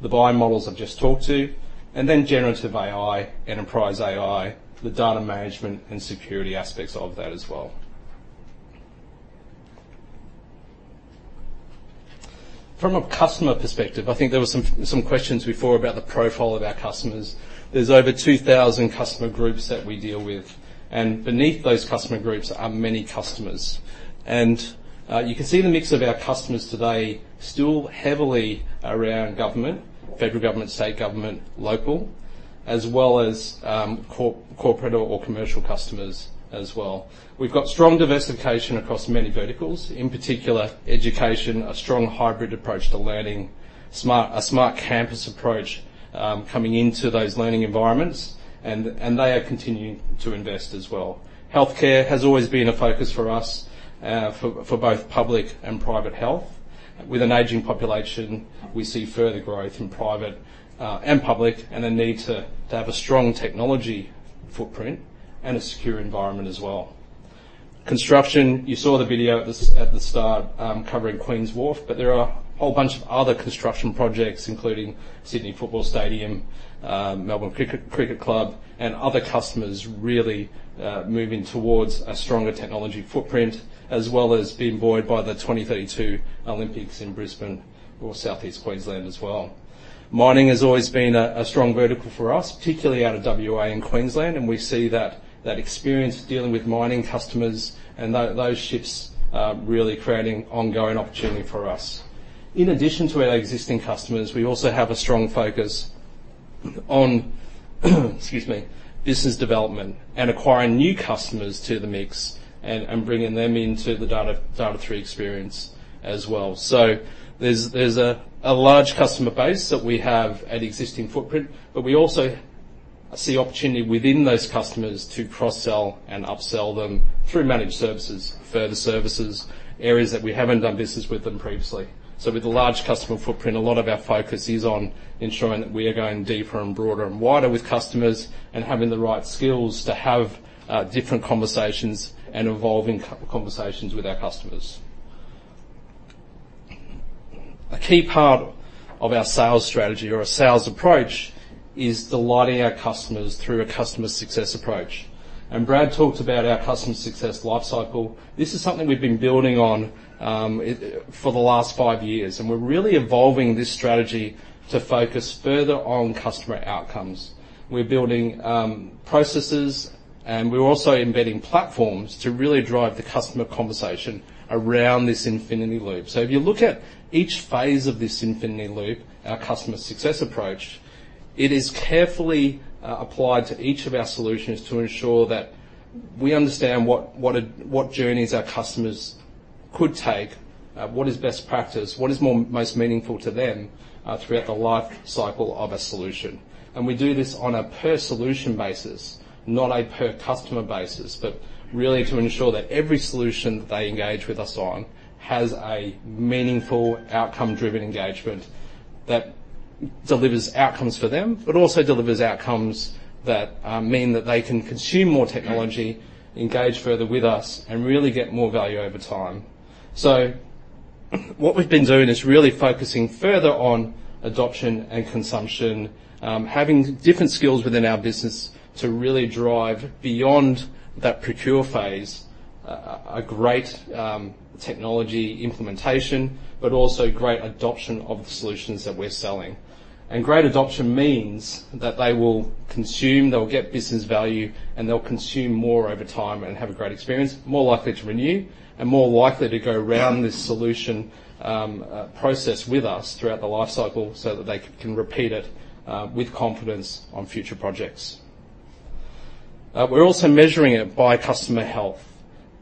[SPEAKER 15] the buy models I've just talked to, and then generative AI, enterprise AI, the data management and security aspects of that as well. From a customer perspective, I think there were some questions before about the profile of our customers. There's over 2000 customer groups that we deal with, and beneath those customer groups are many customers. You can see the mix of our customers today still heavily around government, federal government, state government, local, as well as, corporate or commercial customers as well. We've got strong diversification across many verticals, in particular, education, a strong hybrid approach to learning, smart campus approach, coming into those learning environments, and they are continuing to invest as well. Healthcare has always been a focus for us, for both public and private health. With an aging population, we see further growth in private and public, and a need to have a strong technology footprint and a secure environment as well. Construction, you saw the video at the start, covering Queen's Wharf, but there are a whole bunch of other construction projects, including Sydney Football Stadium, Melbourne Cricket Club and other customers really moving towards a stronger technology footprint, as well as being buoyed by the 2032 Olympics in Brisbane or Southeast Queensland as well. Mining has always been a strong vertical for us, particularly out of WA and Queensland, and we see that experience dealing with mining customers and those shifts really creating ongoing opportunity for us. In addition to our existing customers, we also have a strong focus on, excuse me, business development and acquiring new customers to the mix and bringing them into the Data#3 experience as well. So there's a large customer base that we have an existing footprint, but we also see opportunity within those customers to cross-sell and up-sell them through managed services, further services, areas that we haven't done business with them previously. So with a large customer footprint, a lot of our focus is on ensuring that we are going deeper and broader and wider with customers and having the right skills to have different conversations and evolving conversations with our customers. A key part of our sales strategy or our sales approach is delighting our customers through a customer success approach, and Brad talked about our customer success lifecycle. This is something we've been building on for the last five years, and we're really evolving this strategy to focus further on customer outcomes. We're building processes, and we're also embedding platforms to really drive the customer conversation around this infinity loop. So if you look at each phase of this infinity loop, our customer success approach, it is carefully applied to each of our solutions to ensure that we understand what journeys our customers could take, what is best practice, what is most meaningful to them, throughout the lifecycle of a solution. And we do this on a per solution basis, not a per customer basis, but really to ensure that every solution they engage with us on has a meaningful, outcome-driven engagement that delivers outcomes for them, but also delivers outcomes that mean that they can consume more technology, engage further with us, and really get more value over time. So what we've been doing is really focusing further on adoption and consumption. Having different skills within our business to really drive beyond that procure phase, a great technology implementation, but also great adoption of the solutions that we're selling. And great adoption means that they will consume, they'll get business value, and they'll consume more over time and have a great experience, more likely to renew and more likely to go around this solution, process with us throughout the lifecycle so that they can repeat it with confidence on future projects. We're also measuring it by customer health.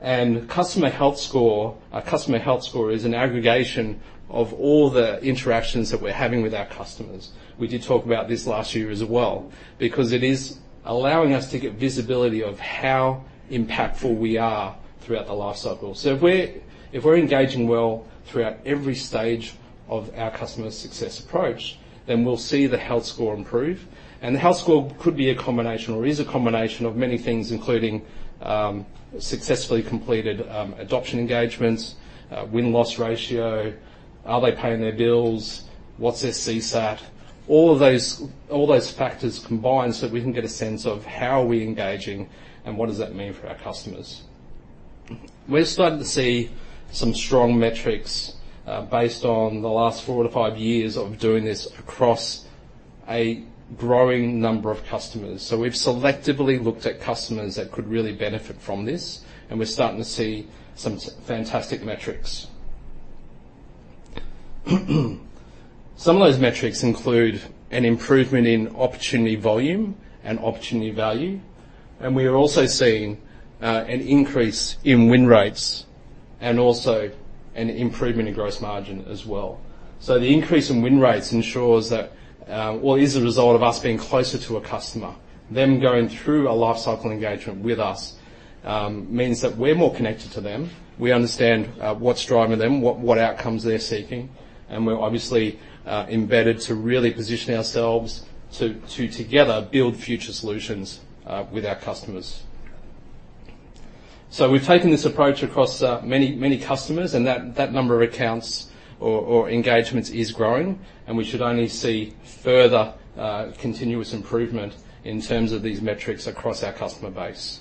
[SPEAKER 15] And customer health score, a customer health score is an aggregation of all the interactions that we're having with our customers. We did talk about this last year as well, because it is allowing us to get visibility of how impactful we are throughout the lifecycle. So if we're, if we're engaging well throughout every stage of our customer success approach, then we'll see the health score improve. And the health score could be a combination or is a combination of many things, including, successfully completed, adoption engagements, win-loss ratio, are they paying their bills, what's their CSAT? All of those all those factors combined so we can get a sense of how are we engaging and what does that mean for our customers. We're starting to see some strong metrics, based on the last 4-5 years of doing this across a growing number of customers. So we've selectively looked at customers that could really benefit from this, and we're starting to see some fantastic metrics. Some of those metrics include an improvement in opportunity volume and opportunity value, and we are also seeing an increase in win rates and also an improvement in gross margin as well. So the increase in win rates ensures that... Well, is a result of us being closer to a customer. Them going through a lifecycle engagement with us means that we're more connected to them, we understand what's driving them, what outcomes they're seeking, and we're obviously embedded to really position ourselves to together build future solutions with our customers. So we've taken this approach across many, many customers, and that number of accounts or engagements is growing, and we should only see further continuous improvement in terms of these metrics across our customer base.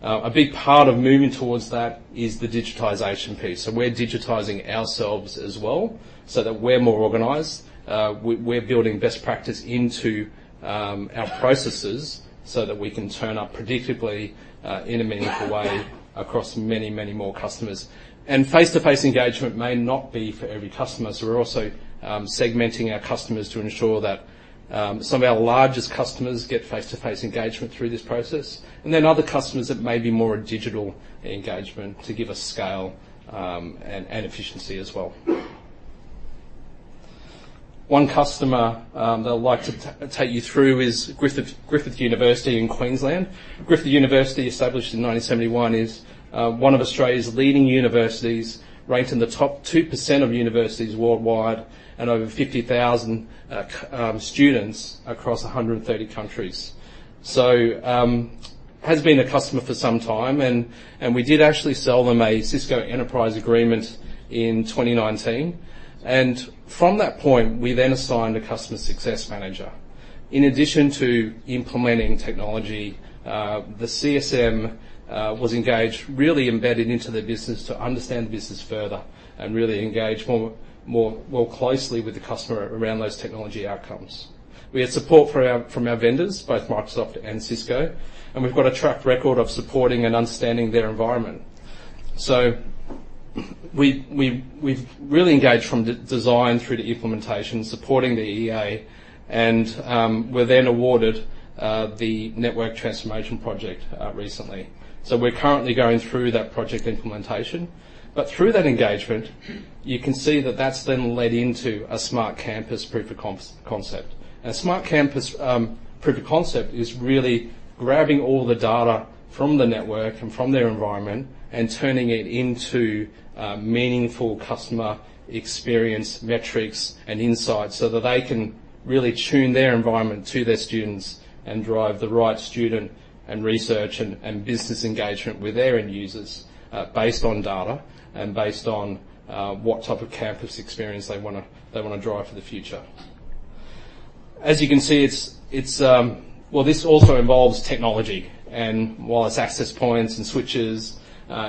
[SPEAKER 15] A big part of moving towards that is the digitization piece. So we're digitizing ourselves as well so that we're more organized. We, we're building best practice into our processes so that we can turn up predictably in a meaningful way across many, many more customers. Face-to-face engagement may not be for every customer, so we're also segmenting our customers to ensure that some of our largest customers get face-to-face engagement through this process, and then other customers, it may be more a digital engagement to give us scale and efficiency as well. One customer that I'd like to take you through is Griffith, Griffith University in Queensland. Griffith University, established in 1971, is one of Australia's leading universities, ranked in the top 2% of universities worldwide, and over 50,000 students across 130 countries. So, has been a customer for some time and we did actually sell them a Cisco Enterprise Agreement in 2019, and from that point, we then assigned a customer success manager. In addition to implementing technology, the CSM was engaged, really embedded into the business to understand the business further and really engage more closely with the customer around those technology outcomes. We had support from our vendors, both Microsoft and Cisco, and we've got a track record of supporting and understanding their environment. So we've really engaged from design through to implementation, supporting the EA, and we're then awarded the network transformation project recently. So we're currently going through that project implementation, but through that engagement, you can see that that's then led into a smart campus proof of concept. A smart campus proof of concept is really grabbing all the data from the network and from their environment and turning it into meaningful customer experience metrics and insights so that they can really tune their environment to their students and drive the right student and research and business engagement with their end users based on data and based on what type of campus experience they wanna drive for the future. As you can see, it's. Well, this also involves technology and wireless access points and switches.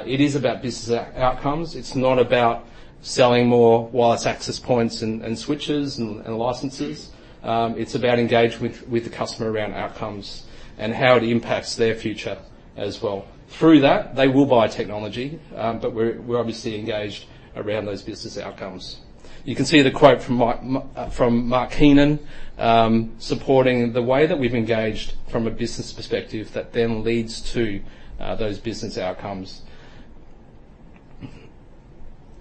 [SPEAKER 15] It is about business outcomes. It's not about selling more wireless access points and switches and licenses. It's about engagement with the customer around outcomes and how it impacts their future as well. Through that, they will buy technology, but we're obviously engaged around those business outcomes. You can see the quote from Mark Keenan, supporting the way that we've engaged from a business perspective that then leads to those business outcomes.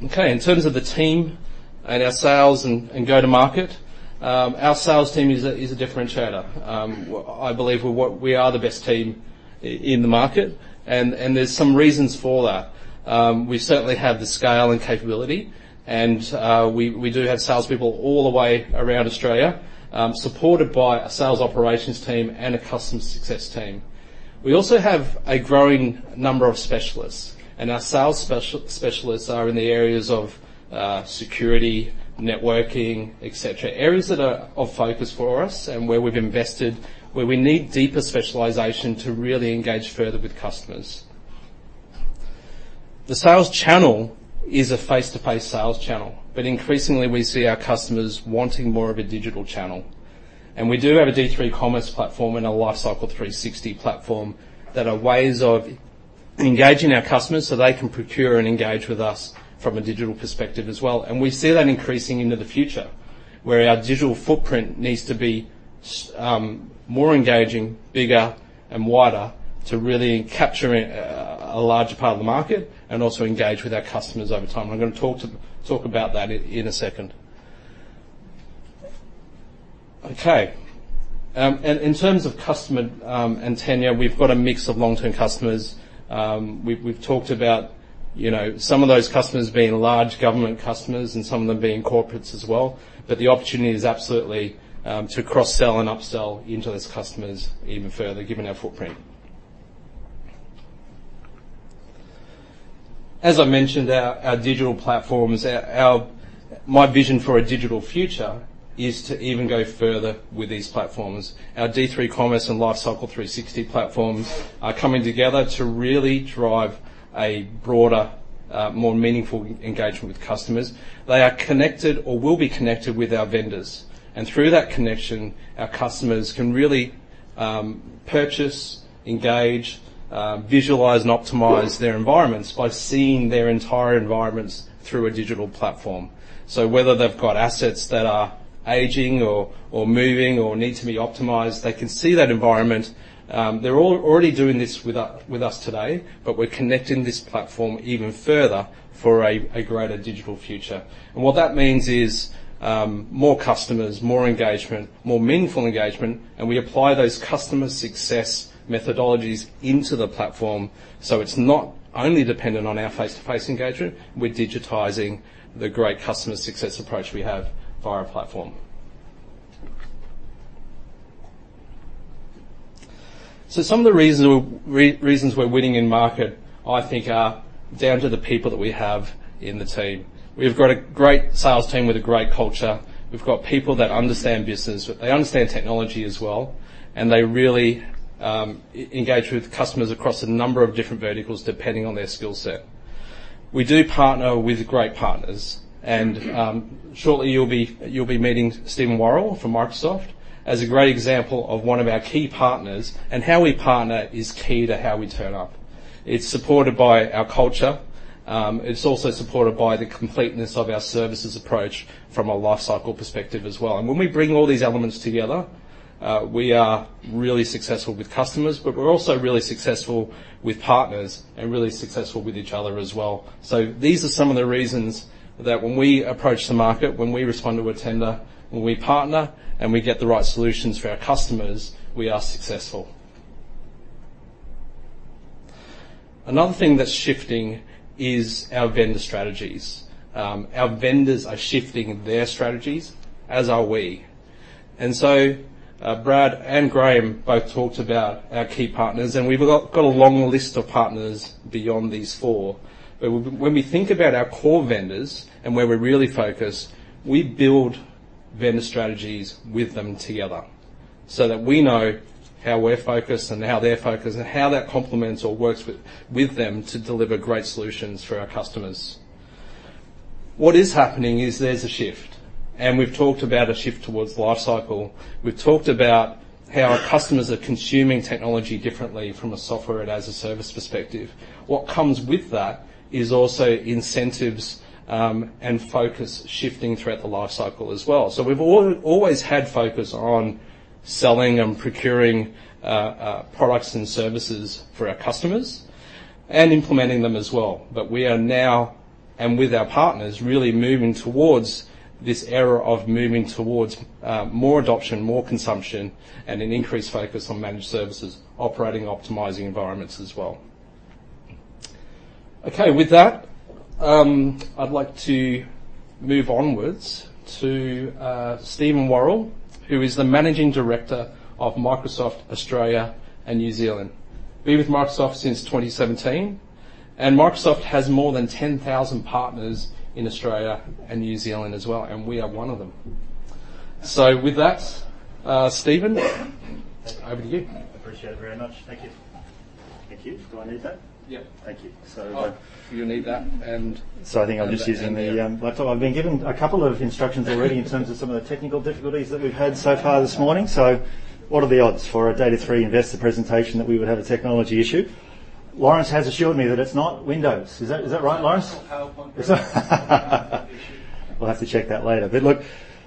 [SPEAKER 15] Okay. In terms of the team and our sales and go-to-market, our sales team is a differentiator. I believe we are the best team in the market and there's some reasons for that. We certainly have the scale and capability, and we do have salespeople all the way around Australia, supported by a sales operations team and a customer success team. We also have a growing number of specialists, and our sales specialists are in the areas of security, networking, et cetera. Areas that are of focus for us and where we've invested, where we need deeper specialization to really engage further with customers. The sales channel is a face-to-face sales channel, but increasingly, we see our customers wanting more of a digital channel. We do have a D3 Commerce platform and a Lifecycle 360 platform that are ways of engaging our customers so they can procure and engage with us from a digital perspective as well, and we see that increasing into the future, where our digital footprint needs to be more engaging, bigger and wider to really capture a larger part of the market and also engage with our customers over time. I'm gonna talk about that in a second. Okay. And in terms of customer and tenure, we've got a mix of long-term customers. We've talked about, you know, some of those customers being large government customers and some of them being corporates as well, but the opportunity is absolutely to cross-sell and upsell into those customers even further, given our footprint. As I mentioned, our digital platforms, my vision for a digital future is to even go further with these platforms. Our D3 Commerce and Lifecycle 360 platforms are coming together to really drive a broader, more meaningful engagement with customers. They are connected, or will be connected, with our vendors, and through that connection, our customers can really purchase, engage, visualize, and optimize their environments by seeing their entire environments through a digital platform. So whether they've got assets that are aging or moving or need to be optimized, they can see that environment. They're already doing this with us, with us today, but we're connecting this platform even further for a greater digital future. And what that means is more customers, more engagement, more meaningful engagement, and we apply those customer success methodologies into the platform. So it's not only dependent on our face-to-face engagement, we're digitizing the great customer success approach we have via our platform. So some of the reasons we're winning in market, I think, are down to the people that we have in the team. We've got a great sales team with a great culture. We've got people that understand business. They understand technology as well, and they really engage with customers across a number of different verticals, depending on their skill set. We do partner with great partners, and shortly, you'll be, you'll be meeting Steven Worrall from Microsoft as a great example of one of our key partners, and how we partner is key to how we turn up. It's supported by our culture. It's also supported by the completeness of our services approach from a lifecycle perspective as well. And when we bring all these elements together, we are really successful with customers, but we're also really successful with partners and really successful with each other as well. So these are some of the reasons that when we approach the market, when we respond to a tender, when we partner, and we get the right solutions for our customers, we are successful. Another thing that's shifting is our vendor strategies. Our vendors are shifting their strategies, as are we. And so, Brad and Graham both talked about our key partners, and we've got a long list of partners beyond these four. But when we think about our core vendors and where we're really focused, we build vendor strategies with them together so that we know how we're focused and how they're focused and how that complements or works with them to deliver great solutions for our customers. What is happening is there's a shift, and we've talked about a shift towards lifecycle. We've talked about how our customers are consuming technology differently from a software and as-a-service perspective. What comes with that is also incentives, and focus shifting throughout the lifecycle as well. So we've always had focus on selling and procuring products and services for our customers and implementing them as well. But we are now, and with our partners, really moving towards this era of moving towards more adoption, more consumption, and an increased focus on managed services, operating and optimizing environments as well. Okay, with that, I'd like to move onwards to Steven Worrall, who is the Managing Director of Microsoft Australia and New Zealand. Been with Microsoft since 2017, and Microsoft has more than 10,000 partners in Australia and New Zealand as well, and we are one of them. So with that, Steven, over to you.
[SPEAKER 16] I appreciate it very much. Thank you. Thank you. Do I need that?
[SPEAKER 15] Yeah.
[SPEAKER 16] Thank you. So
[SPEAKER 15] You'll need that, and-
[SPEAKER 16] So I think I'll just use the laptop. I've been given a couple of instructions already in terms of some of the technical difficulties that we've had so far this morning. So what are the odds for a Data#3 investor presentation that we would have a technology issue? Laurence has assured me that it's not Windows. Is that right, Laurence?
[SPEAKER 1] PowerPoint.
[SPEAKER 16] We'll have to check that later. But look,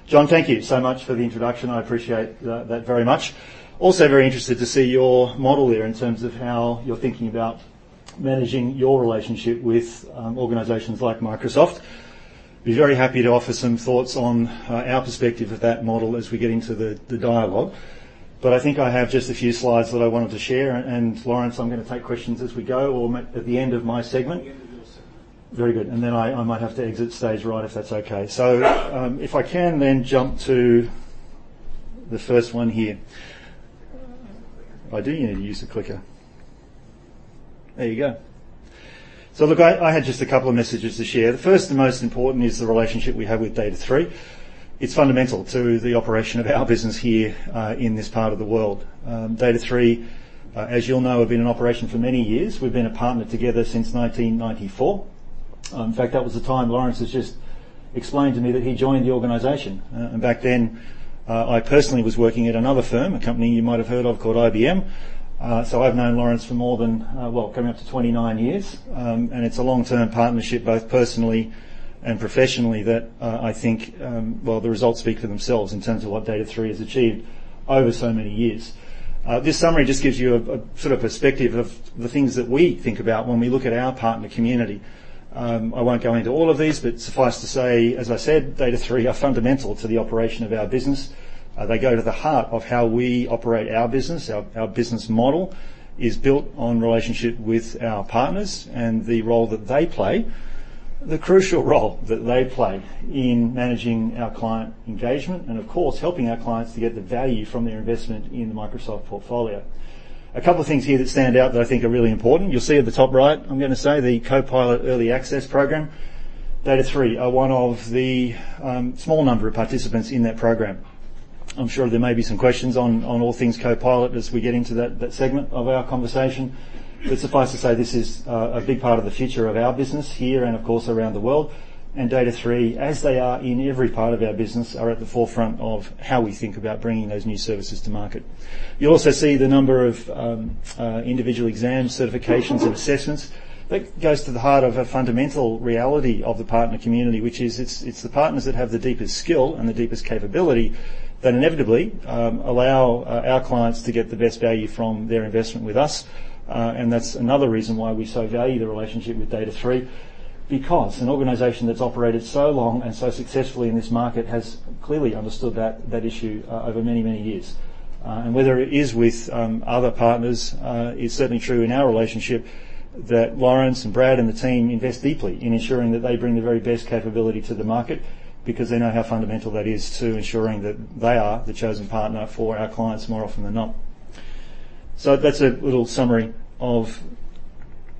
[SPEAKER 16] John, thank you so much for the introduction. I appreciate that, that very much. Also very interested to see your model there in terms of how you're thinking about managing your relationship with organizations like Microsoft. Be very happy to offer some thoughts on our perspective of that model as we get into the dialogue, but I think I have just a few slides that I wanted to share. And, Laurence, I'm going to take questions as we go or at the end of my segment.
[SPEAKER 1] End of your segment.
[SPEAKER 16] Very good, and then I might have to exit stage right, if that's okay. So, if I can then jump to the first one here. I do need to use the clicker. There you go. So look, I had just a couple of messages to share. The first and most important is the relationship we have with Data#3. It's fundamental to the operation of our business here in this part of the world. Data#3, as you'll know, have been in operation for many years. We've been a partner together since 1994. In fact, that was the time Laurence has just explained to me that he joined the organization. And back then, I personally was working at another firm, a company you might have heard of called IBM. So I've known Laurence for more than, well, coming up to 29 years. And it's a long-term partnership, both personally and professionally, that I think, well, the results speak for themselves in terms of what Data#3 has achieved over so many years. This summary just gives you a sort of perspective of the things that we think about when we look at our partner community. I won't go into all of these, but suffice to say, as I said, Data#3 are fundamental to the operation of our business. They go to the heart of how we operate our business. Our business model is built on relationship with our partners and the role that they play-... The crucial role that they play in managing our client engagement and, of course, helping our clients to get the value from their investment in the Microsoft portfolio. A couple of things here that stand out that I think are really important. You'll see at the top right, I'm going to say the Copilot Early Access Program, Data#3 are one of the small number of participants in that program. I'm sure there may be some questions on all things Copilot as we get into that segment of our conversation. But suffice to say, this is a big part of the future of our business here and, of course, around the world. And Data#3, as they are in every part of our business, are at the forefront of how we think about bringing those new services to market. You also see the number of, individual exam certifications and assessments. That goes to the heart of a fundamental reality of the partner community, which is it's, it's the partners that have the deepest skill and the deepest capability that inevitably, allow, our clients to get the best value from their investment with us. And that's another reason why we so value the relationship with Data#3, because an organization that's operated so long and so successfully in this market has clearly understood that, that issue, over many, many years. And whether it is with other partners, it's certainly true in our relationship that Laurence and Brad and the team invest deeply in ensuring that they bring the very best capability to the market because they know how fundamental that is to ensuring that they are the chosen partner for our clients more often than not. So that's a little summary of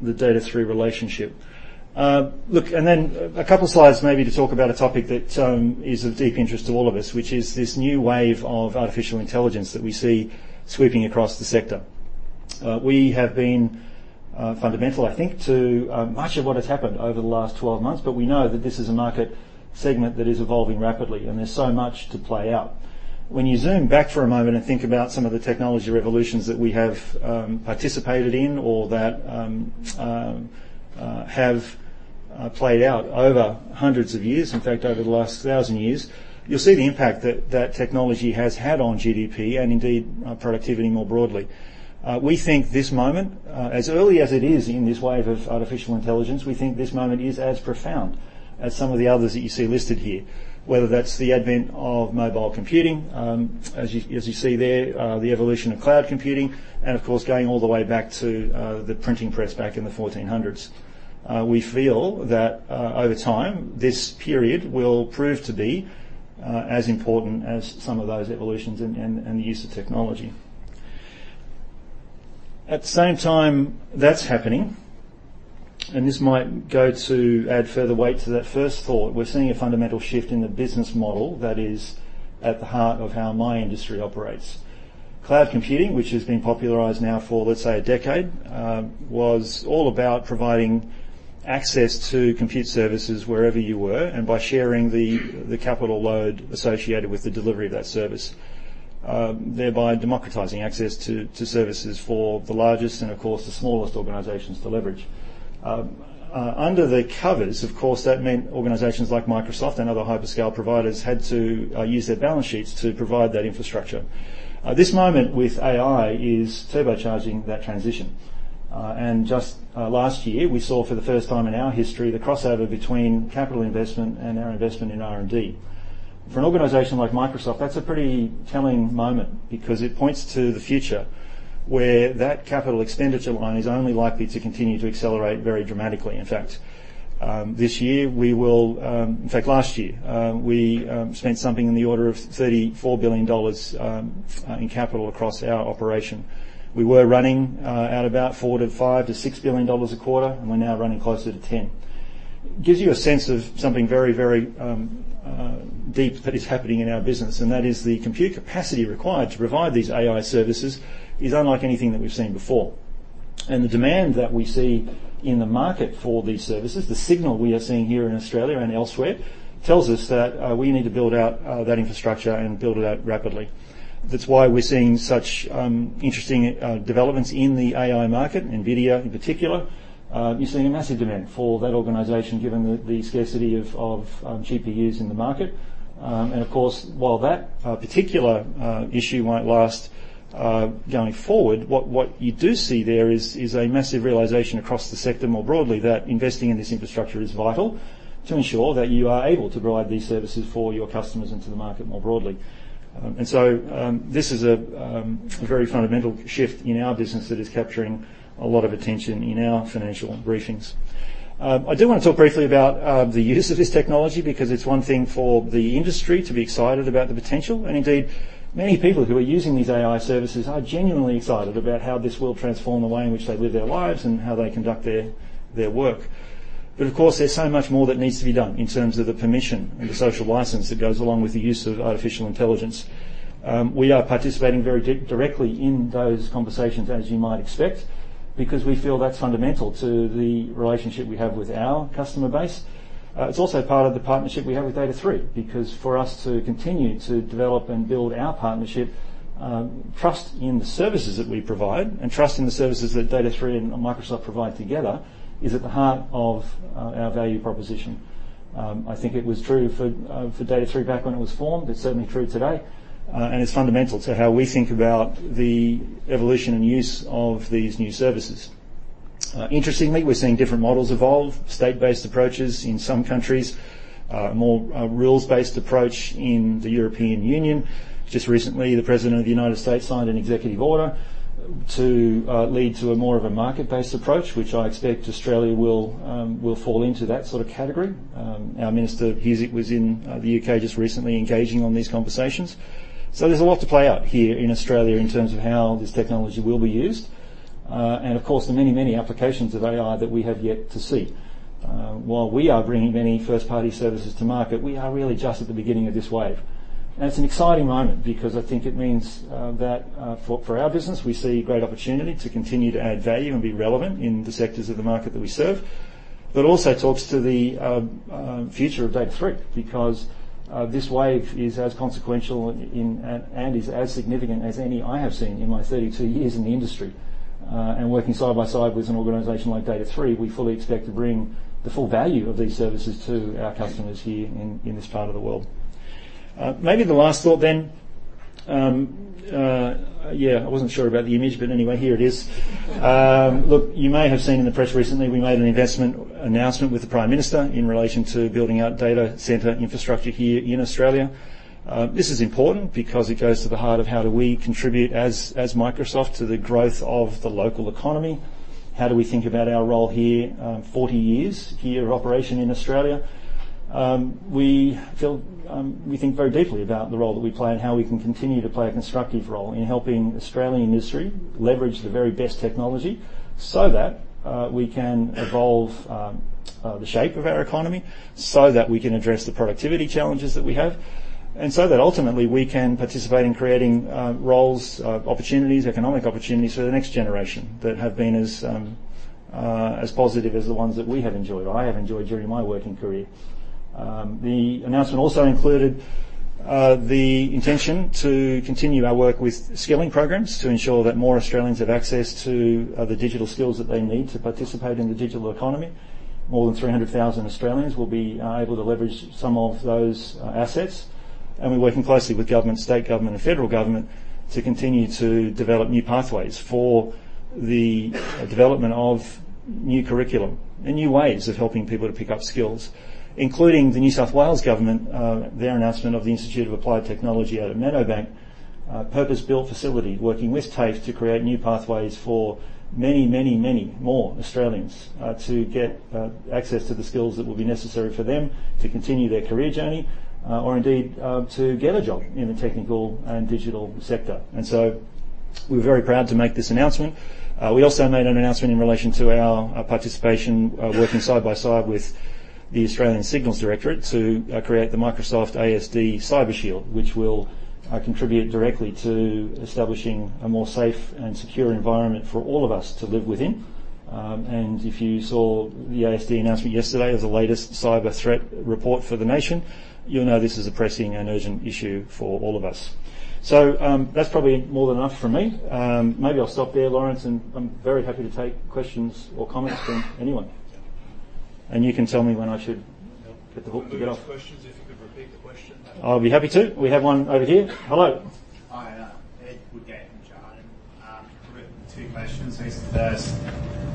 [SPEAKER 16] the Data#3 relationship. Look, and then a couple of slides maybe to talk about a topic that is of deep interest to all of us, which is this new wave of artificial intelligence that we see sweeping across the sector. We have been fundamental, I think, to much of what has happened over the last 12 months, but we know that this is a market segment that is evolving rapidly, and there's so much to play out. When you zoom back for a moment and think about some of the technology revolutions that we have participated in or that have played out over hundreds of years, in fact, over the last thousand years, you'll see the impact that that technology has had on GDP and indeed productivity more broadly. We think this moment, as early as it is in this wave of artificial intelligence, we think this moment is as profound as some of the others that you see listed here. Whether that's the advent of mobile computing, as you see there, the evolution of cloud computing, and of course, going all the way back to the printing press back in the fourteen hundreds. We feel that, over time, this period will prove to be as important as some of those evolutions and the use of technology. At the same time that's happening, and this might go to add further weight to that first thought, we're seeing a fundamental shift in the business model that is at the heart of how my industry operates. Cloud computing, which has been popularized now for, let's say, a decade, was all about providing access to compute services wherever you were, and by sharing the capital load associated with the delivery of that service, thereby democratizing access to services for the largest and, of course, the smallest organizations to leverage. Under the covers, of course, that meant organizations like Microsoft and other hyperscale providers had to use their balance sheets to provide that infrastructure. This moment with AI is turbocharging that transition. And just last year, we saw for the first time in our history, the crossover between capital investment and our investment in R&D. For an organization like Microsoft, that's a pretty telling moment because it points to the future, where that capital expenditure line is only likely to continue to accelerate very dramatically. In fact, last year, we spent something in the order of $34 billion in capital across our operation. We were running at about four to five to $6 billion a quarter, and we're now running closer to $10 billion. Gives you a sense of something very, very, deep that is happening in our business, and that is the compute capacity required to provide these AI services is unlike anything that we've seen before. And the demand that we see in the market for these services, the signal we are seeing here in Australia and elsewhere, tells us that, we need to build out, that infrastructure and build it out rapidly. That's why we're seeing such, interesting, developments in the AI market, NVIDIA in particular. You're seeing a massive demand for that organization, given the scarcity of GPUs in the market. And of course, while that particular issue won't last going forward, what you do see there is a massive realization across the sector more broadly, that investing in this infrastructure is vital to ensure that you are able to provide these services for your customers into the market more broadly. And so, this is a very fundamental shift in our business that is capturing a lot of attention in our financial briefings. I do want to talk briefly about the use of this technology, because it's one thing for the industry to be excited about the potential, and indeed, many people who are using these AI services are genuinely excited about how this will transform the way in which they live their lives and how they conduct their work. But of course, there's so much more that needs to be done in terms of the permission and the social license that goes along with the use of artificial intelligence. We are participating very directly in those conversations, as you might expect, because we feel that's fundamental to the relationship we have with our customer base. It's also part of the partnership we have with Data#3, because for us to continue to develop and build our partnership, trust in the services that we provide and trust in the services that Data#3 and Microsoft provide together, is at the heart of our value proposition. I think it was true for Data#3 back when it was formed, it's certainly true today, and it's fundamental to how we think about the evolution and use of these new services. Interestingly, we're seeing different models evolve, state-based approaches in some countries, more a rules-based approach in the European Union. Just recently, the President of the United States signed an executive order to lead to a more of a market-based approach, which I expect Australia will fall into that sort of category. Our Minister Husic was in the U.K. just recently engaging on these conversations. So there's a lot to play out here in Australia in terms of how this technology will be used. And of course, the many, many applications of AI that we have yet to see. While we are bringing many first-party services to market, we are really just at the beginning of this wave. It's an exciting moment because I think it means that, for our business, we see great opportunity to continue to add value and be relevant in the sectors of the market that we serve. But also talks to the future of Data#3, because this wave is as consequential, and is as significant as any I have seen in my 32 years in the industry. And working side by side with an organization like Data#3, we fully expect to bring the full value of these services to our customers here in this part of the world. Maybe the last thought then... Yeah, I wasn't sure about the image, but anyway, here it is. Look, you may have seen in the press recently, we made an investment announcement with the Prime Minister in relation to building out data center infrastructure here in Australia. This is important because it goes to the heart of how do we contribute as Microsoft to the growth of the local economy? How do we think about our role here, 40 years here of operation in Australia? We feel, we think very deeply about the role that we play and how we can continue to play a constructive role in helping Australian industry leverage the very best technology so that we can evolve the shape of our economy, so that we can address the productivity challenges that we have, and so that ultimately we can participate in creating roles, opportunities, economic opportunities for the next generation that have been as positive as the ones that we have enjoyed or I have enjoyed during my working career. The announcement also included the intention to continue our work with skilling programs to ensure that more Australians have access to the digital skills that they need to participate in the digital economy. More than 300,000 Australians will be able to leverage some of those assets. And we're working closely with government, state government, and federal government to continue to develop new pathways for the development of new curriculum and new ways of helping people to pick up skills, including the New South Wales government, their announcement of the Institute of Applied Technology out at Meadowbank, a purpose-built facility, working with TAFE to create new pathways for many, many, many more Australians to get access to the skills that will be necessary for them to continue their career journey or indeed to get a job in the technical and digital sector. And so we're very proud to make this announcement. We also made an announcement in relation to our participation, working side by side with the Australian Signals Directorate to create the Microsoft ASD Cyber Shield, which will contribute directly to establishing a more safe and secure environment for all of us to live within. If you saw the ASD announcement yesterday as the latest cyber threat report for the nation, you'll know this is a pressing and urgent issue for all of us. That's probably more than enough from me. Maybe I'll stop there, Laurence, and I'm very happy to take questions or comments from anyone.
[SPEAKER 1] Yeah.
[SPEAKER 16] And you can tell me when I should get the hook to get off.
[SPEAKER 1] Questions, if you could repeat the question.
[SPEAKER 16] I'll be happy to. We have one over here. Hello.
[SPEAKER 17] Hi, Ed Woodgate from Jarden. I've got two questions. So first,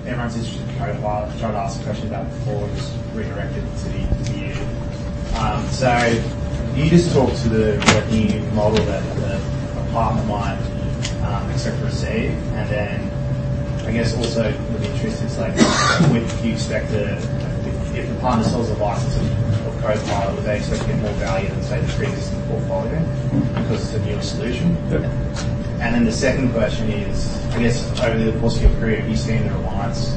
[SPEAKER 17] everyone's interested in Copilot. I tried to ask a question about it before, but it was redirected to you. So can you just talk to the revenue model that the partner might expect to receive? And then I guess also the interest is like, would you expect the... If the partner sells a license of Copilot, would they expect to get more value than, say, the previous portfolio because it's a newer solution?
[SPEAKER 16] Yep.
[SPEAKER 17] And then the second question is, I guess over the course of your career, have you seen the reliance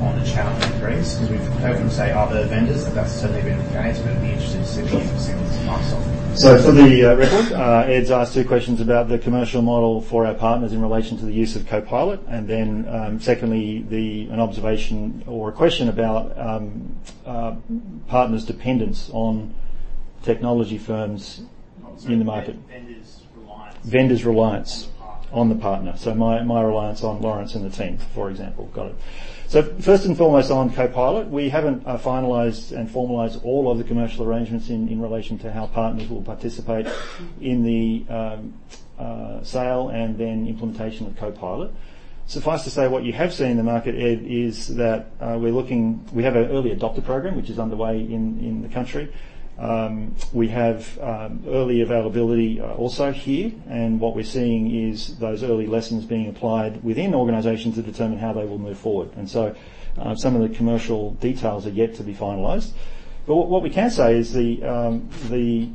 [SPEAKER 17] on the channel increase? Because we've heard them say other vendors, and that's certainly been the case, but it'd be interesting to see if you've seen this at Microsoft.
[SPEAKER 16] So for the record, Ed's asked two questions about the commercial model for our partners in relation to the use of Copilot, and then, secondly, an observation or a question about partners' dependence on technology firms-
[SPEAKER 17] Sorry.
[SPEAKER 16] in the market.
[SPEAKER 17] Vendor's reliance.
[SPEAKER 16] Vendor's reliance-
[SPEAKER 17] On the partner.
[SPEAKER 16] On the partner. So my reliance on Laurence and the team, for example. Got it. So first and foremost, on Copilot, we haven't finalized and formalized all of the commercial arrangements in relation to how partners will participate in the sale and then implementation of Copilot. Suffice to say, what you have seen in the market, Ed, is that we're looking. We have an early adopter program, which is underway in the country. We have early availability also here, and what we're seeing is those early lessons being applied within organizations to determine how they will move forward. And so, some of the commercial details are yet to be finalized. But what we can say is the...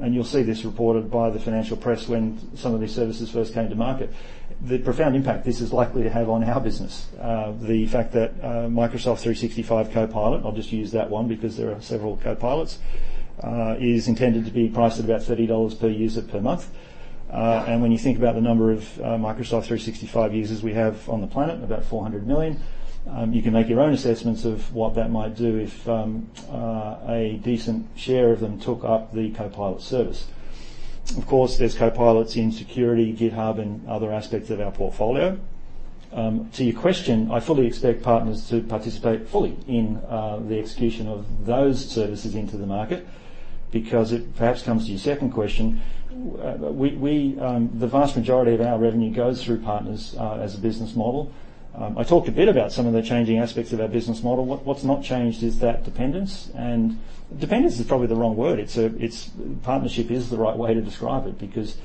[SPEAKER 16] And you'll see this reported by the financial press when some of these services first came to market, the profound impact this is likely to have on our business. The fact that Microsoft 365 Copilot, I'll just use that one because there are several copilots, is intended to be priced at about $30 per user per month. And when you think about the number of Microsoft 365 users we have on the planet, about 400 million, you can make your own assessments of what that might do if a decent share of them took up the Copilot service. Of course, there's Copilots in security, GitHub, and other aspects of our portfolio. To your question, I fully expect partners to participate fully in the execution of those services into the market. Because it perhaps comes to your second question. The vast majority of our revenue goes through partners, as a business model. I talked a bit about some of the changing aspects of our business model. What's not changed is that dependence, and dependence is probably the wrong word. It's a, it's partnership is the right way to describe it, because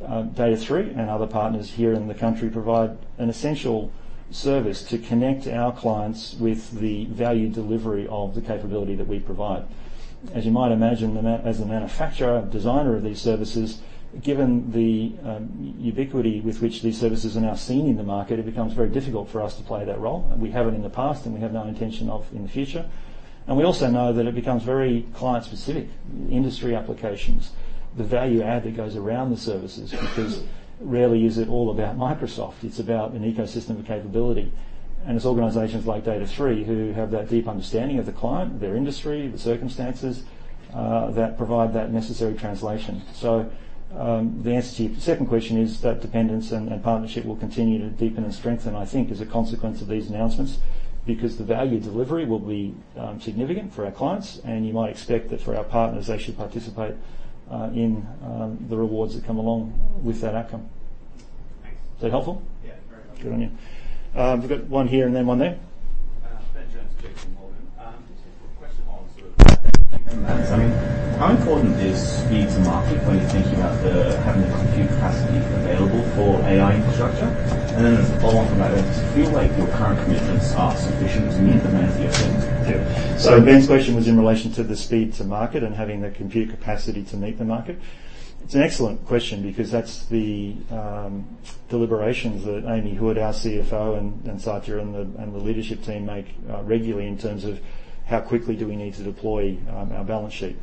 [SPEAKER 16] Data#3 and other partners here in the country provide an essential service to connect our clients with the value delivery of the capability that we provide. As you might imagine, as a manufacturer and designer of these services, given the ubiquity with which these services are now seen in the market, it becomes very difficult for us to play that role, and we have it in the past, and we have no intention of in the future. And we also know that it becomes very client-specific, industry applications, the value add that goes around the services, because rarely is it all about Microsoft. It's about an ecosystem of capability. And it's organizations like Data#3, who have that deep understanding of the client, their industry, the circumstances that provide that necessary translation. So, the answer to your second question is that dependence and partnership will continue to deepen and strengthen, I think, as a consequence of these announcements, because the value delivery will be significant for our clients, and you might expect that for our partners, they should participate in the rewards that come along with that outcome.
[SPEAKER 8] Thanks.
[SPEAKER 16] Is that helpful?
[SPEAKER 8] Yeah, very much.
[SPEAKER 16] Good on you. We've got one here and then one there.
[SPEAKER 9] Ben Jones, JP Morgan. Just a quick question on how important is speed to market when you're thinking about the having the compute capacity available for AI infrastructure? And then as a follow-on to that, do you feel like your current commitments are sufficient to meet the demand you're seeing?
[SPEAKER 16] Yeah. So Ben's question was in relation to the speed to market and having the compute capacity to meet the market. It's an excellent question because that's the deliberations that Amy Hood, our CFO, and Satya, and the leadership team make regularly in terms of how quickly do we need to deploy our balance sheet.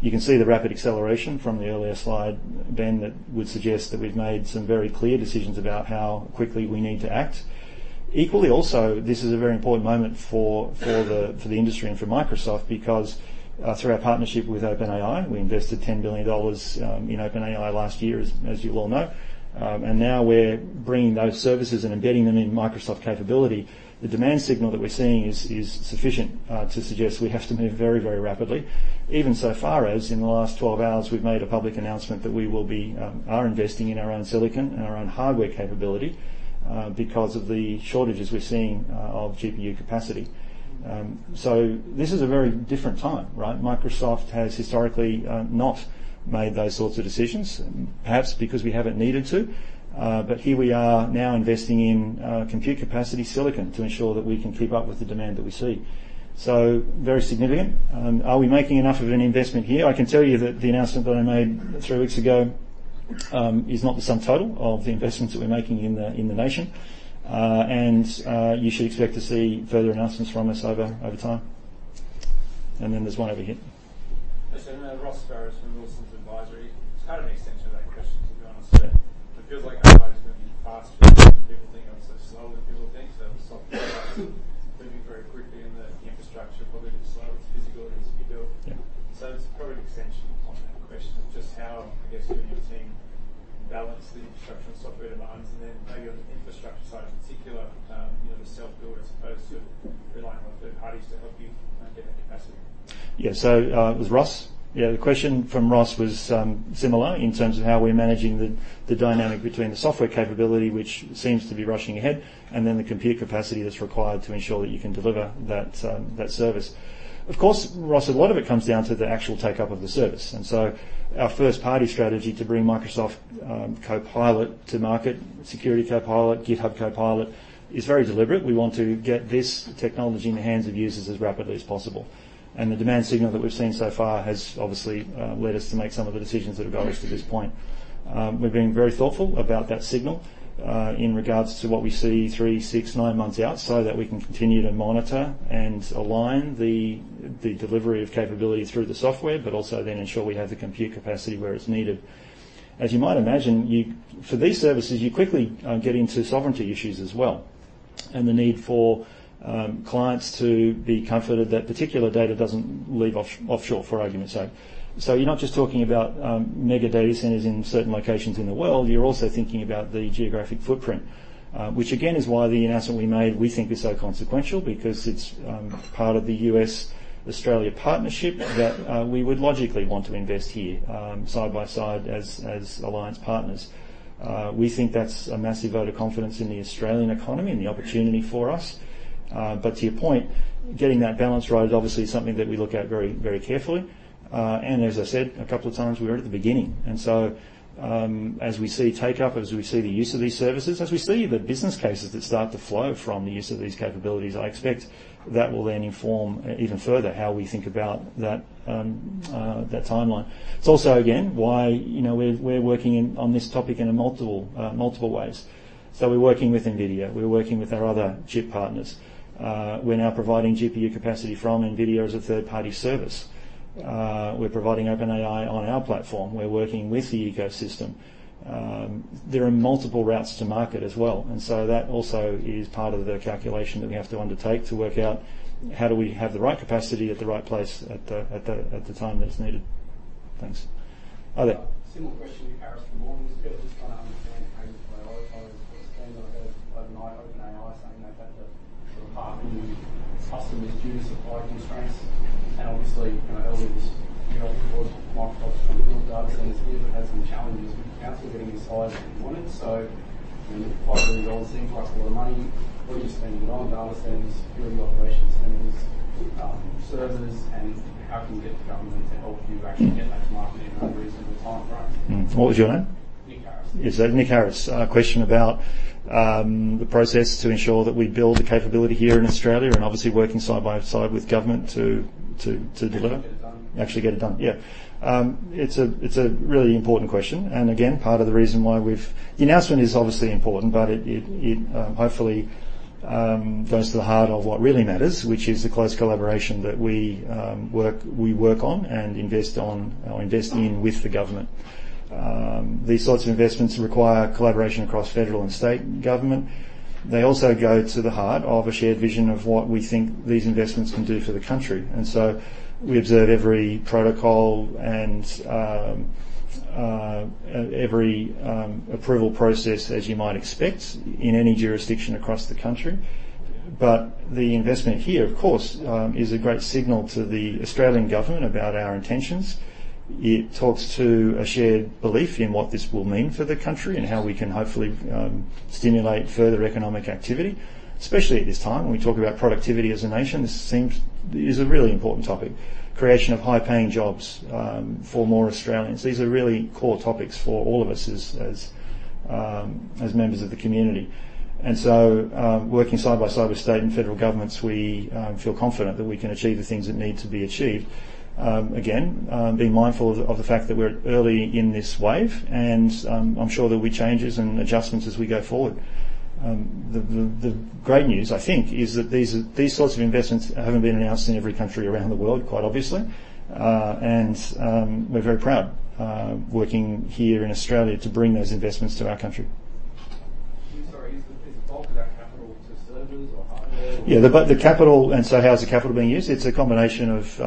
[SPEAKER 16] You can see the rapid acceleration from the earlier slide, Ben, that would suggest that we've made some very clear decisions about how quickly we need to act. Equally also, this is a very important moment for the industry and for Microsoft, because through our partnership with OpenAI, we invested $10 billion in OpenAI last year, as you all know. And now we're bringing those services and embedding them in Microsoft capability. The demand signal that we're seeing is sufficient to suggest we have to move very, very rapidly. Even so far as in the last 12 hours, we've made a public announcement that we are investing in our own silicon and our own hardware capability because of the shortages we're seeing of GPU capacity. So this is a very different time, right? Microsoft has historically not made those sorts of decisions, perhaps because we haven't needed to. But here we are now investing in compute capacity silicon to ensure that we can keep up with the demand that we see. So very significant. Are we making enough of an investment here? I can tell you that the announcement that I made three weeks ago is not the sum total of the investments that we're making in the nation. You should expect to see further announcements from us over time. Then there's one over here.
[SPEAKER 18] Ross Barrows from Wilsons Advisory. It's kind of an extension of that question, to be honest, but it feels like people think I'm so slow and people think that Microsoft are moving very quickly and that the infrastructure is probably slower to visibility as we do it.
[SPEAKER 16] Yeah.
[SPEAKER 18] So it's probably an extension on that question of just how, I guess, you and your team balance the infrastructure and software demands, and then maybe on the infrastructure side in particular, you know, the self-build as opposed to relying on third parties to help you get that capacity.
[SPEAKER 16] Yeah. So, it was Ross? Yeah, the question from Ross was, similar in terms of how we're managing the, the dynamic between the software capability, which seems to be rushing ahead, and then the compute capacity that's required to ensure that you can deliver that, that service. Of course, Ross, a lot of it comes down to the actual take-up of the service, and so our first party strategy to bring Microsoft Copilot to market, Security Copilot, GitHub Copilot, is very deliberate. We want to get this technology in the hands of users as rapidly as possible. And the demand signal that we've seen so far has obviously led us to make some of the decisions that have got us to this point. We're being very thoughtful about that signal in regards to what we see 3, 6, 9 months out, so that we can continue to monitor and align the delivery of capability through the software, but also then ensure we have the compute capacity where it's needed. As you might imagine, for these services, you quickly get into sovereignty issues as well, and the need for clients to be comforted that particular data doesn't leave offshore, for argument's sake. So you're not just talking about mega data centers in certain locations in the world, you're also thinking about the geographic footprint, which again, is why the announcement we made, we think, is so consequential because it's part of the U.S.-Australia partnership that we would logically want to invest here, side by side, as alliance partners. We think that's a massive vote of confidence in the Australian economy and the opportunity for us. But to your point, getting that balance right is obviously something that we look at very, very carefully. And as I said a couple of times, we're at the beginning, and so, as we see take-up, as we see the use of these services, as we see the business cases that start to flow from the use of these capabilities, I expect that will then inform even further how we think about that, that timeline. It's also, again, why, you know, we're, we're working on this topic in a multiple, multiple ways. So we're working with NVIDIA. We're working with our other chip partners. We're now providing GPU capacity from NVIDIA as a third-party service. We're providing OpenAI on our platform. We're working with the ecosystem. There are multiple routes to market as well, and so that also is part of the calculation that we have to undertake to work out how do we have the right capacity at the right place at the right time that it's needed. Thanks.
[SPEAKER 7] Nick Harris from Morgans. Just trying to understand how you prioritize what stands out overnight. OpenAI saying they've had to sort of park new customers due to supply constraints. And obviously, you know, earlier this year, Microsoft's kind of built data centers here, but had some challenges with the council getting the size that you wanted. So, you know, AUD 5 billion seems like a lot of money. What are you spending it on? Data centers, security operations centers, servers, and how can you get the government to help you actually get that to market in a reasonable time frame?
[SPEAKER 16] Mm. What was your name?
[SPEAKER 7] Nick Harris.
[SPEAKER 16] Is that Nick Harris? A question about the process to ensure that we build the capability here in Australia and obviously working side by side with government to deliver-
[SPEAKER 7] Actually get it done.
[SPEAKER 16] Actually get it done. Yeah. It's a really important question, and again, part of the reason why we've... The announcement is obviously important, but it hopefully goes to the heart of what really matters, which is the close collaboration that we work on and invest on or invest in with the government. These sorts of investments require collaboration across federal and state government. They also go to the heart of a shared vision of what we think these investments can do for the country, and so we observe every protocol and every approval process, as you might expect, in any jurisdiction across the country. But the investment here, of course, is a great signal to the Australian government about our intentions. It talks to a shared belief in what this will mean for the country and how we can hopefully stimulate further economic activity, especially at this time. When we talk about productivity as a nation, this is a really important topic. Creation of high-paying jobs for more Australians. These are really core topics for all of us as members of the community. So, working side by side with state and federal governments, we feel confident that we can achieve the things that need to be achieved. Again, being mindful of the fact that we're early in this wave and I'm sure there'll be changes and adjustments as we go forward. The great news, I think, is that these sorts of investments haven't been announced in every country around the world, quite obviously. We're very proud working here in Australia to bring those investments to our country.
[SPEAKER 7] Sorry, is the bulk of that capital to servers or hardware?
[SPEAKER 16] Yeah, but the capital. And so how is the capital being used? It's a combination of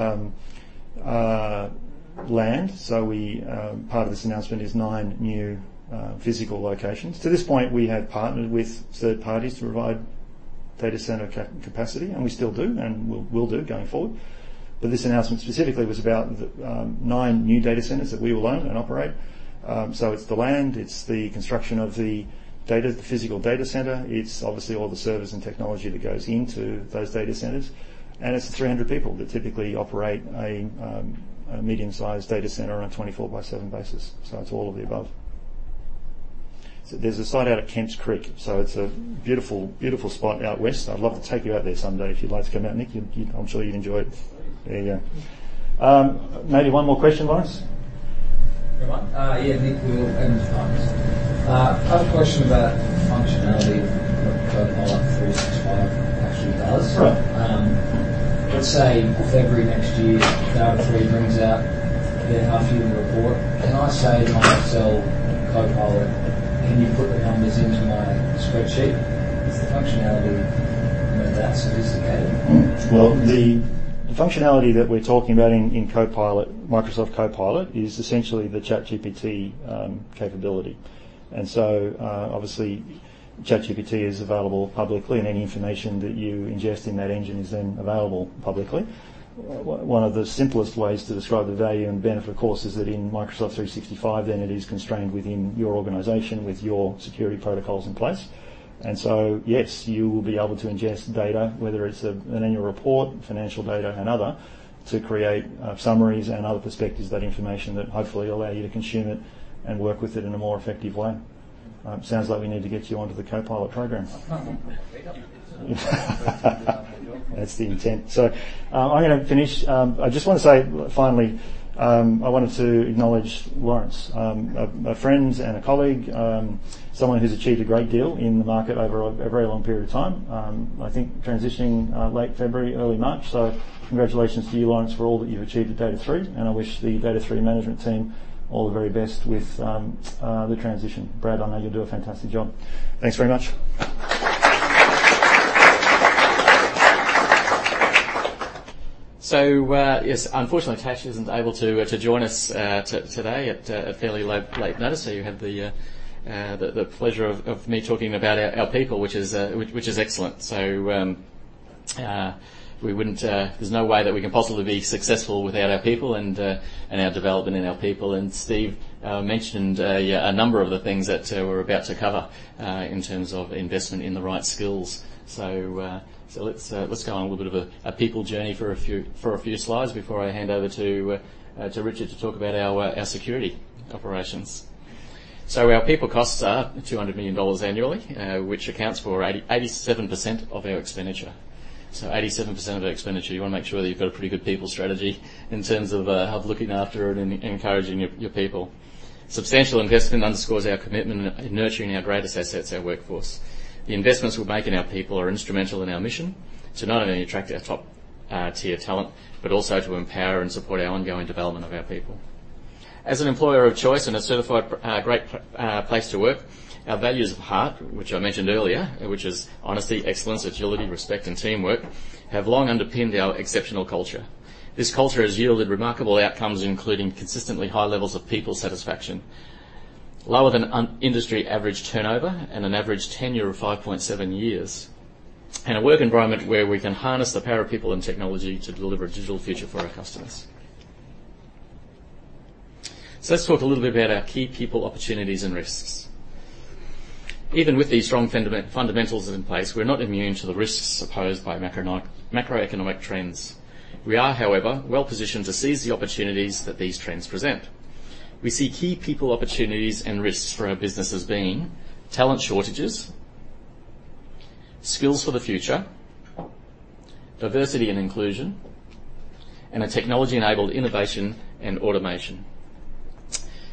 [SPEAKER 16] land. So we, part of this announcement is nine new physical locations. To this point, we have partnered with third parties to provide data center capacity, and we still do, and we'll do going forward. But this announcement specifically was about the nine new data centers that we will own and operate. So it's the land, it's the construction of the data, the physical data center. It's obviously all the servers and technology that goes into those data centers, and it's the 300 people that typically operate a medium-sized data center on a 24/7 basis. So it's all of the above. So there's a site out at Kemps Creek, so it's a beautiful, beautiful spot out west. I'd love to take you out there someday if you'd like to come out, Nick. You, I'm sure you'd enjoy it.
[SPEAKER 7] Thanks.
[SPEAKER 16] There you go. Maybe one more question, Laurence?
[SPEAKER 12] Yeah, mate. Yeah, Nick Weal, Evans & Partners. I have a question about functionality, what Copilot 365 actually does.
[SPEAKER 16] Right.
[SPEAKER 12] Let's say February next year, Data#3 brings out their half-yearly report. Can I say to myself, "Copilot, can you put the numbers into my spreadsheet?" Is the functionality, you know, that sophisticated?
[SPEAKER 16] Well, the functionality that we're talking about in Copilot, Microsoft Copilot, is essentially the ChatGPT capability. And so, obviously, ChatGPT is available publicly, and any information that you ingest in that engine is then available publicly. One of the simplest ways to describe the value and benefit, of course, is that in Microsoft 365, then it is constrained within your organization with your security protocols in place. And so, yes, you will be able to ingest data, whether it's an annual report, financial data, and other, to create summaries and other perspectives of that information that hopefully allow you to consume it and work with it in a more effective way. Sounds like we need to get you onto the Copilot program.
[SPEAKER 12] We got it.
[SPEAKER 16] That's the intent. So, I'm gonna finish. I just want to say finally, I wanted to acknowledge Laurence, a friend and a colleague, someone who's achieved a great deal in the market over a very long period of time. I think transitioning late February, early March. So congratulations to you, Laurence, for all that you've achieved at Data#3, and I wish the Data#3 management team all the very best with the transition. Brad, I know you'll do a fantastic job. Thanks very much.
[SPEAKER 3] So, yes, unfortunately, Tash isn't able to join us today at a fairly late notice. So you have the pleasure of me talking about our people, which is excellent. So, we wouldn't. There's no way that we can possibly be successful without our people and our development in our people. And Steve mentioned, yeah, a number of the things that we're about to cover in terms of investment in the right skills. So, let's go on a little bit of a people journey for a few slides before I hand over to Richard to talk about our security operations. Our people costs are 200 million dollars annually, which accounts for 87% of our expenditure. 87% of our expenditure, you want to make sure that you've got a pretty good people strategy in terms of looking after and encouraging your people. Substantial investment underscores our commitment in nurturing our greatest assets, our workforce. The investments we make in our people are instrumental in our mission to not only attract our top tier talent, but also to empower and support our ongoing development of our people. As an employer of choice and a certified great place to work, our values of HEART, which I mentioned earlier, which is honesty, excellence, agility, respect, and teamwork, have long underpinned our exceptional culture. This culture has yielded remarkable outcomes, including consistently high levels of people satisfaction. lower than an industry average turnover and an average tenure of 5.7 years, and a work environment where we can harness the power of people and technology to deliver a digital future for our customers. So let's talk a little bit about our key people, opportunities, and risks. Even with these strong fundamentals in place, we're not immune to the risks posed by macroeconomic trends. We are, however, well-positioned to seize the opportunities that these trends present. We see key people, opportunities, and risks for our business as being talent shortages, skills for the future, diversity and inclusion, and a technology-enabled innovation and automation.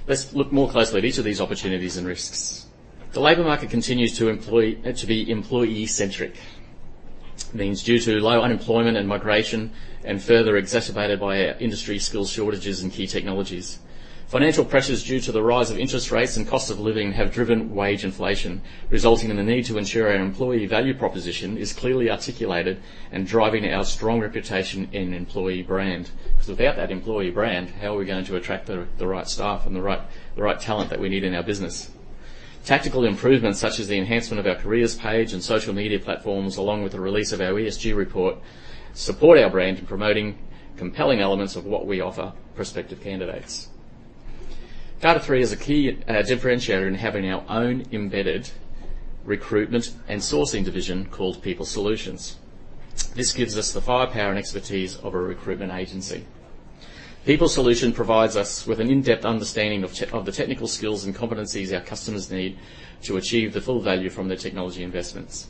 [SPEAKER 3] Let's look more closely at each of these opportunities and risks. The labor market continues to be employee-centric. Means due to low unemployment and migration and further exacerbated by industry skills shortages and key technologies. Financial pressures due to the rise of interest rates and cost of living have driven wage inflation, resulting in the need to ensure our employee value proposition is clearly articulated and driving our strong reputation in employee brand. Because without that employee brand, how are we going to attract the right staff and the right talent that we need in our business? Tactical improvements, such as the enhancement of our careers page and social media platforms, along with the release of our ESG report, support our brand in promoting compelling elements of what we offer prospective candidates. Data#3 is a key differentiator in having our own embedded recruitment and sourcing division called People Solutions. This gives us the firepower and expertise of a recruitment agency. People Solutions provides us with an in-depth understanding of tech of the technical skills and competencies our customers need to achieve the full value from their technology investments.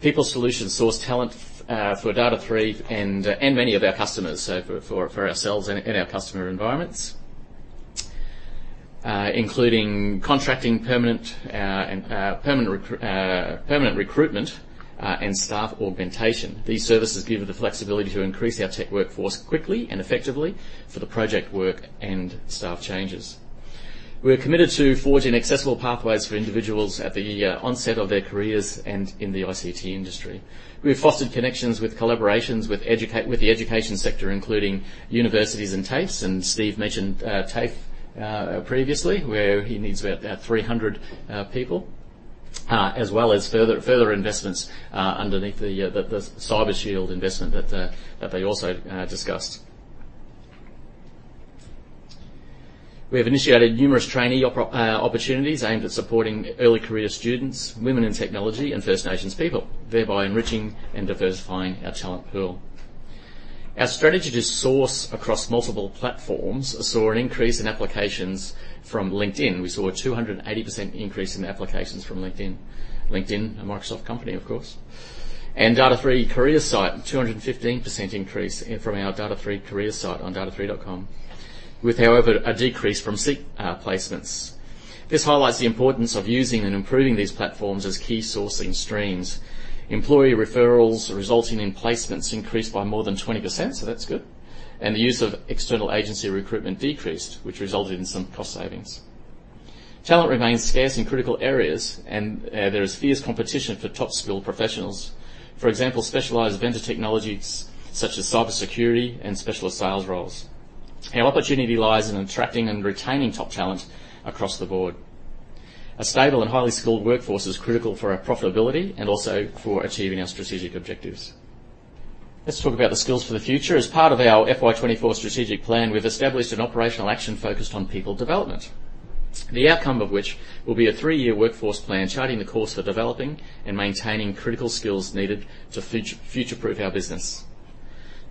[SPEAKER 3] People Solutions source talent for Data#3 and many of our customers, so for ourselves and our customer environments, including contracting permanent and permanent recruitment and staff augmentation. These services give us the flexibility to increase our tech workforce quickly and effectively for the project work and staff changes. We are committed to forging accessible pathways for individuals at the onset of their careers and in the ICT industry. We have fostered connections with collaborations with the education sector, including universities and TAFEs, and Steve mentioned, TAFE, previously, where he needs about 300 people, as well as further investments underneath the Cyber Shield investment that they also discussed. We have initiated numerous trainee opportunities aimed at supporting early career students, women in technology, and First Nations people, thereby enriching and diversifying our talent pool. Our strategy to source across multiple platforms saw an increase in applications from LinkedIn. We saw a 280% increase in applications from LinkedIn. LinkedIn, a Microsoft company, of course. And Data#3 career site, 215% increase from our Data#3 career site on data3.com, with, however, a decrease from SEEK placements. This highlights the importance of using and improving these platforms as key sourcing streams. Employee referrals resulting in placements increased by more than 20%, so that's good, and the use of external agency recruitment decreased, which resulted in some cost savings. Talent remains scarce in critical areas, and there is fierce competition for top-skilled professionals. For example, specialized vendor technologies such as cybersecurity and specialist sales roles. Our opportunity lies in attracting and retaining top talent across the board. A stable and highly skilled workforce is critical for our profitability and also for achieving our strategic objectives. Let's talk about the skills for the future. As part of our FY 2024 strategic plan, we've established an operational action focused on people development. The outcome of which will be a three-year workforce plan, charting the course for developing and maintaining critical skills needed to future-proof our business.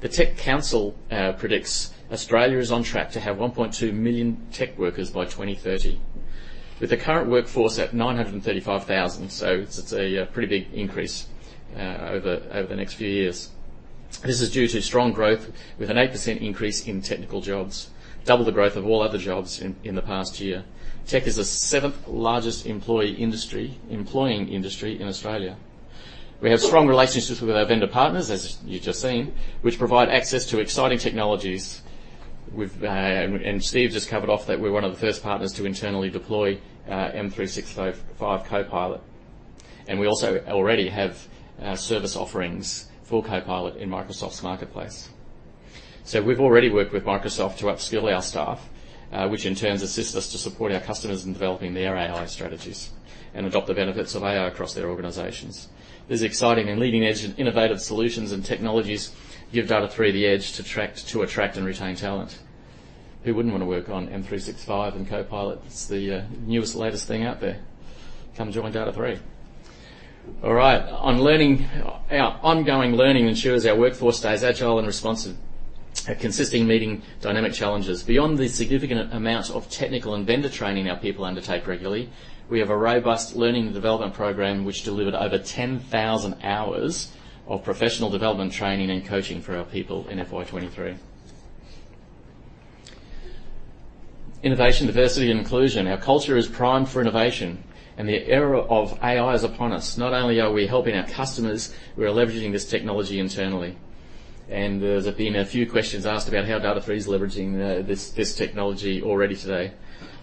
[SPEAKER 3] The Tech Council predicts Australia is on track to have 1.2 million tech workers by 2030, with the current workforce at 935,000. So it's a pretty big increase over the next few years. This is due to strong growth, with an 8% increase in technical jobs, double the growth of all other jobs in the past year. Tech is the seventh largest employing industry in Australia. We have strong relationships with our vendor partners, as you've just seen, which provide access to exciting technologies. Steve just covered off that we're one of the first partners to internally deploy M365 Copilot, and we also already have service offerings for Copilot in Microsoft's marketplace. So we've already worked with Microsoft to upskill our staff, which in turn assists us to support our customers in developing their AI strategies and adopt the benefits of AI across their organizations. These exciting and leading-edge innovative solutions and technologies give Data#3 the edge to attract, to attract and retain talent. Who wouldn't want to work on M365 and Copilot? It's the newest, latest thing out there. Come join Data#3. All right. On learning, our ongoing learning ensures our workforce stays agile and responsive at consistently meeting dynamic challenges. Beyond the significant amount of technical and vendor training our people undertake regularly, we have a robust learning and development program, which delivered over 10,000 hours of professional development, training, and coaching for our people in FY 2023. Innovation, diversity, and inclusion. Our culture is primed for innovation, and the era of AI is upon us. Not only are we helping our customers, we are leveraging this technology internally. There's been a few questions asked about how Data#3 is leveraging this technology already today.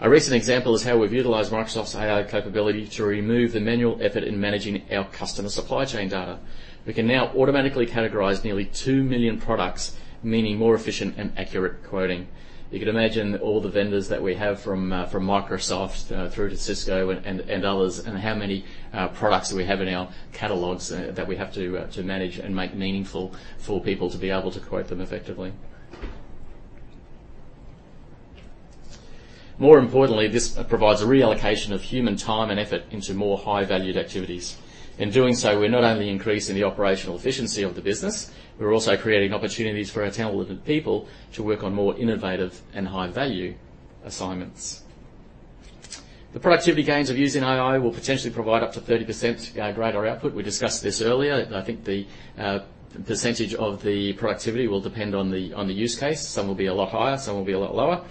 [SPEAKER 3] A recent example is how we've utilized Microsoft's AI capability to remove the manual effort in managing our customer supply chain data. We can now automatically categorize nearly 2 million products, meaning more efficient and accurate quoting. You can imagine all the vendors that we have from Microsoft through to Cisco and others, and how many products we have in our catalogs that we have to manage and make meaningful for people to be able to quote them effectively.... More importantly, this provides a reallocation of human time and effort into more high-valued activities. In doing so, we're not only increasing the operational efficiency of the business, we're also creating opportunities for our talented people to work on more innovative and high-value assignments. The productivity gains of using AI will potentially provide up to 30% greater output. We discussed this earlier. I think the percentage of the productivity will depend on the use case. Some will be a lot higher, some will be a lot lower.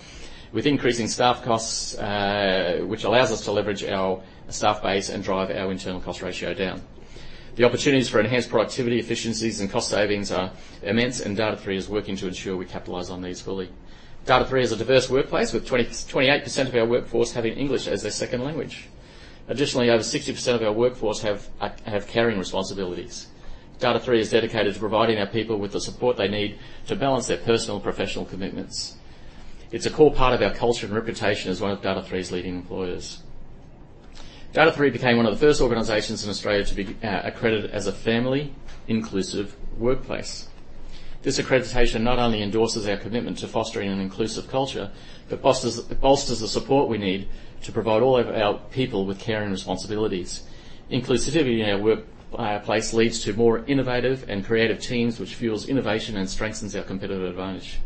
[SPEAKER 3] With increasing staff costs, which allows us to leverage our staff base and drive our internal cost ratio down. The opportunities for enhanced productivity, efficiencies, and cost savings are immense, and Data#3 is working to ensure we capitalize on these fully. Data#3 is a diverse workplace, with 28% of our workforce having English as their second language. Additionally, over 60% of our workforce have caring responsibilities. Data#3 is dedicated to providing our people with the support they need to balance their personal and professional commitments. It's a core part of our culture and reputation as one of Data#3's leading employers. Data#3 became one of the first organizations in Australia to be accredited as a family-inclusive workplace. This accreditation not only endorses our commitment to fostering an inclusive culture, but it bolsters the support we need to provide all of our people with caring responsibilities. Inclusivity in our workplace leads to more innovative and creative teams, which fuels innovation and strengthens our competitive advantage.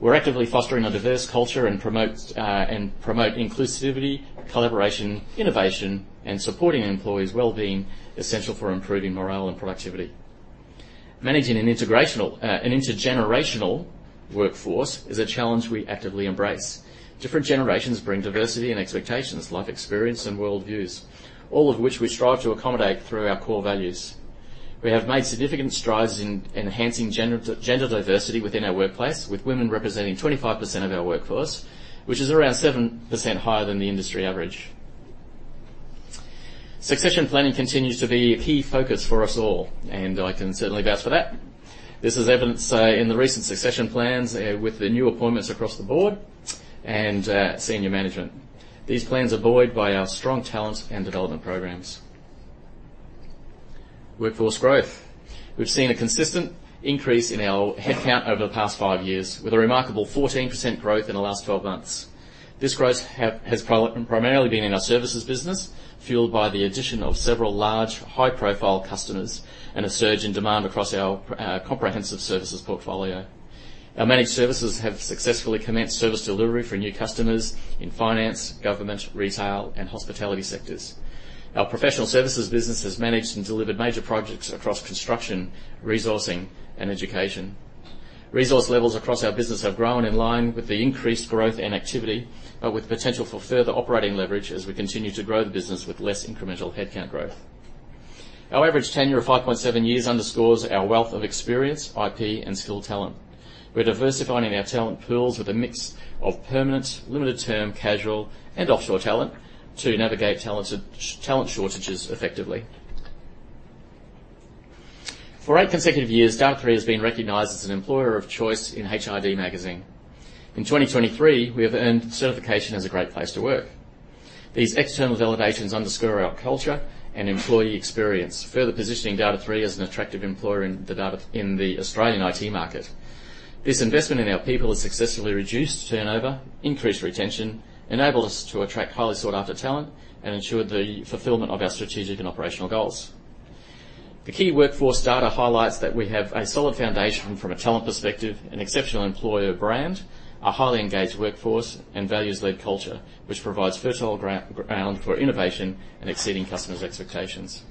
[SPEAKER 3] We're actively fostering a diverse culture and promote and promote inclusivity, collaboration, innovation, and supporting employees' well-being, essential for improving morale and productivity. Managing an intergenerational workforce is a challenge we actively embrace. Different generations bring diversity and expectations, life experience, and worldviews, all of which we strive to accommodate through our core values. We have made significant strides in enhancing gender diversity within our workplace, with women representing 25% of our workforce, which is around 7% higher than the industry average. Succession planning continues to be a key focus for us all, and I can certainly vouch for that. This is evidenced in the recent succession plans with the new appointments across the board and senior management. These plans are buoyed by our strong talent and development programs. Workforce growth. We've seen a consistent increase in our headcount over the past five years, with a remarkable 14% growth in the last 12 months. This growth has primarily been in our services business, fueled by the addition of several large, high-profile customers and a surge in demand across our comprehensive services portfolio. Our managed services have successfully commenced service delivery for new customers in finance, government, retail, and hospitality sectors. Our professional services business has managed and delivered major projects across construction, resourcing, and education. Resource levels across our business have grown in line with the increased growth and activity, but with potential for further operating leverage as we continue to grow the business with less incremental headcount growth. Our average tenure of 5.7 years underscores our wealth of experience, IP, and skilled talent. We're diversifying our talent pools with a mix of permanent, limited-term, casual, and offshore talent to navigate talent shortages effectively. For eight consecutive years, Data#3 has been recognized as an employer of choice in HRD Magazine. In 2023, we have earned certification as a Great Place to Work. These external validations underscore our culture and employee experience, further positioning Data#3 as an attractive employer in the Australian IT market. This investment in our people has successfully reduced turnover, increased retention, enabled us to attract highly sought-after talent, and ensured the fulfillment of our strategic and operational goals. The key workforce data highlights that we have a solid foundation from a talent perspective, an exceptional employer brand, a highly engaged workforce, and values-led culture, which provides fertile ground for innovation and exceeding customers' expectations.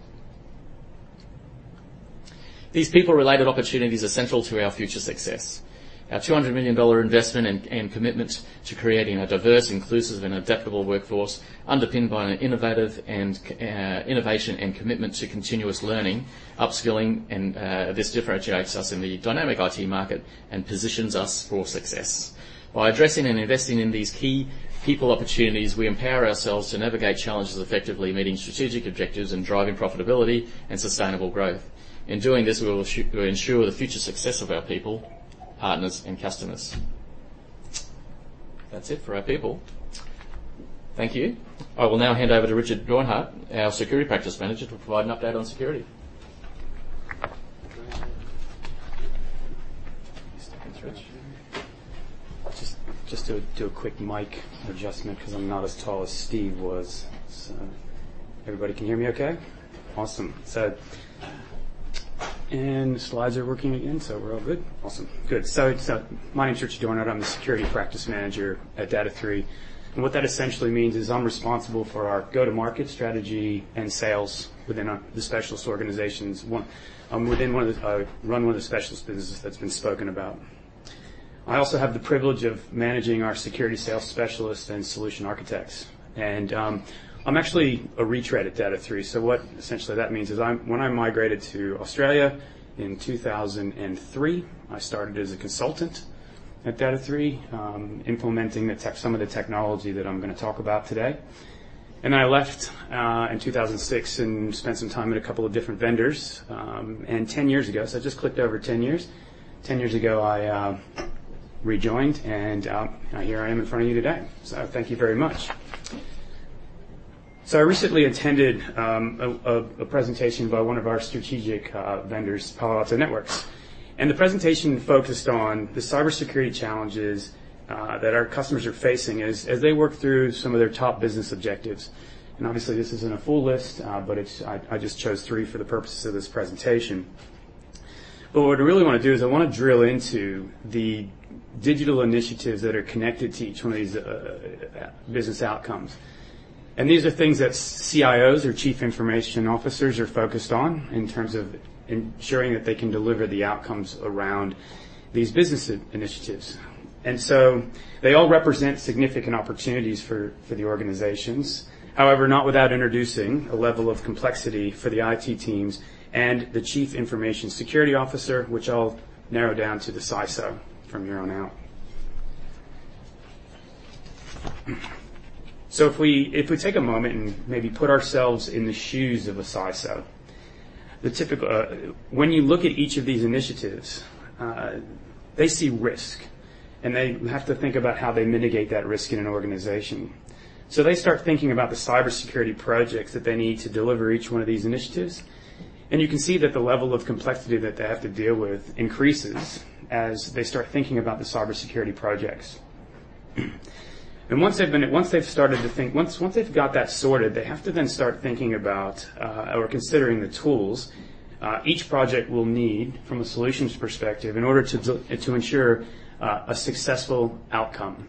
[SPEAKER 3] These people-related opportunities are central to our future success. Our $200 million investment and commitment to creating a diverse, inclusive, and adaptable workforce, underpinned by an innovative and innovation and commitment to continuous learning, upskilling, and. This differentiates us in the dynamic IT market and positions us for success. By addressing and investing in these key people opportunities, we empower ourselves to navigate challenges effectively, meeting strategic objectives, and driving profitability and sustainable growth. In doing this, we will ensure the future success of our people, partners, and customers. That's it for our people. Thank you. I will now hand over to Richard Dornhart, our Security Practice Manager, to provide an update on security.
[SPEAKER 19] Just to do a quick mic adjustment, because I'm not as tall as Steve was. So everybody can hear me okay? Awesome. Set. And the slides are working again, so we're all good. Awesome. Good. So my name is Richard Dornhart. I'm the Security Practice Manager at Data#3, and what that essentially means is I'm responsible for our go-to-market strategy and sales within our, the specialist organizations. Within one of the specialist businesses that's been spoken about. I also have the privilege of managing our security sales specialists and solution architects, and I'm actually a retread at Data#3. So what essentially that means is when I migrated to Australia in 2003, I started as a consultant at Data#3, implementing some of the technology that I'm gonna talk about today. I left in 2006 and spent some time at a couple of different vendors. And 10 years ago, so I just clicked over 10 years. 10 years ago, I rejoined, and here I am in front of you today. So thank you very much. So I recently attended a presentation by one of our strategic vendors, Palo Alto Networks. And the presentation focused on the cybersecurity challenges that our customers are facing as they work through some of their top business objectives. And obviously, this isn't a full list, but it's. I just chose 3 for the purposes of this presentation. But what I really wanna do is I wanna drill into the digital initiatives that are connected to each one of these business outcomes. These are things that CIOs or chief information officers are focused on in terms of ensuring that they can deliver the outcomes around these business initiatives. So they all represent significant opportunities for the organizations. However, not without introducing a level of complexity for the IT teams and the chief information security officer, which I'll narrow down to the CISO from here on out. So if we take a moment and maybe put ourselves in the shoes of a CISO, the typical. When you look at each of these initiatives, they see risk, and they have to think about how they mitigate that risk in an organization. So they start thinking about the cybersecurity projects that they need to deliver each one of these initiatives, and you can see that the level of complexity that they have to deal with increases as they start thinking about the cybersecurity projects. And once they've started to think, once they've got that sorted, they have to then start thinking about or considering the tools each project will need from a solutions perspective, in order to ensure a successful outcome.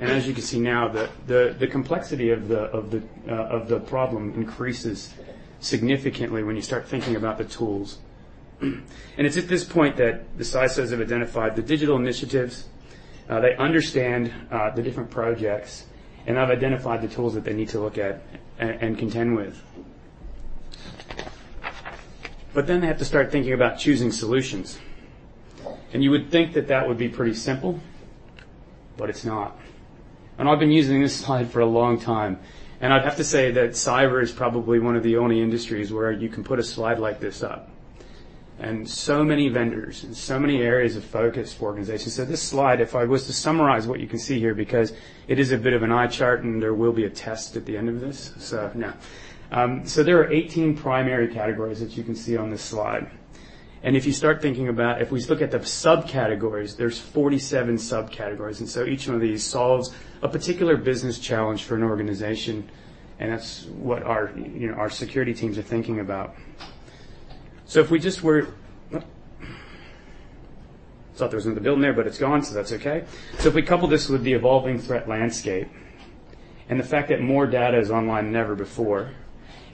[SPEAKER 19] And as you can see now, the complexity of the problem increases significantly when you start thinking about the tools. And it's at this point that the CISOs have identified the digital initiatives, they understand the different projects, and have identified the tools that they need to look at and contend with. Then they have to start thinking about choosing solutions. You would think that that would be pretty simple, but it's not. I've been using this slide for a long time, and I'd have to say that cyber is probably one of the only industries where you can put a slide like this up. So many vendors and so many areas of focus for organizations. This slide, if I was to summarize what you can see here, because it is a bit of an eye chart, and there will be a test at the end of this, so, no. So there are 18 primary categories, as you can see on this slide. If you start thinking about, if we look at the subcategories, there's 47 subcategories, and so each one of these solves a particular business challenge for an organization, and that's what our, you know, our security teams are thinking about. So if we couple this with the evolving threat landscape and the fact that more data is online than ever before,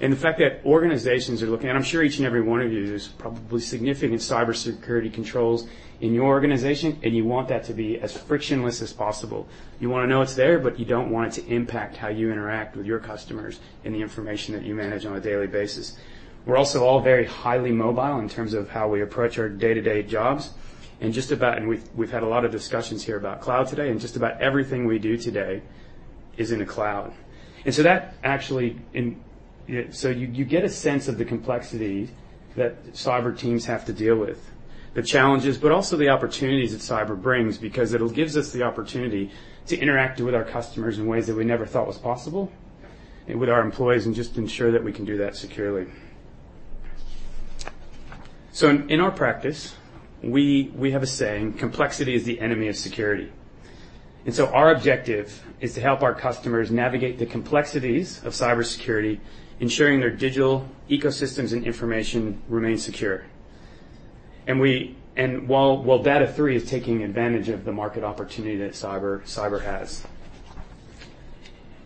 [SPEAKER 19] and the fact that organizations are looking, and I'm sure each and every one of you, there's probably significant cybersecurity controls in your organization, and you want that to be as frictionless as possible. You wanna know it's there, but you don't want it to impact how you interact with your customers and the information that you manage on a daily basis. We're also all very highly mobile in terms of how we approach our day-to-day jobs, and we've had a lot of discussions here about cloud today, and just about everything we do today is in the cloud. And so that actually in it. So you get a sense of the complexity that cyber teams have to deal with, the challenges, but also the opportunities that cyber brings, because it'll gives us the opportunity to interact with our customers in ways that we never thought was possible and with our employees, and just ensure that we can do that securely. So in our practice, we have a saying, "Complexity is the enemy of security." And so our objective is to help our customers navigate the complexities of cybersecurity, ensuring their digital ecosystems and information remain secure. While Data#3 is taking advantage of the market opportunity that cyber has.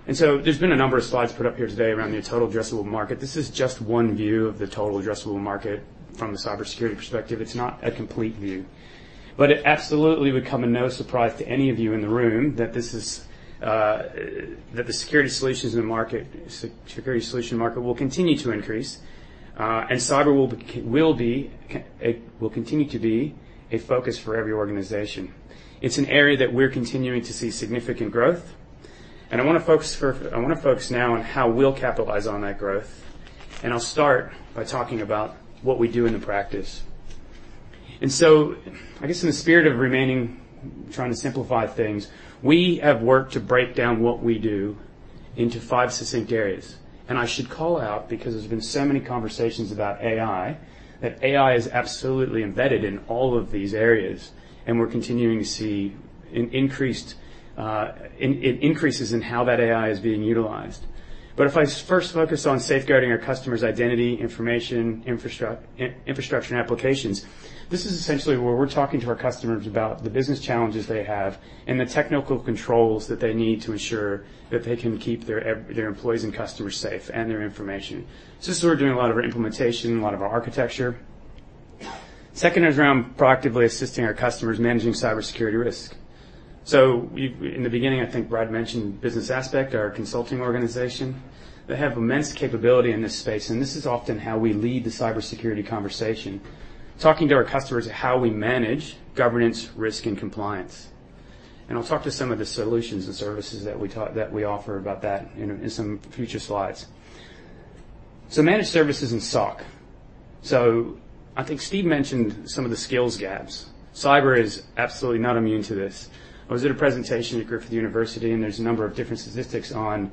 [SPEAKER 19] And so there's been a number of slides put up here today around the total addressable market. This is just one view of the total addressable market from a cybersecurity perspective. It's not a complete view. But it absolutely would come as no surprise to any of you in the room that the security solutions in the market, security solution market will continue to increase, and cyber will continue to be a focus for every organization. It's an area that we're continuing to see significant growth, and I wanna focus now on how we'll capitalize on that growth, and I'll start by talking about what we do in the practice. So I guess in the spirit of remaining, trying to simplify things, we have worked to break down what we do into five succinct areas. And I should call out, because there's been so many conversations about AI, that AI is absolutely embedded in all of these areas, and we're continuing to see an increase in increases in how that AI is being utilized. But if I first focus on safeguarding our customers' identity, information, infrastructure, and applications, this is essentially where we're talking to our customers about the business challenges they have and the technical controls that they need to ensure that they can keep their employees and customers safe, and their information. So this is where we're doing a lot of our implementation, a lot of our architecture. Second is around proactively assisting our customers managing cybersecurity risk. In the beginning, I think Brad mentioned Business Aspect, our consulting organization. They have immense capability in this space, and this is often how we lead the cybersecurity conversation, talking to our customers on how we manage governance, risk, and compliance. And I'll talk to some of the solutions and services that we talk, that we offer about that in, in some future slides. So managed services and SOC. So I think Steve mentioned some of the skills gaps. Cyber is absolutely not immune to this. I was at a presentation at Griffith University, and there's a number of different statistics on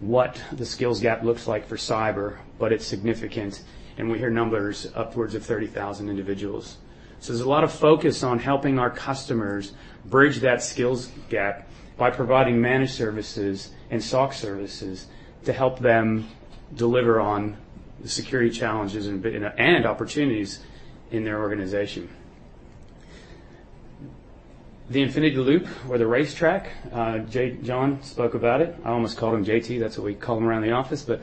[SPEAKER 19] what the skills gap looks like for cyber, but it's significant, and we hear numbers upwards of 30,000 individuals. So there's a lot of focus on helping our customers bridge that skills gap by providing managed services and SOC services to help them deliver on the security challenges and opportunities in their organization. The infinity loop or the racetrack, John spoke about it. I almost called him JT. That's what we call him around the office. But,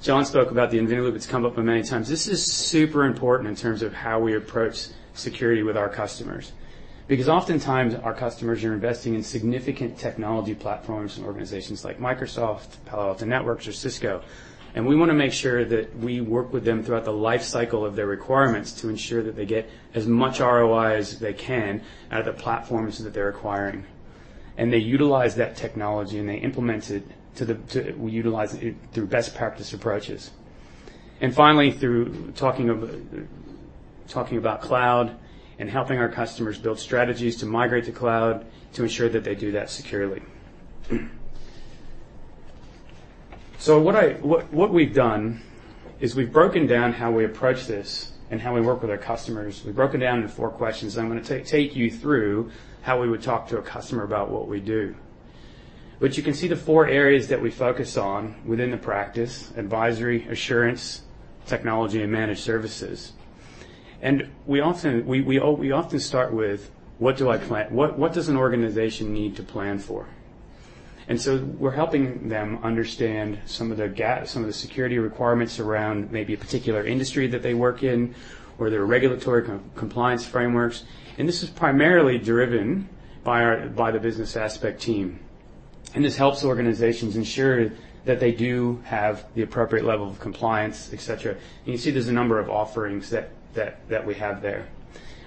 [SPEAKER 19] John spoke about the infinity loop. It's come up many times. This is super important in terms of how we approach security with our customers, because oftentimes our customers are investing in significant technology platforms and organizations like Microsoft, Palo Alto Networks, or Cisco, and we wanna make sure that we work with them throughout the lifecycle of their requirements to ensure that they get as much ROI as they can out of the platforms that they're acquiring. They utilize that technology, and they implement it to the. We utilize it through best practice approaches. And finally, through talking about cloud and helping our customers build strategies to migrate to cloud, to ensure that they do that securely. So what we've done is we've broken down how we approach this and how we work with our customers. We've broken down into four questions. I'm gonna take you through how we would talk to a customer about what we do. But you can see the four areas that we focus on within the practice: advisory, assurance, technology, and managed services. And we often start with: what does an organization need to plan for? So we're helping them understand some of the security requirements around maybe a particular industry that they work in or their regulatory compliance frameworks. And this is primarily driven by our Business Aspect team. And this helps organizations ensure that they do have the appropriate level of compliance, et cetera. And you see, there's a number of offerings that we have there.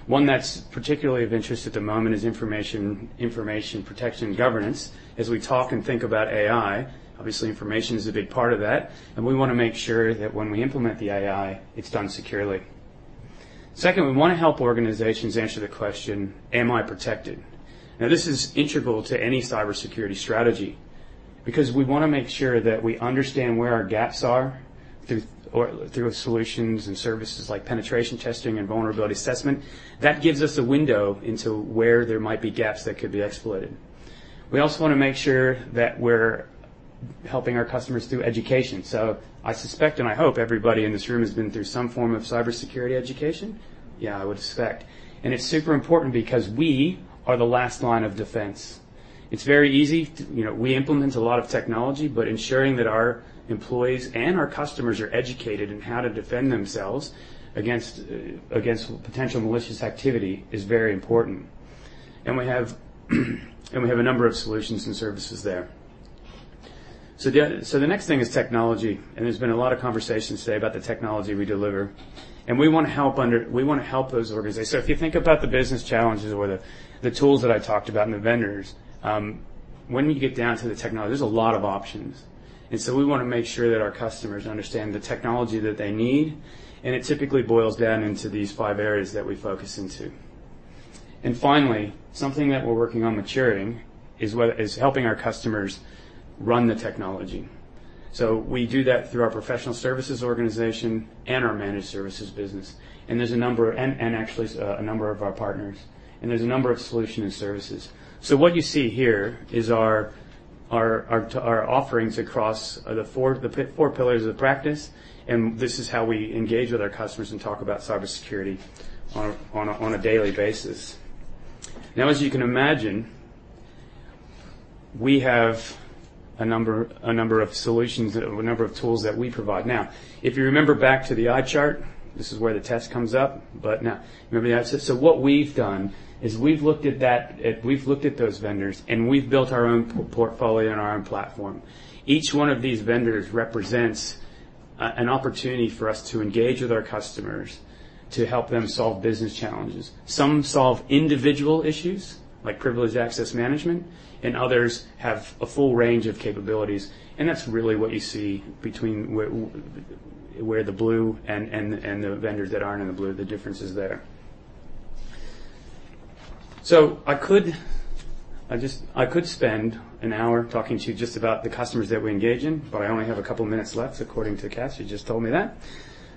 [SPEAKER 19] One that's particularly of interest at the moment is information protection and governance. As we talk and think about AI, obviously information is a big part of that, and we wanna make sure that when we implement the AI, it's done securely. Second, we wanna help organizations answer the question: Am I protected? Now, this is integral to any cybersecurity strategy because we wanna make sure that we understand where our gaps are through solutions and services like penetration testing and vulnerability assessment. That gives us a window into where there might be gaps that could be exploited. We also wanna make sure that we're helping our customers through education. So I suspect, and I hope everybody in this room has been through some form of cybersecurity education. Yeah, I would expect. And it's super important because we are the last line of defense. It's very easy to... You know, we implement a lot of technology but ensuring that our employees and our customers are educated in how to defend themselves against against potential malicious activity is very important. And we have a number of solutions and services there. So the next thing is technology, and there's been a lot of conversations today about the technology we deliver, and we wanna help those organizations. So if you think about the business challenges or the tools that I talked about and the vendors, when we get down to the technology, there's a lot of options. And so we wanna make sure that our customers understand the technology that they need, and it typically boils down into these five areas that we focus into. And finally, something that we're working on maturing is helping our customers run the technology. So we do that through our professional services organization and our managed services business, and there's a number. And actually, a number of our partners, and there's a number of solution and services. So what you see here is our offerings across the four pillars of the practice, and this is how we engage with our customers and talk about cybersecurity on a daily basis. Now, as you can imagine, we have a number of solutions, a number of tools that we provide. Now, if you remember back to the eye chart, this is where the test comes up. But now, remember the eye chart? So what we've done is we've looked at that; we've looked at those vendors, and we've built our own portfolio and our own platform. Each one of these vendors represents an opportunity for us to engage with our customers, to help them solve business challenges. Some solve individual issues, like privileged access management, and others have a full range of capabilities, and that's really what you see between where the blue and the vendors that aren't in the blue, the differences there. So I could spend an hour talking to you just about the customers that we engage in, but I only have a couple of minutes left, according to Cass, who just told me that.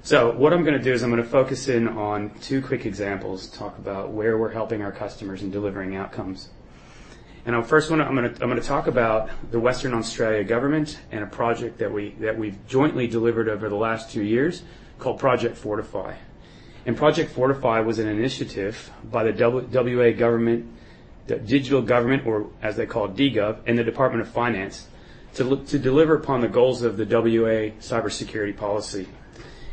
[SPEAKER 19] So what I'm gonna do is I'm gonna focus in on two quick examples to talk about where we're helping our customers in delivering outcomes. And our first one, I'm gonna talk about the Western Australia government and a project that we, that we've jointly delivered over the last two years called Project Fortify. Project Fortify was an initiative by the WA government, the Digital Government, or as they call it, DGov, and the Department of Finance, to deliver upon the goals of the WA cybersecurity policy.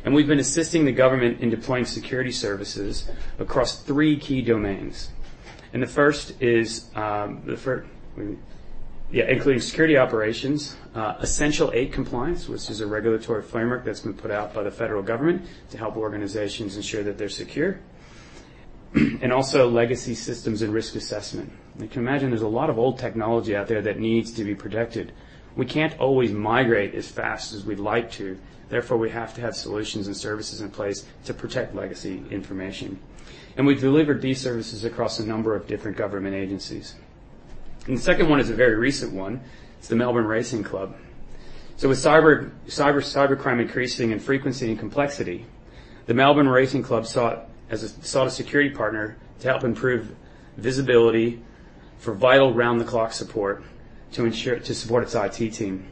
[SPEAKER 19] We've been assisting the government in deploying security services across three key domains. The first is, yeah, including security operations, Essential Eight compliance, which is a regulatory framework that's been put out by the federal government to help organizations ensure that they're secure, and also legacy systems and risk assessment. You can imagine there's a lot of old technology out there that needs to be protected. We can't always migrate as fast as we'd like to, therefore, we have to have solutions and services in place to protect legacy information. We've delivered these services across a number of different government agencies. And the second one is a very recent one. It's the Melbourne Racing Club. So with cybercrime increasing in frequency and complexity, the Melbourne Racing Club sought a security partner to help improve visibility for vital round-the-clock support to support its IT team.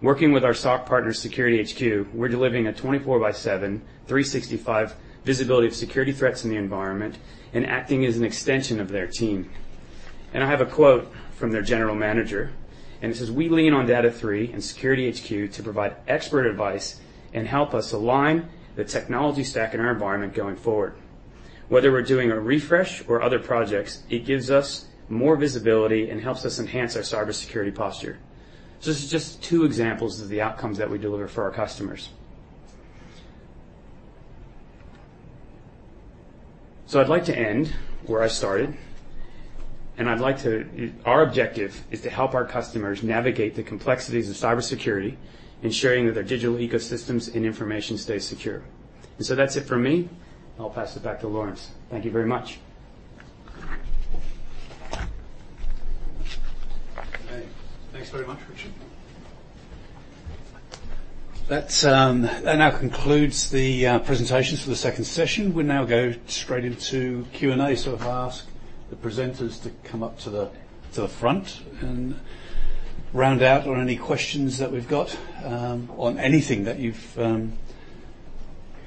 [SPEAKER 19] Working with our SOC partner, SecurityHQ, we're delivering a 24/7, 365 visibility of security threats in the environment and acting as an extension of their team. And I have a quote from their general manager, and it says: "We lean on Data#3 and SecurityHQ to provide expert advice and help us align the technology stack in our environment going forward. Whether we're doing a refresh or other projects, it gives us more visibility and helps us enhance our cybersecurity posture." So this is just two examples of the outcomes that we deliver for our customers. I'd like to end where I started, and I'd like to... Our objective is to help our customers navigate the complexities of cybersecurity, ensuring that their digital ecosystems and information stay secure. So that's it for me, and I'll pass it back to Laurence. Thank you very much.
[SPEAKER 1] Okay. Thanks very much, Richard. That now concludes the presentations for the second session. We'll now go straight into Q&A, so if I ask the presenters to come up to the front and round out on any questions that we've got on anything that you've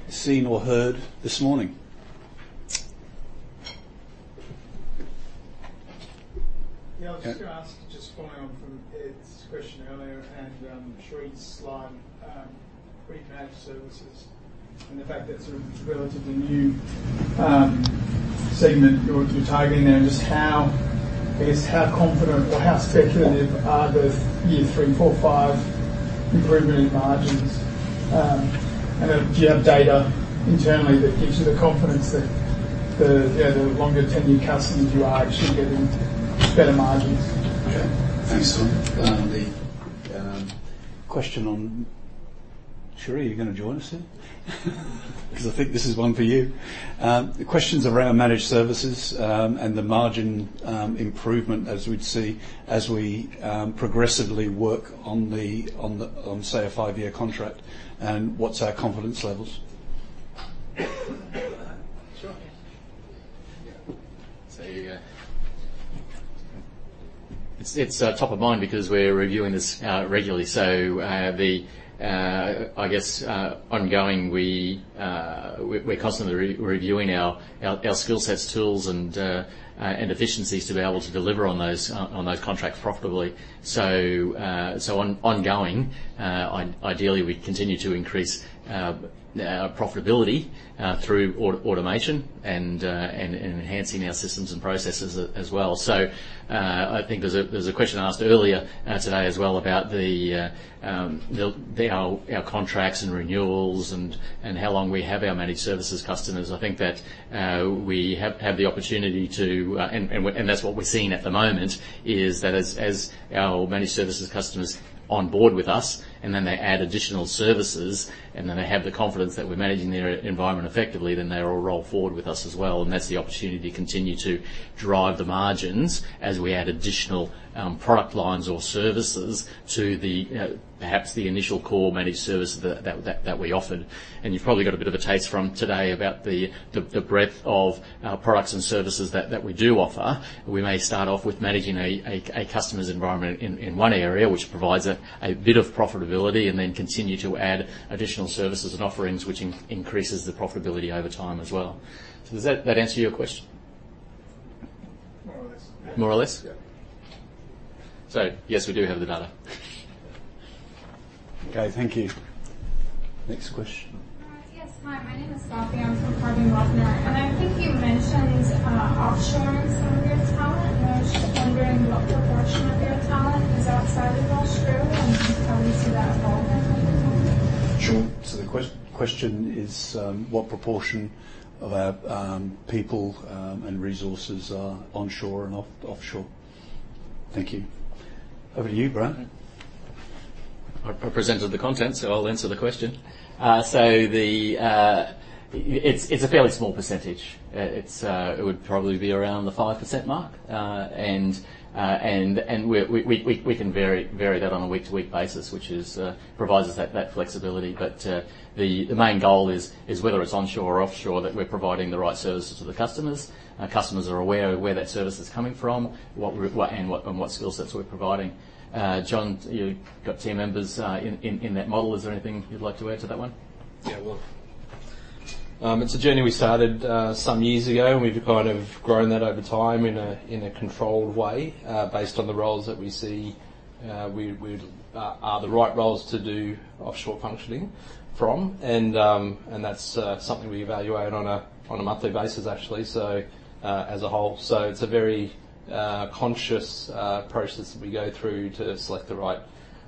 [SPEAKER 1] seen or heard this morning.
[SPEAKER 20] Yeah, I was just going to ask, just following on from Ed's question earlier and, Cherie's slide, pre-managed services, and the fact that it's a relatively new, segment you're, you're targeting there, and just how, I guess, how confident or how speculative are the year three, four, five improvement in margins? And, do you have data internally that gives you the confidence that the, the longer-tenured customers you are actually getting better margins?
[SPEAKER 1] Okay. Thanks, Tom. The question on... Cherie, are you going to join us here? Because I think this is one for you. The question's around managed services, and the margin improvement as we'd see as we progressively work on, say, a five-year contract, and what's our confidence levels?
[SPEAKER 3] Sure. So yeah. It's top of mind because we're reviewing this regularly. So, I guess, ongoing, we're constantly reviewing our skill sets, tools, and efficiencies to be able to deliver on those contracts profitably. So, ongoing, ideally, we continue to increase profitability through automation and enhancing our systems and processes as well. So, I think there's a question asked earlier today as well about our contracts and renewals and how long we have our managed services customers. I think that we have the opportunity to... That's what we're seeing at the moment, is that as our managed services customers on board with us, and then they add additional services, and then they have the confidence that we're managing their environment effectively, then they all roll forward with us as well, and that's the opportunity to continue to drive the margins as we add additional product lines or services to the, perhaps the initial core managed service that we offered. And you've probably got a bit of a taste from today about the breadth of our products and services that we do offer. We may start off with managing a customer's environment in one area, which provides a bit of profitability, and then continue to add additional services and offerings, which increases the profitability over time as well. So does that answer your question?
[SPEAKER 20] More or less.
[SPEAKER 3] More or less?
[SPEAKER 20] Yeah.
[SPEAKER 3] Yes, we do have the data.
[SPEAKER 1] Okay. Thank you. Next question.
[SPEAKER 21] Yes. Hi, my name is Sophie. I think you mentioned offshoring some of your talent, and I was just wondering what proportion of your talent is outside of Australia and how you see that evolving over time?
[SPEAKER 1] Sure. So the question is, what proportion of our people and resources are onshore and offshore? Thank you. Over to you, Brad.
[SPEAKER 3] I presented the content, so I'll answer the question. So the... It's a fairly small percentage. It would probably be around the 5% mark. And we can vary that on a week-to-week basis, which provides us that flexibility. But the main goal is whether it's onshore or offshore, that we're providing the right services to the customers. Our customers are aware of where that service is coming from, what we're providing and what skill sets we're providing. John, you've got team members in that model. Is there anything you'd like to add to that one?
[SPEAKER 15] Yeah, well, it's a journey we started some years ago, and we've kind of grown that over time in a controlled way. Based on the roles that we see, we are the right roles to do offshore functioning from. And that's something we evaluate on a monthly basis, actually, so as a whole. So it's a very conscious process that we go through to select the right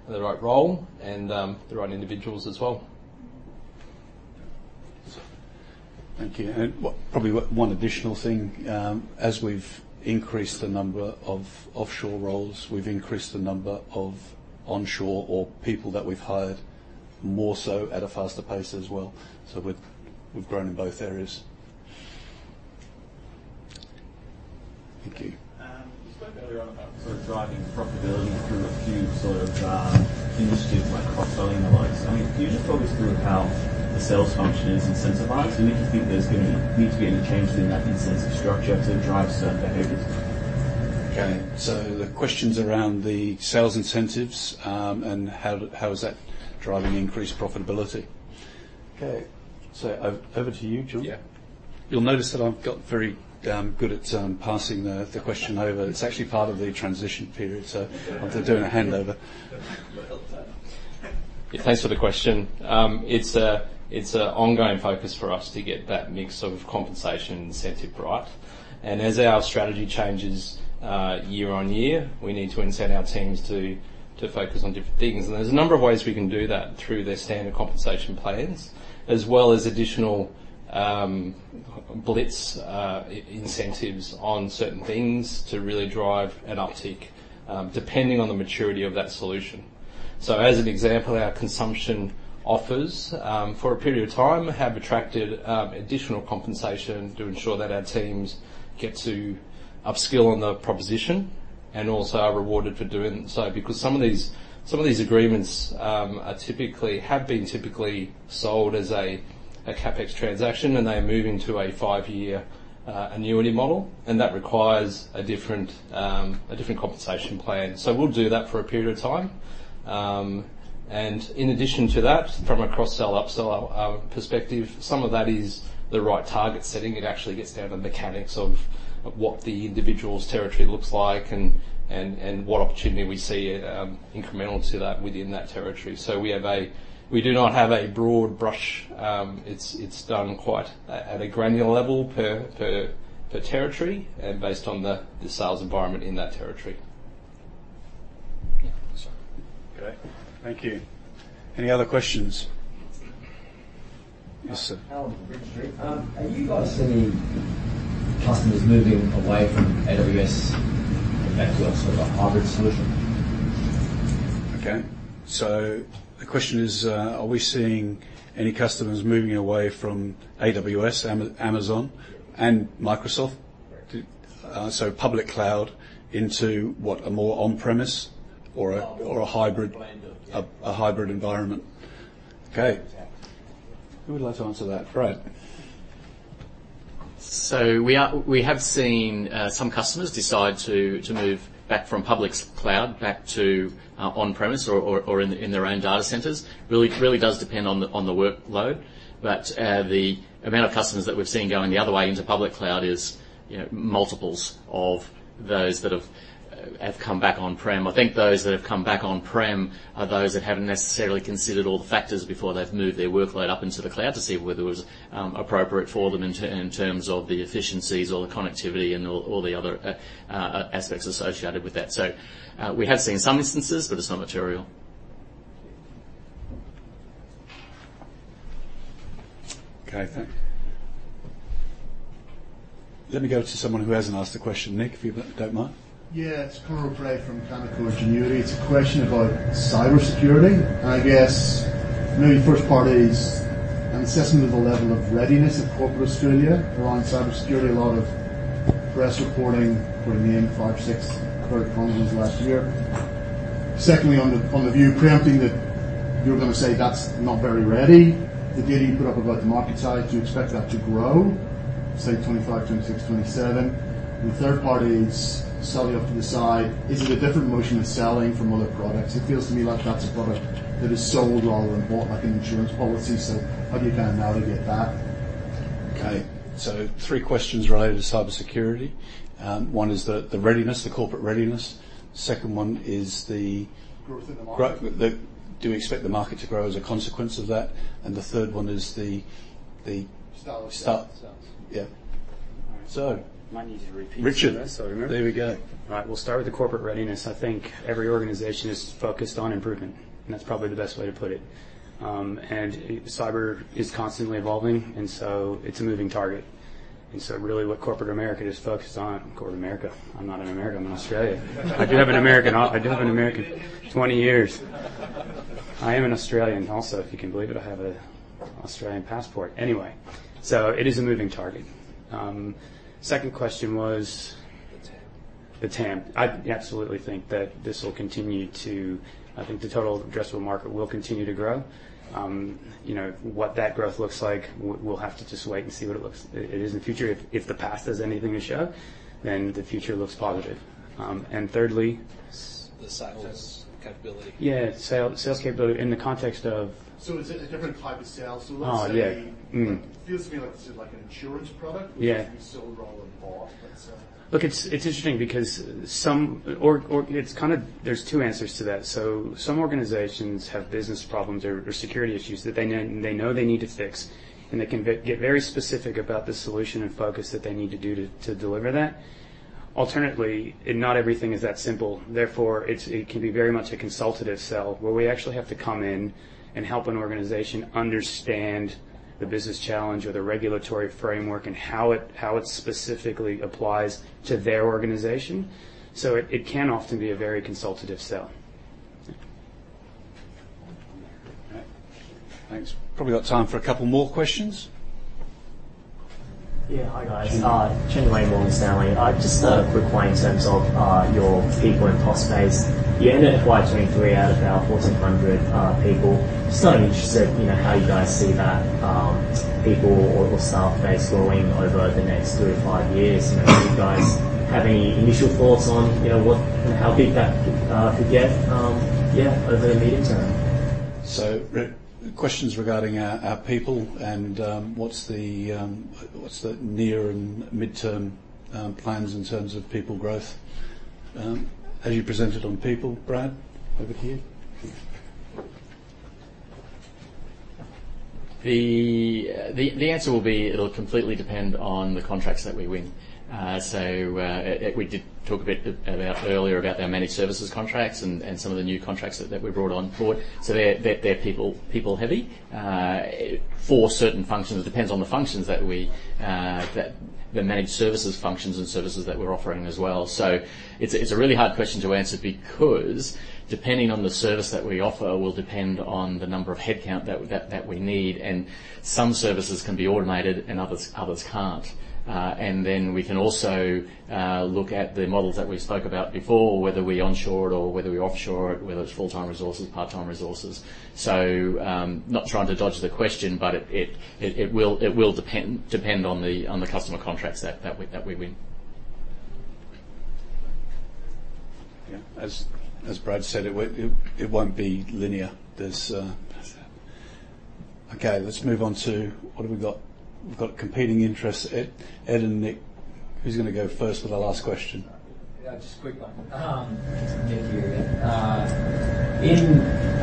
[SPEAKER 15] role and the right individuals as well.
[SPEAKER 1] Thank you. And probably one additional thing, as we've increased the number of offshore roles, we've increased the number of onshore, our people that we've hired, more so at a faster pace as well. So we've grown in both areas. Thank you.
[SPEAKER 20] You spoke earlier on about sort of driving profitability through a few sort of initiatives like cross-selling and the likes. I mean, can you just talk us through how the sales function is incentivized, and if you think there's gonna need to be any change in that incentive structure to drive certain behaviors?
[SPEAKER 1] Okay, so the question's around the sales incentives, and how is that driving increased profitability? Okay, so over to you, John.
[SPEAKER 15] Yeah.
[SPEAKER 1] You'll notice that I've got very good at passing the question over. It's actually part of the transition period, so I'm doing a handover.
[SPEAKER 15] Thanks for the question. It's an ongoing focus for us to get that mix of compensation incentive right, and as our strategy changes year on year, we need to incent our teams to focus on different things. And there's a number of ways we can do that through their standard compensation plans, as well as additional blitz incentives on certain things to really drive an uptick, depending on the maturity of that solution. So, as an example, our consumption offers for a period of time have attracted additional compensation to ensure that our teams get to upskill on the proposition and also are rewarded for doing so. Because some of these agreements have been typically sold as a CapEx transaction, and they're moving to a five-year annuity model, and that requires a different compensation plan. So we'll do that for a period of time. And in addition to that, from a cross-sell, up-sell perspective, some of that is the right target setting. It actually gets down to mechanics of what the individual's territory looks like and what opportunity we see incremental to that within that territory. So we do not have a broad brush, it's done quite at a granular level per territory and based on the sales environment in that territory. Yeah, sorry.
[SPEAKER 1] Okay, thank you. Any other questions? Yes, sir.
[SPEAKER 22] Allen from Bridge Street. Are you guys seeing customers moving away from AWS and back to a sort of a hybrid solution?
[SPEAKER 1] Okay. So the question is, are we seeing any customers moving away from AWS, Amazon, and Microsoft-
[SPEAKER 22] Correct...
[SPEAKER 1] so public cloud into what? A more on-premises or a-
[SPEAKER 22] Well-
[SPEAKER 1] or a hybrid
[SPEAKER 22] Blend of, yeah....
[SPEAKER 1] a hybrid environment. Okay.
[SPEAKER 22] Yeah.
[SPEAKER 1] Who would like to answer that? Fred.
[SPEAKER 3] So we are... We have seen some customers decide to move back from public cloud back to on-premise or in their own data centers. Really does depend on the workload. But the amount of customers that we've seen going the other way into public cloud is, you know, multiples of those that have come back on-prem. I think those that have come back on-prem are those that haven't necessarily considered all the factors before they've moved their workload up into the cloud to see whether it was appropriate for them in terms of the efficiencies or the connectivity and all the other aspects associated with that. So we have seen some instances, but it's not material.
[SPEAKER 1] Okay, thank you. Let me go to someone who hasn't asked a question. Nick, if you don't mind.
[SPEAKER 23] Yeah, it's Karl Craig from Canaccord Genuity. It's a question about cybersecurity. I guess, maybe first part is an assessment of the level of readiness of corporate Australia around cybersecurity. A lot of press reporting for the main five, six credit problems last year. Secondly, on the, on the view, preempting that you were going to say, "That's not very ready," the data you put up about the market size, do you expect that to grow, say, 2025, 2026, 2027? The third part is selling off to the side. Is it a different motion of selling from other products? It feels to me like that's a product that is sold rather than bought, like an insurance policy. So how do you plan to navigate that?
[SPEAKER 1] Okay, so three questions related to cybersecurity. One is the readiness, the corporate readiness. Second one is the-
[SPEAKER 23] Growth in the market.
[SPEAKER 1] Growth, do we expect the market to grow as a consequence of that? And the third one is the.
[SPEAKER 23] Sales.
[SPEAKER 1] Sales, yeah. So-
[SPEAKER 19] Might need to repeat this-
[SPEAKER 1] Richard
[SPEAKER 19] So I remember.
[SPEAKER 1] There we go.
[SPEAKER 19] All right. We'll start with the corporate readiness. I think every organization is focused on improvement, and that's probably the best way to put it. And cyber is constantly evolving, and so it's a moving target. And so really, what corporate America is focused on... Corporate America, I'm not in America, I'm in Australia. I do have an American, I do have an American, 20 years. I am an Australian also, if you can believe it. I have an Australian passport. Anyway, so it is a moving target. Second question was-
[SPEAKER 15] The TAM.
[SPEAKER 19] The TAM. I absolutely think that this will continue to... I think the total addressable market will continue to grow. You know, what that growth looks like, we'll have to just wait and see what it looks like in the future. If the past has anything to show, then the future looks positive. And thirdly?
[SPEAKER 15] The sales capability.
[SPEAKER 19] Yeah, sales capability in the context of-
[SPEAKER 23] Is it a different type of sale?
[SPEAKER 19] Oh, yeah.
[SPEAKER 23] So let's say, feels to me like this is like an insurance product-
[SPEAKER 19] Yeah
[SPEAKER 23] which you sold rather than bought, and so.
[SPEAKER 19] Look, it's interesting because some organizations—it's kind of. There are two answers to that. So some organizations have business problems or security issues that they know they need to fix, and they can get very specific about the solution and focus that they need to do to deliver that. Alternatively, and not everything is that simple, therefore, it can be very much a consultative sell, where we actually have to come in and help an organization understand the business challenge or the regulatory framework and how it specifically applies to their organization. So it can often be a very consultative sell.
[SPEAKER 1] All right. Thanks. Probably got time for a couple more questions.
[SPEAKER 24] Yeah. Hi, guys. Chen Wei, Morgan Stanley. I just a quick one in terms of your people and cost base. You ended FY 2023 with about 1,400 people. Just interested in how you guys see that people or staff base growing over the next three to five years. You know, do you guys have any initial thoughts on, you know, what how big that could get, yeah, over the medium term?
[SPEAKER 1] So, questions regarding our people and what's the near- and mid-term plans in terms of people growth. Have you presented on people, Brad? Over to you.
[SPEAKER 3] The answer will be it'll completely depend on the contracts that we win. So we did talk a bit earlier about our managed services contracts and some of the new contracts that we brought on board. So they're people heavy. For certain functions, it depends on the functions that the managed services functions and services that we're offering as well. So it's a really hard question to answer because depending on the service that we offer, will depend on the number of headcount that we need, and some services can be automated, and others can't. And then we can also look at the models that we've spoke about before, whether we onshore it or whether we offshore it, whether it's full-time resources, part-time resources. So, not trying to dodge the question, but it will depend on the customer contracts that we win.
[SPEAKER 1] Yeah. As Brad said, it won't be linear. There's... Okay, let's move on to... What have we got? We've got competing interests. Ed and Nick, who's gonna go first with the last question?
[SPEAKER 7] Yeah, just a quick one. Nick here again. In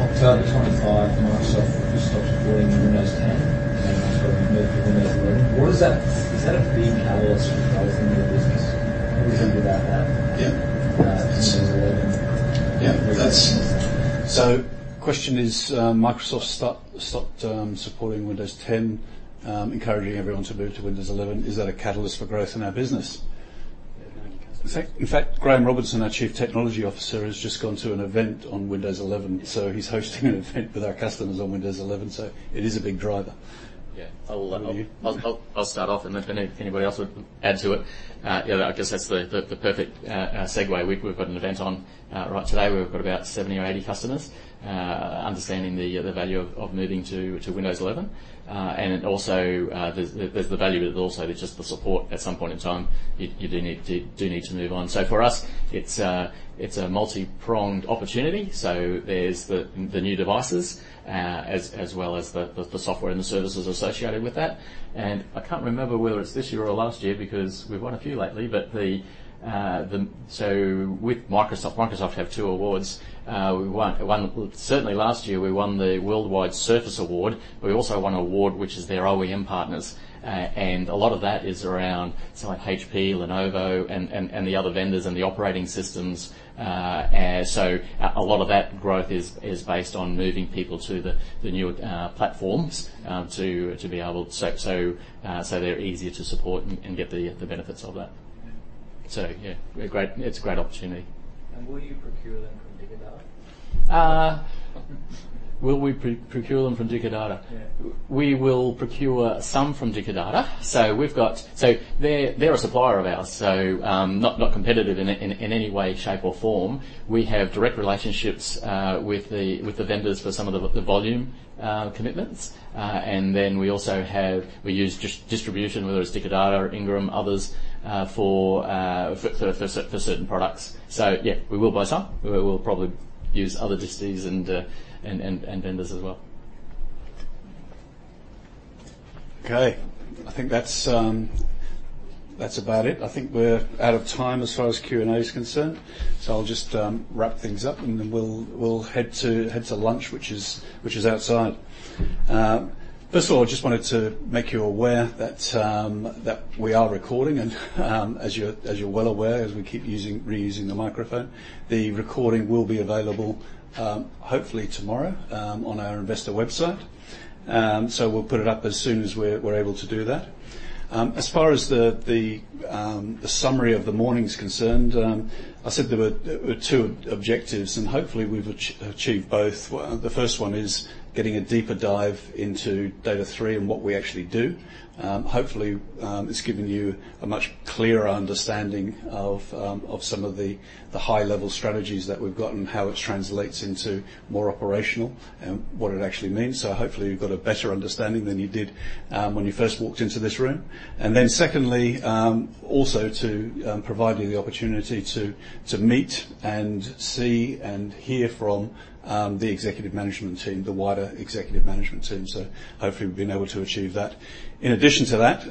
[SPEAKER 7] October 2025, Microsoft stops supporting Windows 10, and they move to Windows 11. What does that? Is that a big catalyst for growth in your business? What do you think about that?
[SPEAKER 1] Yeah.
[SPEAKER 12] Uh, considering.
[SPEAKER 1] Yeah, that's so question is, Microsoft stopped supporting Windows 10, encouraging everyone to move to Windows 11. Is that a catalyst for growth in our business?
[SPEAKER 12] Yeah.
[SPEAKER 1] In fact, Graham Robinson, our Chief Technology Officer, has just gone to an event on Windows 11. So he's hosting an event with our customers on Windows 11, so it is a big driver.
[SPEAKER 3] Yeah. I'll
[SPEAKER 1] You.
[SPEAKER 3] I'll start off, and if anybody else would add to it. Yeah, I guess that's the perfect segue. We've got an event on right today. We've got about 70 or 80 customers understanding the value of moving to Windows 11. And it also, there's the value, but there's also just the support. At some point in time, you do need to move on. So for us, it's a multipronged opportunity. So there's the new devices, as well as the software and the services associated with that. And I can't remember whether it's this year or last year, because we've won a few lately, but the... So with Microsoft, Microsoft have two awards. We won one—certainly last year, we won the Worldwide Surface Award, but we also won an award, which is their OEM partners. And a lot of that is around someone like HP, Lenovo, and the other vendors and the operating systems. So a lot of that growth is based on moving people to the newer platforms to be able. So they're easier to support and get the benefits of that.
[SPEAKER 7] Yeah.
[SPEAKER 3] So, yeah, great... It's a great opportunity.
[SPEAKER 12] Will you procure them from Dicker Data?
[SPEAKER 3] Will we procure them from Dicker Data?
[SPEAKER 12] Yeah.
[SPEAKER 3] We will procure some from Dicker Data. So we've got. So they're a supplier of ours, so not competitive in any way, shape, or form. We have direct relationships with the vendors for some of the volume commitments. And then we also have. We use distribution, whether it's Dicker Data or Ingram, others, for certain products. So yeah, we will buy some. We will probably use other disties and vendors as well.
[SPEAKER 1] Okay. I think that's, that's about it. I think we're out of time as far as Q&A is concerned, so I'll just wrap things up, and then we'll head to lunch, which is outside. First of all, I just wanted to make you aware that that we are recording, and as you're well aware, as we keep reusing the microphone. The recording will be available, hopefully tomorrow, on our investor website. So we'll put it up as soon as we're able to do that. As far as the summary of the morning's concerned, I said there were two objectives, and hopefully, we've achieved both. Well, the first one is getting a deeper dive into Data#3 and what we actually do. Hopefully, it's given you a much clearer understanding of some of the high-level strategies that we've got and how it translates into more operational and what it actually means. So hopefully, you've got a better understanding than you did when you first walked into this room. And then secondly, also to provide you the opportunity to meet and see and hear from the executive management team, the wider executive management team. So hopefully, we've been able to achieve that. In addition to that,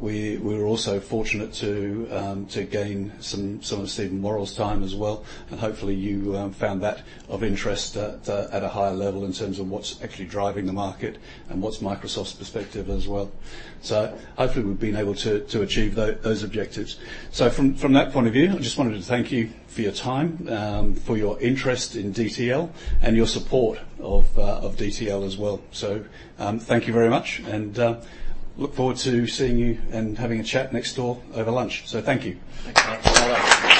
[SPEAKER 1] we were also fortunate to gain some of Steven Worrall's time as well, and hopefully, you found that of interest at a higher level in terms of what's actually driving the market and what's Microsoft's perspective as well. So hopefully, we've been able to achieve those objectives. So from that point of view, I just wanted to thank you for your time, for your interest in DTL, and your support of DTL as well. So, thank you very much, and look forward to seeing you and having a chat next door over lunch. So thank you.